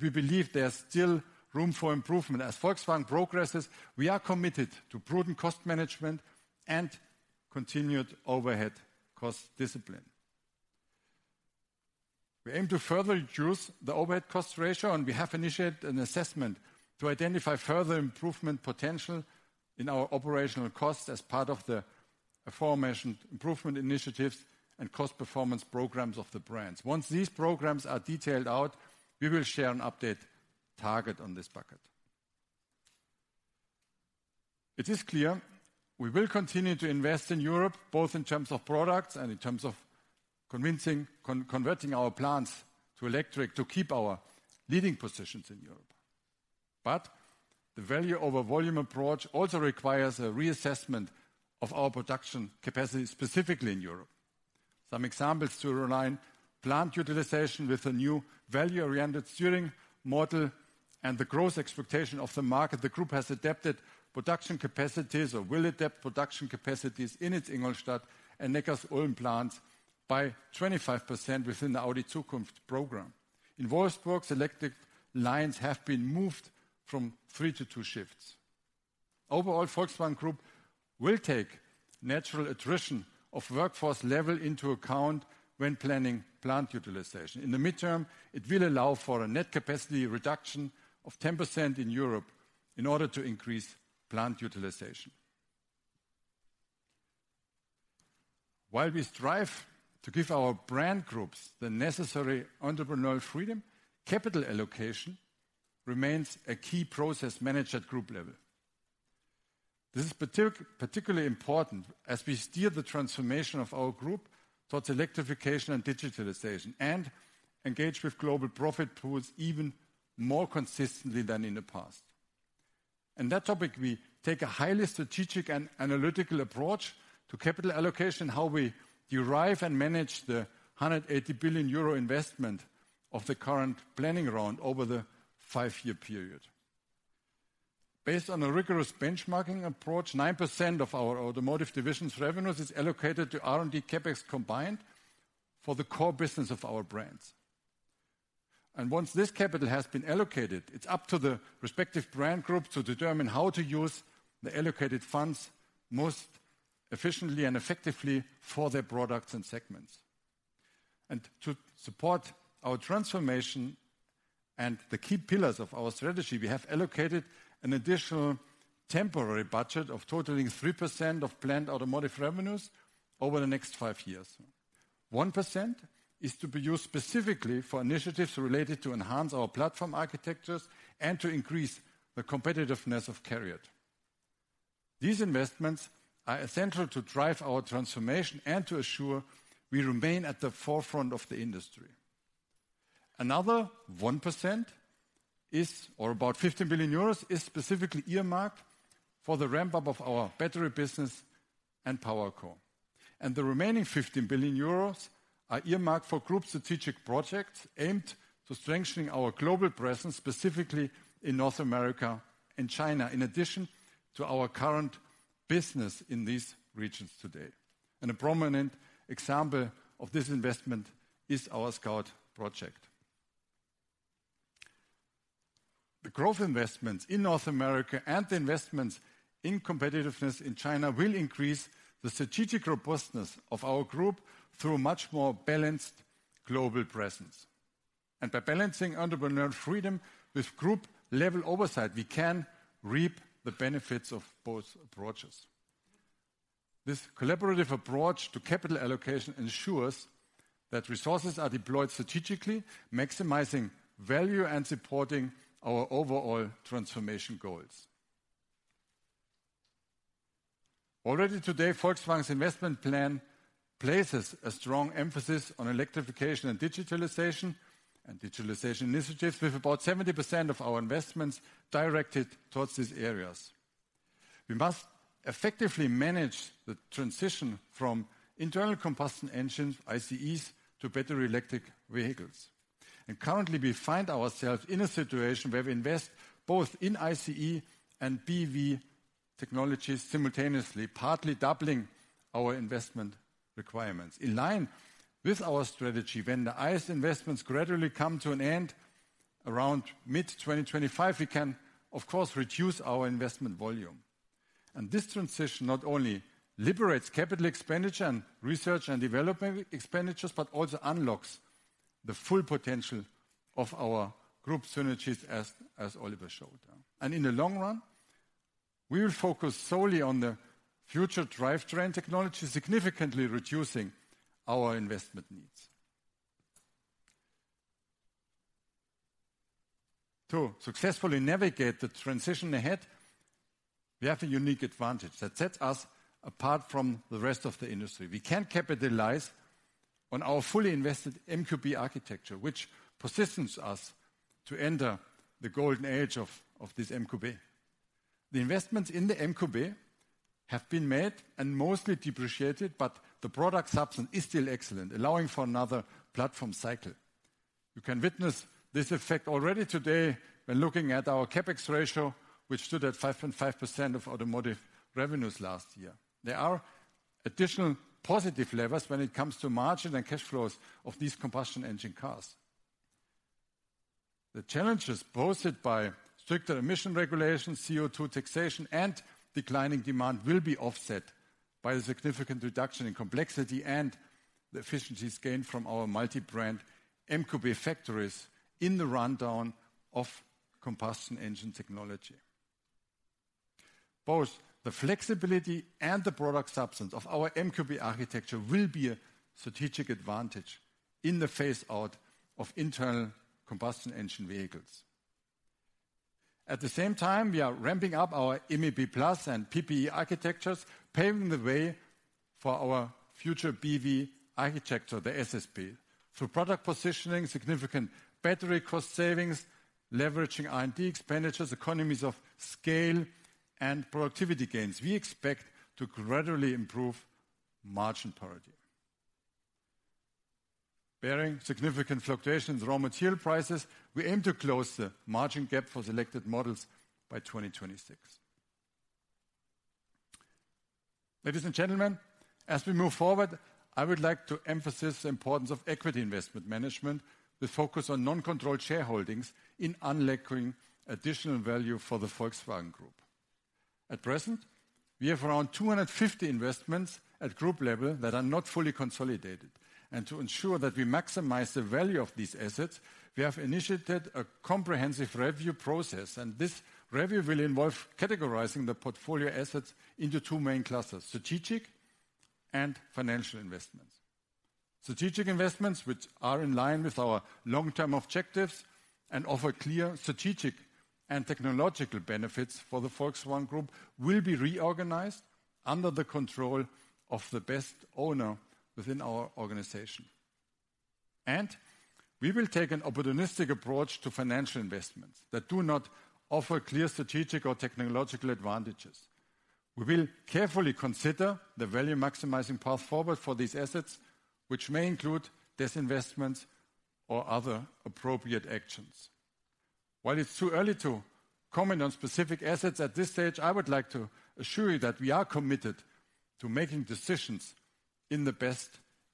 We believe there's still room for improvement. As Volkswagen progresses, we are committed to prudent cost management and continued overhead cost discipline. We aim to further reduce the overhead cost ratio, we have initiated an assessment to identify further improvement potential in our operational costs as part of the aforementioned improvement initiatives and cost performance programs of the brands. Once these programs are detailed out, we will share an update target on this bucket. It is clear we will continue to invest in Europe, both in terms of products and in terms of convincing converting our plants to electric to keep our leading positions in Europe. The value over volume approach also requires a reassessment of our production capacity, specifically in Europe. Some examples to realign plant utilization with a new value-oriented steering model and the growth expectation of the market. The group has adapted production capacities or will adapt production capacities in its Ingolstadt and Neckarsulm plants by 25% within the Audi.Zukunft program. In Wolfsburg, electric lines have been moved from three to two shifts. Overall, Volkswagen Group will take natural attrition of workforce level into account when planning plant utilization. In the midterm, it will allow for a net capacity reduction of 10% in Europe in order to increase plant utilization. While we strive to give our brand groups the necessary entrepreneurial freedom, capital allocation remains a key process managed at group level. This is particularly important as we steer the transformation of our group towards electrification and digitalization, and engage with global profit pools even more consistently than in the past. In that topic, we take a highly strategic and analytical approach to capital allocation, how we derive and manage the 180 billion euro investment of the current planning round over the 5-year period. Based on a rigorous benchmarking approach, 9% of our automotive division's revenues is allocated to R&D CapEx combined for the core business of our brands. Once this capital has been allocated, it's up to the respective brand group to determine how to use the allocated funds most efficiently and effectively for their products and segments. To support our transformation and the key pillars of our strategy, we have allocated an additional temporary budget of totaling 3% of planned automotive revenues over the next 5 years. 1% is to be used specifically for initiatives related to enhance our platform architectures and to increase the competitiveness of CARIAD. These investments are essential to drive our transformation and to assure we remain at the forefront of the industry. Another 1% is, or about 15 billion euros, is specifically earmarked for the ramp-up of our battery business and PowerCo. The remaining 15 billion euros are earmarked for group strategic projects aimed to strengthening our global presence, specifically in North America and China, in addition to our current business in these regions today. A prominent example of this investment is our Scout project. The growth investments in North America and the investments in competitiveness in China will increase the strategic robustness of our group through a much more balanced global presence. By balancing entrepreneurial freedom with group-level oversight, we can reap the benefits of both approaches. This collaborative approach to capital allocation ensures that resources are deployed strategically, maximizing value and supporting our overall transformation goals. Already today, Volkswagen's investment plan places a strong emphasis on electrification and digitalization, and digitalization initiatives, with about 70% of our investments directed towards these areas. We must effectively manage the transition from internal combustion engines, ICEs, to battery electric vehicles. Currently, we find ourselves in a situation where we invest both in ICE and BEV technologies simultaneously, partly doubling our investment requirements. In line with our strategy, when the ICE investments gradually come to an end around mid-2025, we can of course, reduce our investment volume. This transition not only liberates CapEx and R&D expenditures, but also unlocks the full potential of our group synergies, as Oliver showed. In the long run, we will focus solely on the future drivetrain technology, significantly reducing our investment needs. To successfully navigate the transition ahead, we have a unique advantage that sets us apart from the rest of the industry. We can capitalize on our fully invested MQB architecture, which positions us to enter the golden age of this MQB. The investments in the MQB have been made and mostly depreciated, but the product substance is still excellent, allowing for another platform cycle. You can witness this effect already today when looking at our CapEx ratio, which stood at 5.5% of automotive revenues last year. There are additional positive levers when it comes to margin and cash flows of these combustion engine cars. The challenges posed by stricter emission regulations, CO₂ taxation, and declining demand will be offset by the significant reduction in complexity and the efficiencies gained from our multi-brand MQB factories in the rundown of combustion engine technology. Both the flexibility and the product substance of our MQB architecture will be a strategic advantage in the phaseout of internal combustion engine vehicles. At the same time, we are ramping up our MEB+ and PPE architectures, paving the way for our future BEV architecture, the SSP. Through product positioning, significant battery cost savings, leveraging R&D expenditures, economies of scale, and productivity gains, we expect to gradually improve margin parity. Bearing significant fluctuations in raw material prices, we aim to close the margin gap for selected models by 2026. Ladies and gentlemen, as we move forward, I would like to emphasize the importance of equity investment management with focus on non-controlled shareholdings in unlocking additional value for the Volkswagen Group. At present, we have around 250 investments at group level that are not fully consolidated. To ensure that we maximize the value of these assets, we have initiated a comprehensive review process. This review will involve categorizing the portfolio assets into two main clusters: strategic and financial investments. Strategic investments, which are in line with our long-term objectives and offer clear strategic and technological benefits for the Volkswagen Group, will be reorganized under the control of the best owner within our organization. We will take an opportunistic approach to financial investments that do not offer clear strategic or technological advantages. We will carefully consider the value-maximizing path forward for these assets, which may include disinvestment or other appropriate actions. While it is too early to comment on specific assets at this stage, I would like to assure you that we are committed to making decisions in the best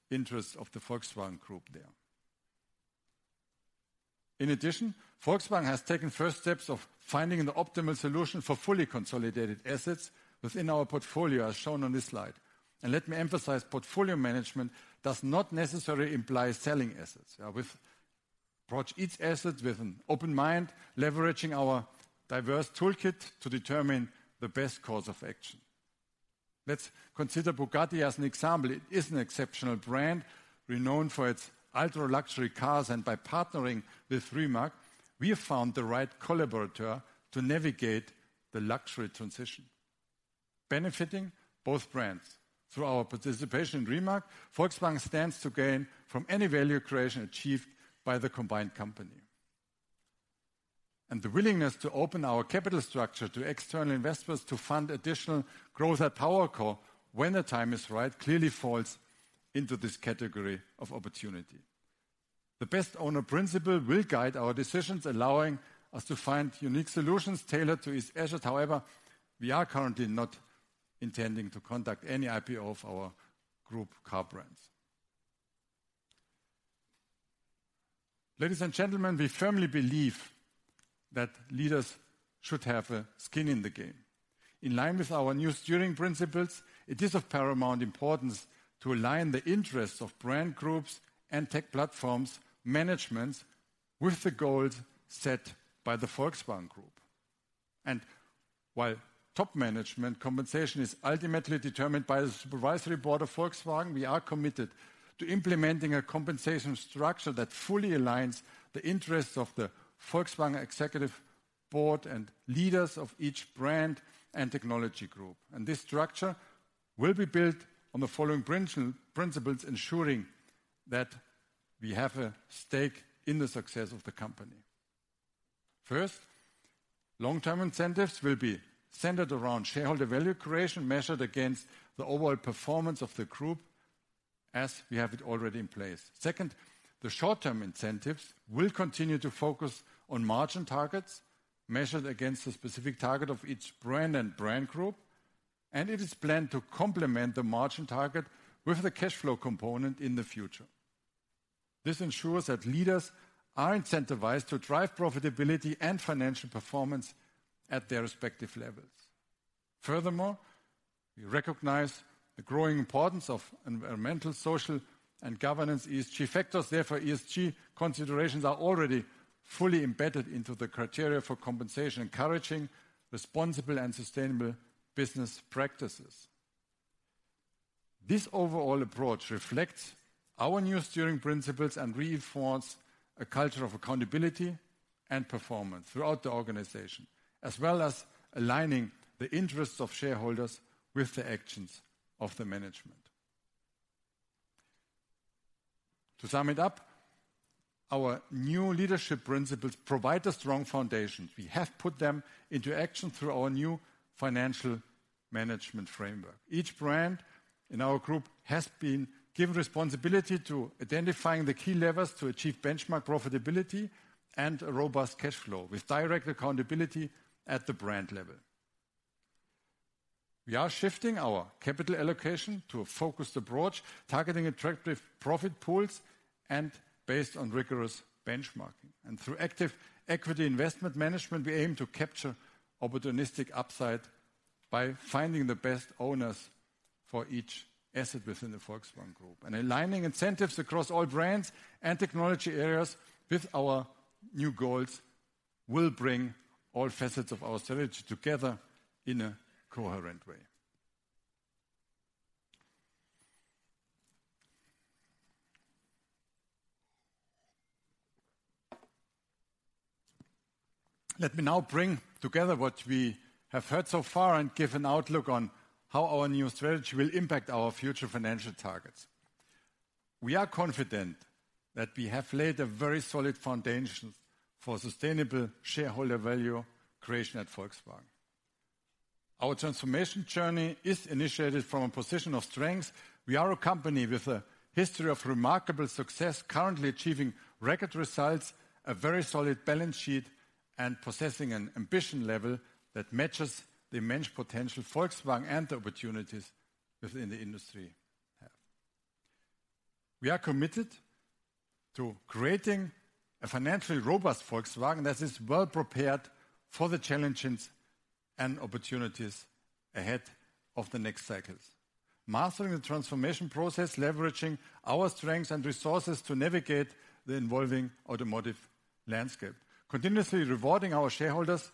interests of the Volkswagen Group there. In addition, Volkswagen has taken first steps of finding the optimal solution for fully consolidated assets within our portfolio, as shown on this slide. Let me emphasize, portfolio management does not necessarily imply selling assets. Yeah, we approach each asset with an open mind, leveraging our diverse toolkit to determine the best course of action. Let's consider Bugatti as an example. It is an exceptional brand, renowned for its ultra-luxury cars, and by partnering with Rimac, we have found the right collaborator to navigate the luxury transition, benefiting both brands. Through our participation in Rimac, Volkswagen stands to gain from any value creation achieved by the combined company. The willingness to open our capital structure to external investors to fund additional growth at PowerCo, when the time is right, clearly falls into this category of opportunity.... The best owner principle will guide our decisions, allowing us to find unique solutions tailored to each asset. However, we are currently not intending to conduct any IPO of our group car brands. Ladies and gentlemen, we firmly believe that leaders should have a skin in the game. In line with our new steering principles, it is of paramount importance to align the interests of brand groups and tech platforms' managements with the goals set by the Volkswagen Group. While top management compensation is ultimately determined by the supervisory board of Volkswagen, we are committed to implementing a compensation structure that fully aligns the interests of the Volkswagen Executive Board and leaders of each brand and technology group. This structure will be built on the following principles, ensuring that we have a stake in the success of the company. First, long-term incentives will be centered around shareholder value creation, measured against the overall performance of the group, as we have it already in place. Second, the short-term incentives will continue to focus on margin targets, measured against the specific target of each brand and brand group, and it is planned to complement the margin target with a cash flow component in the future. This ensures that leaders are incentivized to drive profitability and financial performance at their respective levels. Furthermore, we recognize the growing importance of environmental, social, and governance, ESG, factors. Therefore, ESG considerations are already fully embedded into the criteria for compensation, encouraging responsible and sustainable business practices. This overall approach reflects our new steering principles and reinforce a culture of accountability and performance throughout the organization, as well as aligning the interests of shareholders with the actions of the management. To sum it up, our new leadership principles provide a strong foundation. We have put them into action through our new financial management framework. Each brand in our group has been given responsibility to identifying the key levers to achieve benchmark profitability and a robust cash flow, with direct accountability at the brand level. We are shifting our capital allocation to a focused approach, targeting attractive profit pools and based on rigorous benchmarking. Through active equity investment management, we aim to capture opportunistic upside by finding the best owners for each asset within the Volkswagen Group. Aligning incentives across all brands and technology areas with our new goals will bring all facets of our strategy together in a coherent way. Let me now bring together what we have heard so far and give an outlook on how our new strategy will impact our future financial targets. We are confident that we have laid a very solid foundation for sustainable shareholder value creation at Volkswagen. Our transformation journey is initiated from a position of strength. We are a company with a history of remarkable success, currently achieving record results, a very solid balance sheet, and possessing an ambition level that matches the immense potential Volkswagen and the opportunities within the industry have. We are committed to creating a financially robust Volkswagen that is well prepared for the challenges and opportunities ahead of the next cycles. Mastering the transformation process, leveraging our strengths and resources to navigate the evolving automotive landscape, continuously rewarding our shareholders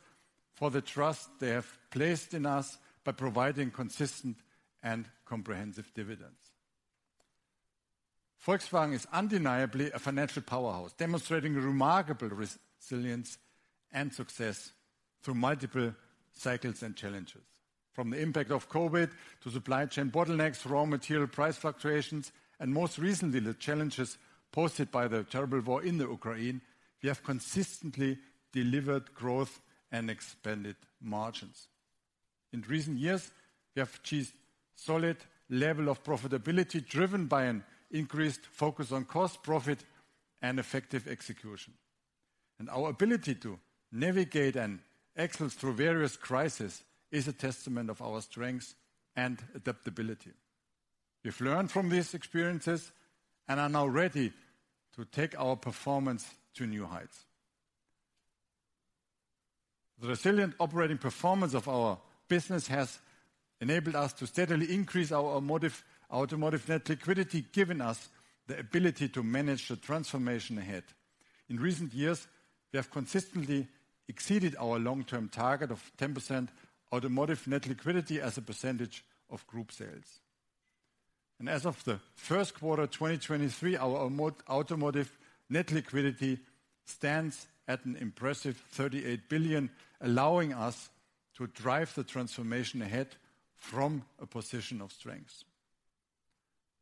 for the trust they have placed in us by providing consistent and comprehensive dividends. Volkswagen is undeniably a financial powerhouse, demonstrating remarkable resilience and success through multiple cycles and challenges. From the impact of COVID to supply chain bottlenecks, raw material price fluctuations, and most recently, the challenges posed by the terrible war in the Ukraine, we have consistently delivered growth and expanded margins. In recent years, we have achieved solid level of profitability, driven by an increased focus on cost profit and effective execution. Our ability to navigate and excel through various crises is a testament of our strengths and adaptability. We've learned from these experiences and are now ready to take our performance to new heights. The resilient operating performance of our business has enabled us to steadily increase our automotive net liquidity, giving us the ability to manage the transformation ahead. In recent years, we have consistently exceeded our long-term target of 10% automotive net liquidity as a percentage of group sales. As of the Q1, 2023, our automotive net liquidity stands at an impressive 38 billion, allowing us to drive the transformation ahead from a position of strength.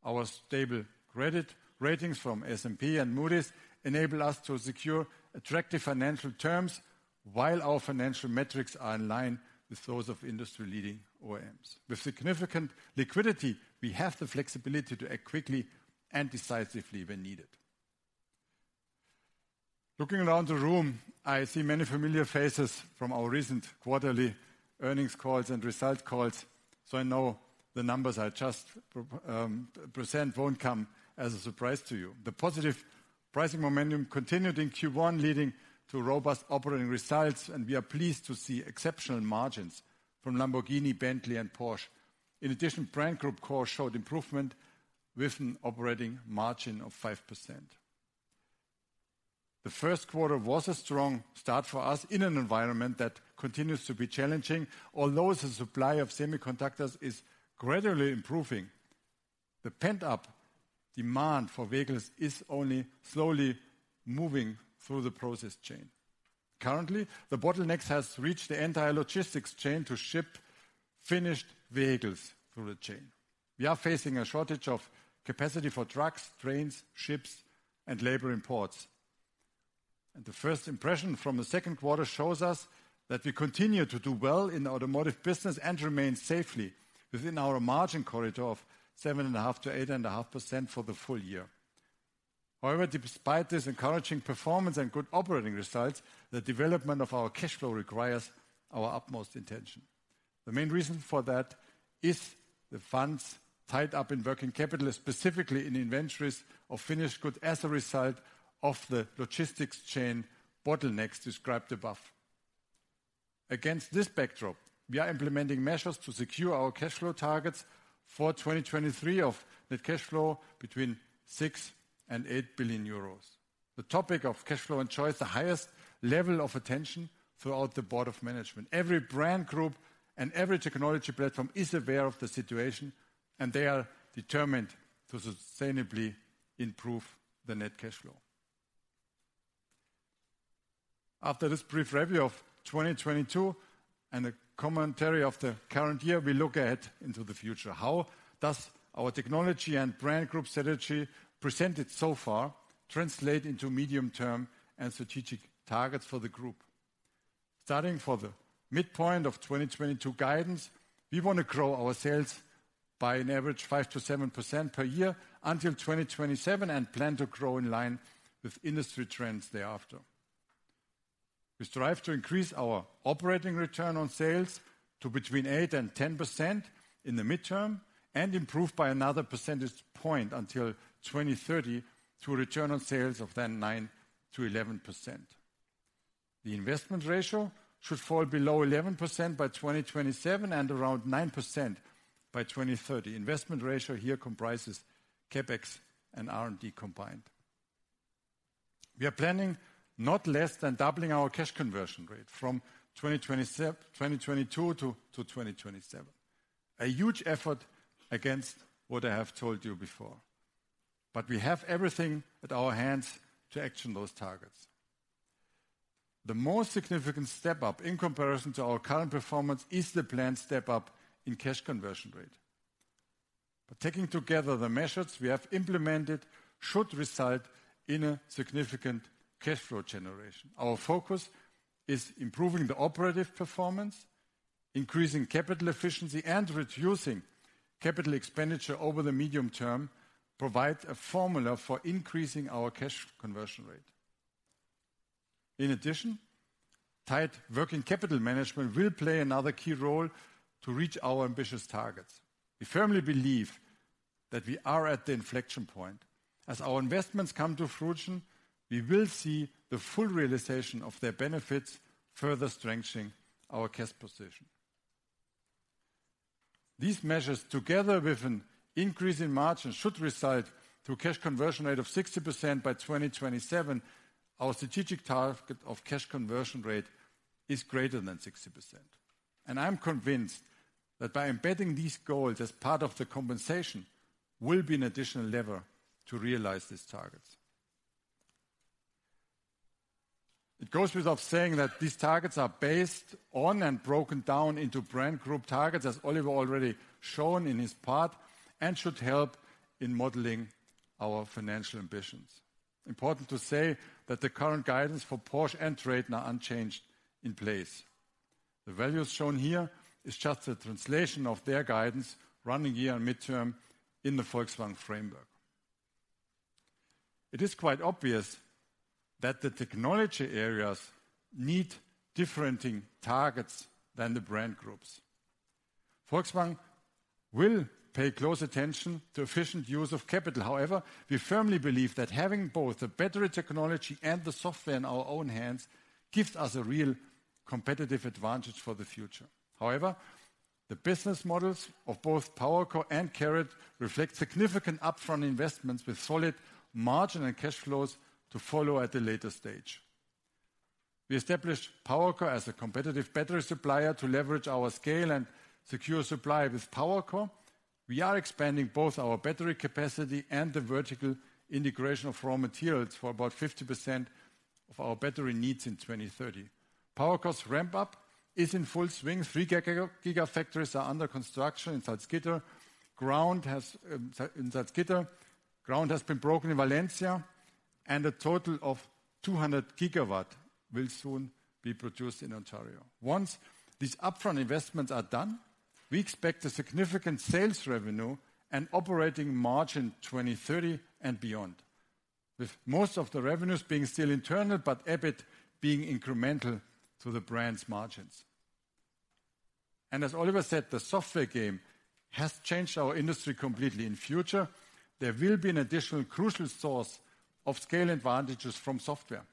Our stable credit ratings from S&P and Moody's enable us to secure attractive financial terms. While our financial metrics are in line with those of industry-leading OEMs. With significant liquidity, we have the flexibility to act quickly and decisively when needed. Looking around the room, I see many familiar faces from our recent quarterly earnings calls and result calls. I know the numbers I just present won't come as a surprise to you. The positive pricing momentum continued in Q1, leading to robust operating results, and we are pleased to see exceptional margins from Lamborghini, Bentley, and Porsche. In addition, Brand Group Core showed improvement with an operating margin of 5%. The Q1 was a strong start for us in an environment that continues to be challenging. Although the supply of semiconductors is gradually improving, the pent-up demand for vehicles is only slowly moving through the process chain. Currently, the bottlenecks has reached the entire logistics chain to ship finished vehicles through the chain. We are facing a shortage of capacity for trucks, trains, ships, and labor in ports. The first impression from the Q2 shows us that we continue to do well in the automotive business and remain safely within our margin corridor of 7.5%-8.5% for the full year. However, despite this encouraging performance and good operating results, the development of our cash flow requires our utmost attention. The main reason for that is the funds tied up in working capital, specifically in inventories of finished goods, as a result of the logistics chain bottlenecks described above. Against this backdrop, we are implementing measures to secure our cash flow targets for 2023 of net cash flow between 6 billion and 8 billion euros. The topic of cash flow enjoys the highest level of attention throughout the board of management. Every Brand Group and every technology platform is aware of the situation, and they are determined to sustainably improve the net cash flow. After this brief review of 2022 and a commentary of the current year, we look ahead into the future. How does our technology and Brand Group strategy, presented so far, translate into medium-term and strategic targets for the group? Starting for the midpoint of 2022 guidance, we want to grow our sales by an average 5%-7% per year until 2027, and plan to grow in line with industry trends thereafter. We strive to increase our operating return on sales to between 8% and 10% in the midterm, and improve by another percentage point until 2030, through return on sales of then 9%-11%. The investment ratio should fall below 11% by 2027, and around 9% by 2030. Investment ratio here comprises CapEx and R&D combined. We are planning not less than doubling our cash conversion rate from 2022 to 2027. A huge effort against what I have told you before, but we have everything at our hands to action those targets. The most significant step up in comparison to our current performance is the planned step up in cash conversion rate. Taking together the measures we have implemented should result in a significant cash flow generation. Our focus is improving the operative performance, increasing capital efficiency, and reducing capital expenditure over the medium term, provide a formula for increasing our cash conversion rate. In addition, tight working capital management will play another key role to reach our ambitious targets. We firmly believe that we are at the inflection point. As our investments come to fruition, we will see the full realization of their benefits, further strengthening our cash position. These measures, together with an increase in margins, should result to a cash conversion rate of 60% by 2027. Our strategic target of cash conversion rate is greater than 60%. I'm convinced that by embedding these goals as part of the compensation, will be an additional lever to realize these targets. It goes without saying that these targets are based on and broken down into brand group targets, as Oliver already shown in his part, and should help in modeling our financial ambitions. Important to say that the current guidance for Porsche and TRATON are unchanged in place. The values shown here is just a translation of their guidance, running year and midterm, in the Volkswagen framework. It is quite obvious that the technology areas need different targets than the brand groups. Volkswagen will pay close attention to efficient use of capital. However, we firmly believe that having both the battery technology and the software in our own hands gives us a real competitive advantage for the future. However, the business models of both PowerCo and CARIAD reflect significant upfront investments with solid margin and cash flows to follow at a later stage. We established PowerCo as a competitive battery supplier to leverage our scale and secure supply. With PowerCo, we are expanding both our battery capacity and the vertical integration of raw materials for about 50% of our battery needs in 2030. PowerCo's ramp-up is in full swing. 3 gigafactories are under construction in Salzgitter. Ground has been broken in Valencia, and a total of 200 gigawatt will soon be produced in Ontario. Once these upfront investments are done, we expect a significant sales revenue and operating margin in 2030 and beyond, with most of the revenues being still internal, but EBIT being incremental to the brand's margins. As Oliver said, the software game has changed our industry completely. In future, there will be an additional crucial source of scale advantages from software.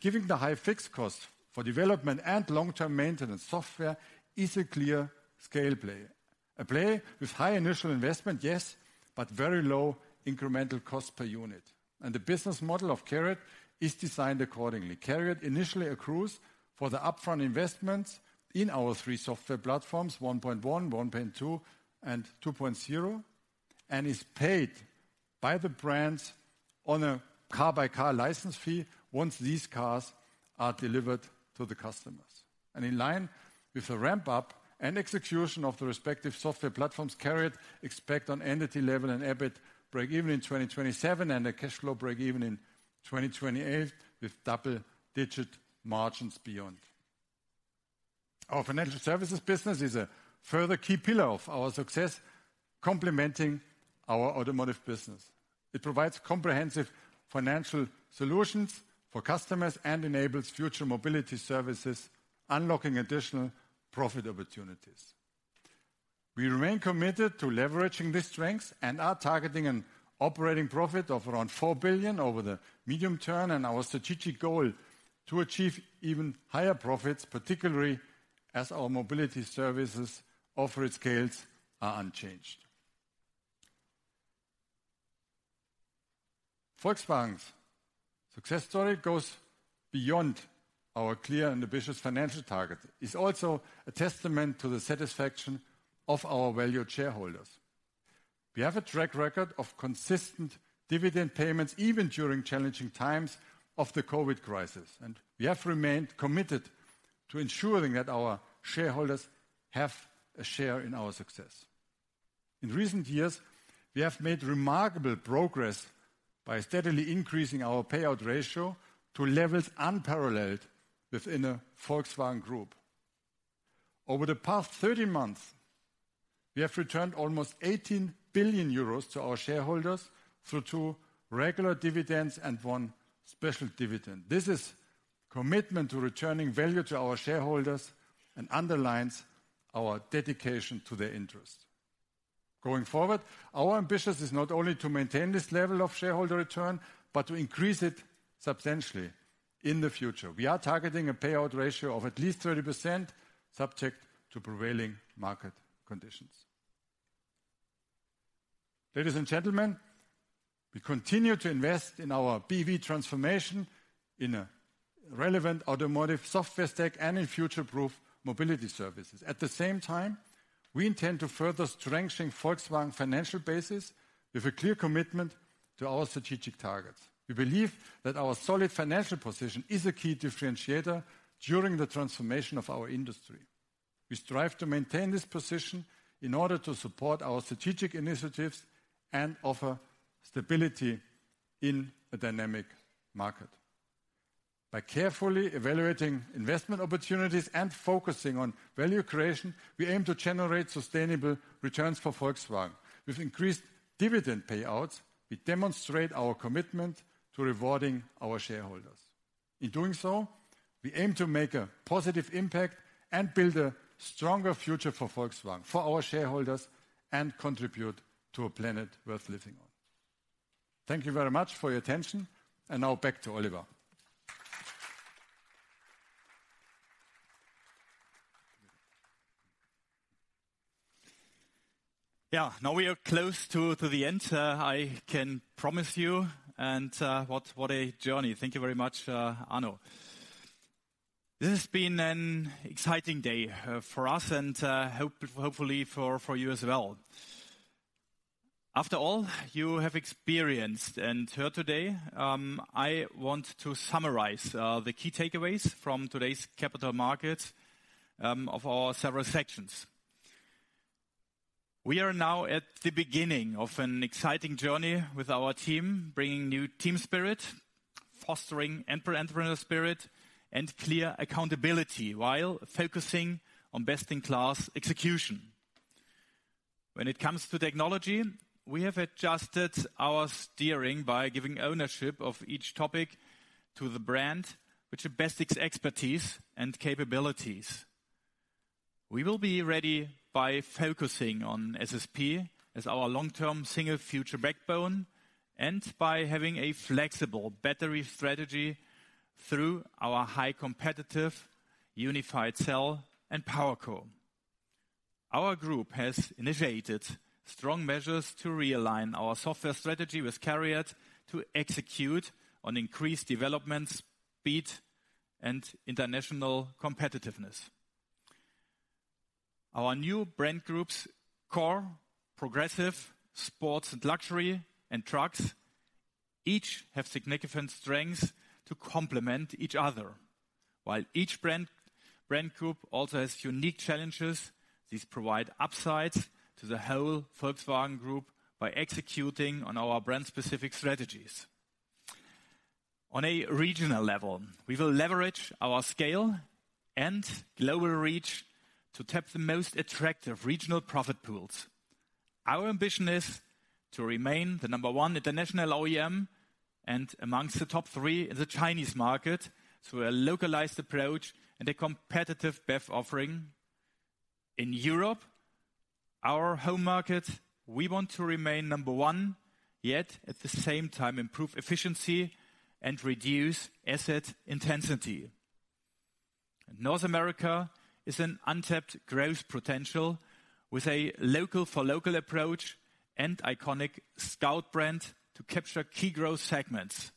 Given the high fixed costs for development and long-term maintenance, software is a clear scale play. A play with high initial investment, yes, but very low incremental cost per unit. The business model of CARIAD is designed accordingly. CARIAD initially accrues for the upfront investments in our three software platforms, E³ 1.1, E³ 1.2, and E³ 2.0, and is paid by the brands on a car-by-car license fee once these cars are delivered to the customers. In line with the ramp-up and execution of the respective software platforms, CARIAD expect on entity level and EBIT breakeven in 2027, and a cash flow breakeven in 2028, with double-digit margins beyond. Our financial services business is a further key pillar of our success, complementing our automotive business. It provides comprehensive financial solutions for customers and enables future mobility services, unlocking additional profit opportunities. We remain committed to leveraging these strengths and are targeting an operating profit of around 4 billion over the medium term, and our strategic goal to achieve even higher profits, particularly as our mobility services offer at scales are unchanged. Volkswagen's success story goes beyond our clear and ambitious financial target. It's also a testament to the satisfaction of our valued shareholders. We have a track record of consistent dividend payments, even during challenging times of the COVID crisis, and we have remained committed to ensuring that our shareholders have a share in our success. In recent years, we have made remarkable progress by steadily increasing our payout ratio to levels unparalleled within the Volkswagen Group. Over the past 13 months, we have returned almost 18 billion euros to our shareholders through 2 regular dividends and 1 special dividend. This is commitment to returning value to our shareholders and underlines our dedication to their interests. Going forward, our ambition is not only to maintain this level of shareholder return, but to increase it substantially in the future. We are targeting a payout ratio of at least 30%, subject to prevailing market conditions. Ladies and gentlemen, we continue to invest in our BEV transformation in a relevant automotive software stack and in future-proof mobility services. At the same time, we intend to further strengthen Volkswagen financial basis with a clear commitment to our strategic targets. We believe that our solid financial position is a key differentiator during the transformation of our industry. We strive to maintain this position in order to support our strategic initiatives and offer stability in a dynamic market. By carefully evaluating investment opportunities and focusing on value creation, we aim to generate sustainable returns for Volkswagen. With increased dividend payouts, we demonstrate our commitment to rewarding our shareholders. In doing so, we aim to make a positive impact and build a stronger future for Volkswagen, for our shareholders, and contribute to a planet worth living on. Thank you very much for your attention, and now back to Oliver. Yeah, now we are close to the end, I can promise you. What a journey! Thank you very much, Arno. This has been an exciting day for us and hopefully for you as well. After all you have experienced and heard today, I want to summarize the key takeaways from today's capital markets of our several sections. We are now at the beginning of an exciting journey with our team, bringing new team spirit, fostering entrepreneurial spirit and clear accountability, while focusing on best-in-class execution. When it comes to technology, we have adjusted our steering by giving ownership of each topic to the brand, which best its expertise and capabilities. We will be ready by focusing on SSP as our long-term single future backbone, and by having a flexible battery strategy through our high competitive, Unified Cell and PowerCo. Our group has initiated strong measures to realign our software strategy with CARIAD to execute on increased development, speed, and international competitiveness. Our new Brand Group Core, Progressive, Sport Luxury, and trucks, each have significant strengths to complement each other. While each brand group also has unique challenges, these provide upsides to the whole Volkswagen Group by executing on our brand-specific strategies. On a regional level, we will leverage our scale and global reach to tap the most attractive regional profit pools. Our ambition is to remain the number 1 international OEM, and amongst the top 3 in the Chinese market, through a localized approach and a competitive BEV offering. In Europe, our home market, we want to remain number one, yet at the same time, improve efficiency and reduce asset intensity. North America is an untapped growth potential with a local-for-local approach and iconic Scout brand to capture key growth segments.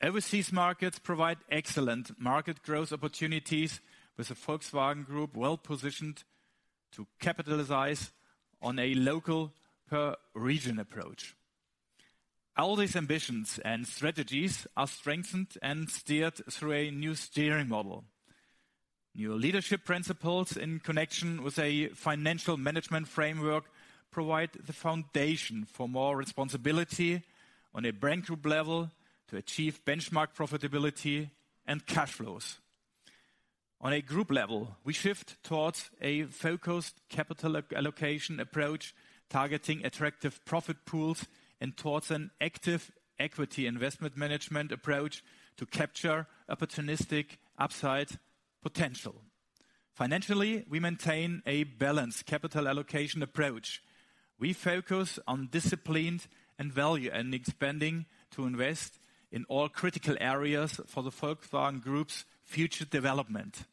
Overseas markets provide excellent market growth opportunities, with the Volkswagen Group well-positioned to capitalize on a local per region approach. All these ambitions and strategies are strengthened and steered through a new steering model. New leadership principles in connection with a financial management framework provide the foundation for more responsibility on a brand group level to achieve benchmark profitability and cash flows. On a group level, we shift towards a focused capital allocation approach, targeting attractive profit pools and towards an active equity investment management approach to capture opportunistic upside potential. Financially, we maintain a balanced capital allocation approach. We focus on disciplines and value and expanding to invest in all critical areas for the Volkswagen Group's future development.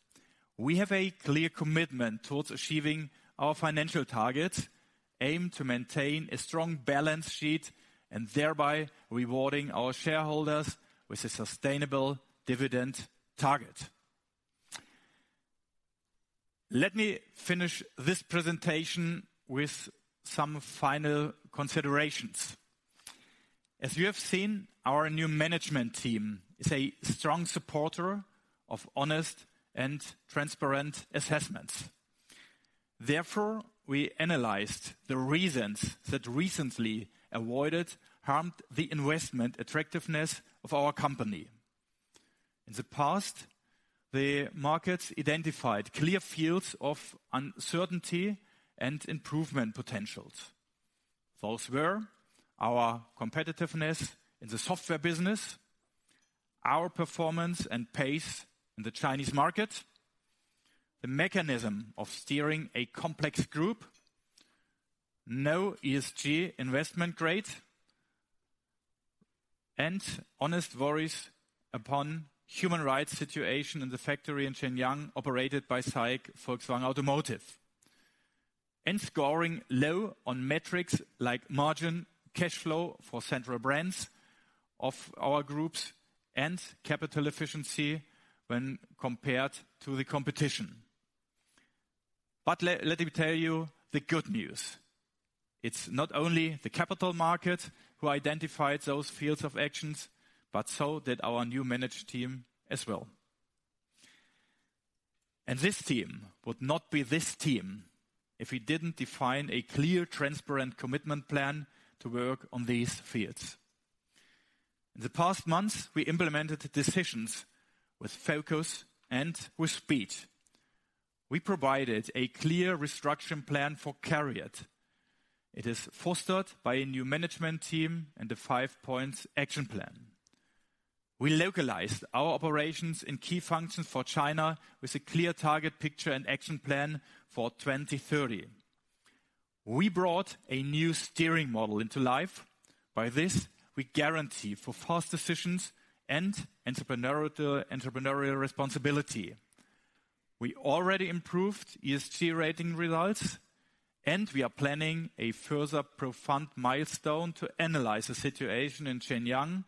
We have a clear commitment towards achieving our financial targets, aim to maintain a strong balance sheet, and thereby rewarding our shareholders with a sustainable dividend target. Let me finish this presentation with some final considerations. As you have seen, our new management team is a strong supporter of honest and transparent assessments. We analyzed the reasons that recently avoided, harmed the investment attractiveness of our company. In the past, the markets identified clear fields of uncertainty and improvement potentials. Those were our competitiveness in the software business, our performance and pace in the Chinese market, the mechanism of steering a complex group, no ESG investment grade, and honest worries upon human rights situation in the factory in Shenyang, operated by SAIC Volkswagen Automotive, and scoring low on metrics like margin, cash flow for central brands of our groups, and capital efficiency when compared to the competition. Let me tell you the good news. It's not only the capital market who identified those fields of actions, but so did our new management team as well. This team would not be this team if we didn't define a clear, transparent commitment plan to work on these fields. In the past months, we implemented decisions with focus and with speed. We provided a clear restoration plan for CARIAD. It is fostered by a new management team and a five-point action plan. We localized our operations and key functions for China with a clear target picture and action plan for 2030. We brought a new steering model into life. By this, we guarantee for fast decisions and entrepreneurial responsibility. We already improved ESG rating results, and we are planning a further profound milestone to analyze the situation in Shenyang.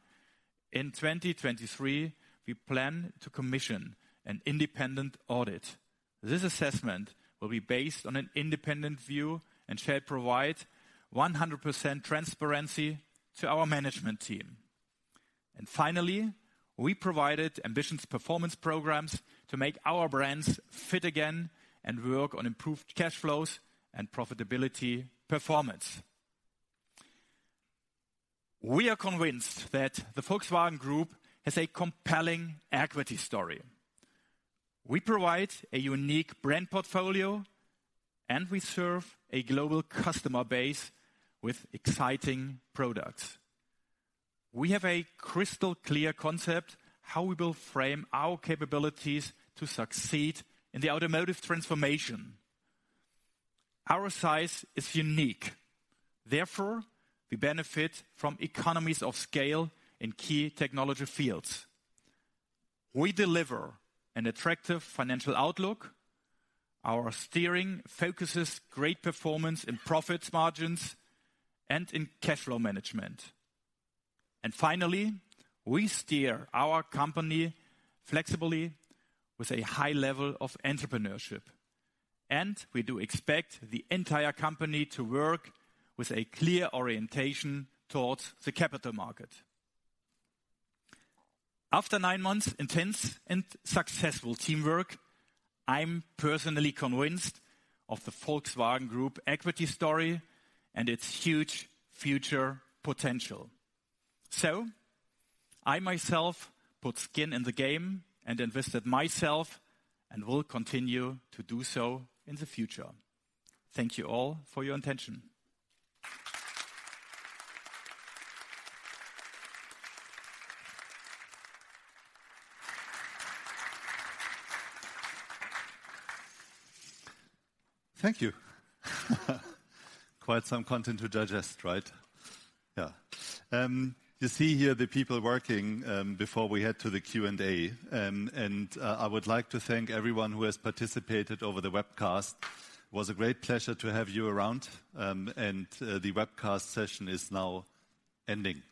In 2023, we plan to commission an independent audit. This assessment will be based on an independent view and shall provide 100% transparency to our management team. Finally, we provided ambitious performance programs to make our brands fit again and work on improved cash flows and profitability performance. We are convinced that the Volkswagen Group has a compelling equity story. We provide a unique brand portfolio, and we serve a global customer base with exciting products. We have a crystal-clear concept how we will frame our capabilities to succeed in the automotive transformation. Our size is unique, therefore, we benefit from economies of scale in key technology fields. We deliver an attractive financial outlook. Our steering focuses great performance in profits margins and in cash flow management. Finally, we steer our company flexibly with a high level of entrepreneurship, and we do expect the entire company to work with a clear orientation towards the capital market. After nine months, intense and successful teamwork, I'm personally convinced of the Volkswagen Group equity story and its huge future potential. I, myself, put skin in the game and invested myself, and will continue to do so in the future. Thank you all for your attention. Thank you. Quite some content to digest, right? Yeah. You see here the people working, before we head to the Q&A. I would like to thank everyone who has participated over the webcast. It was a great pleasure to have you around. The webcast session is now ending.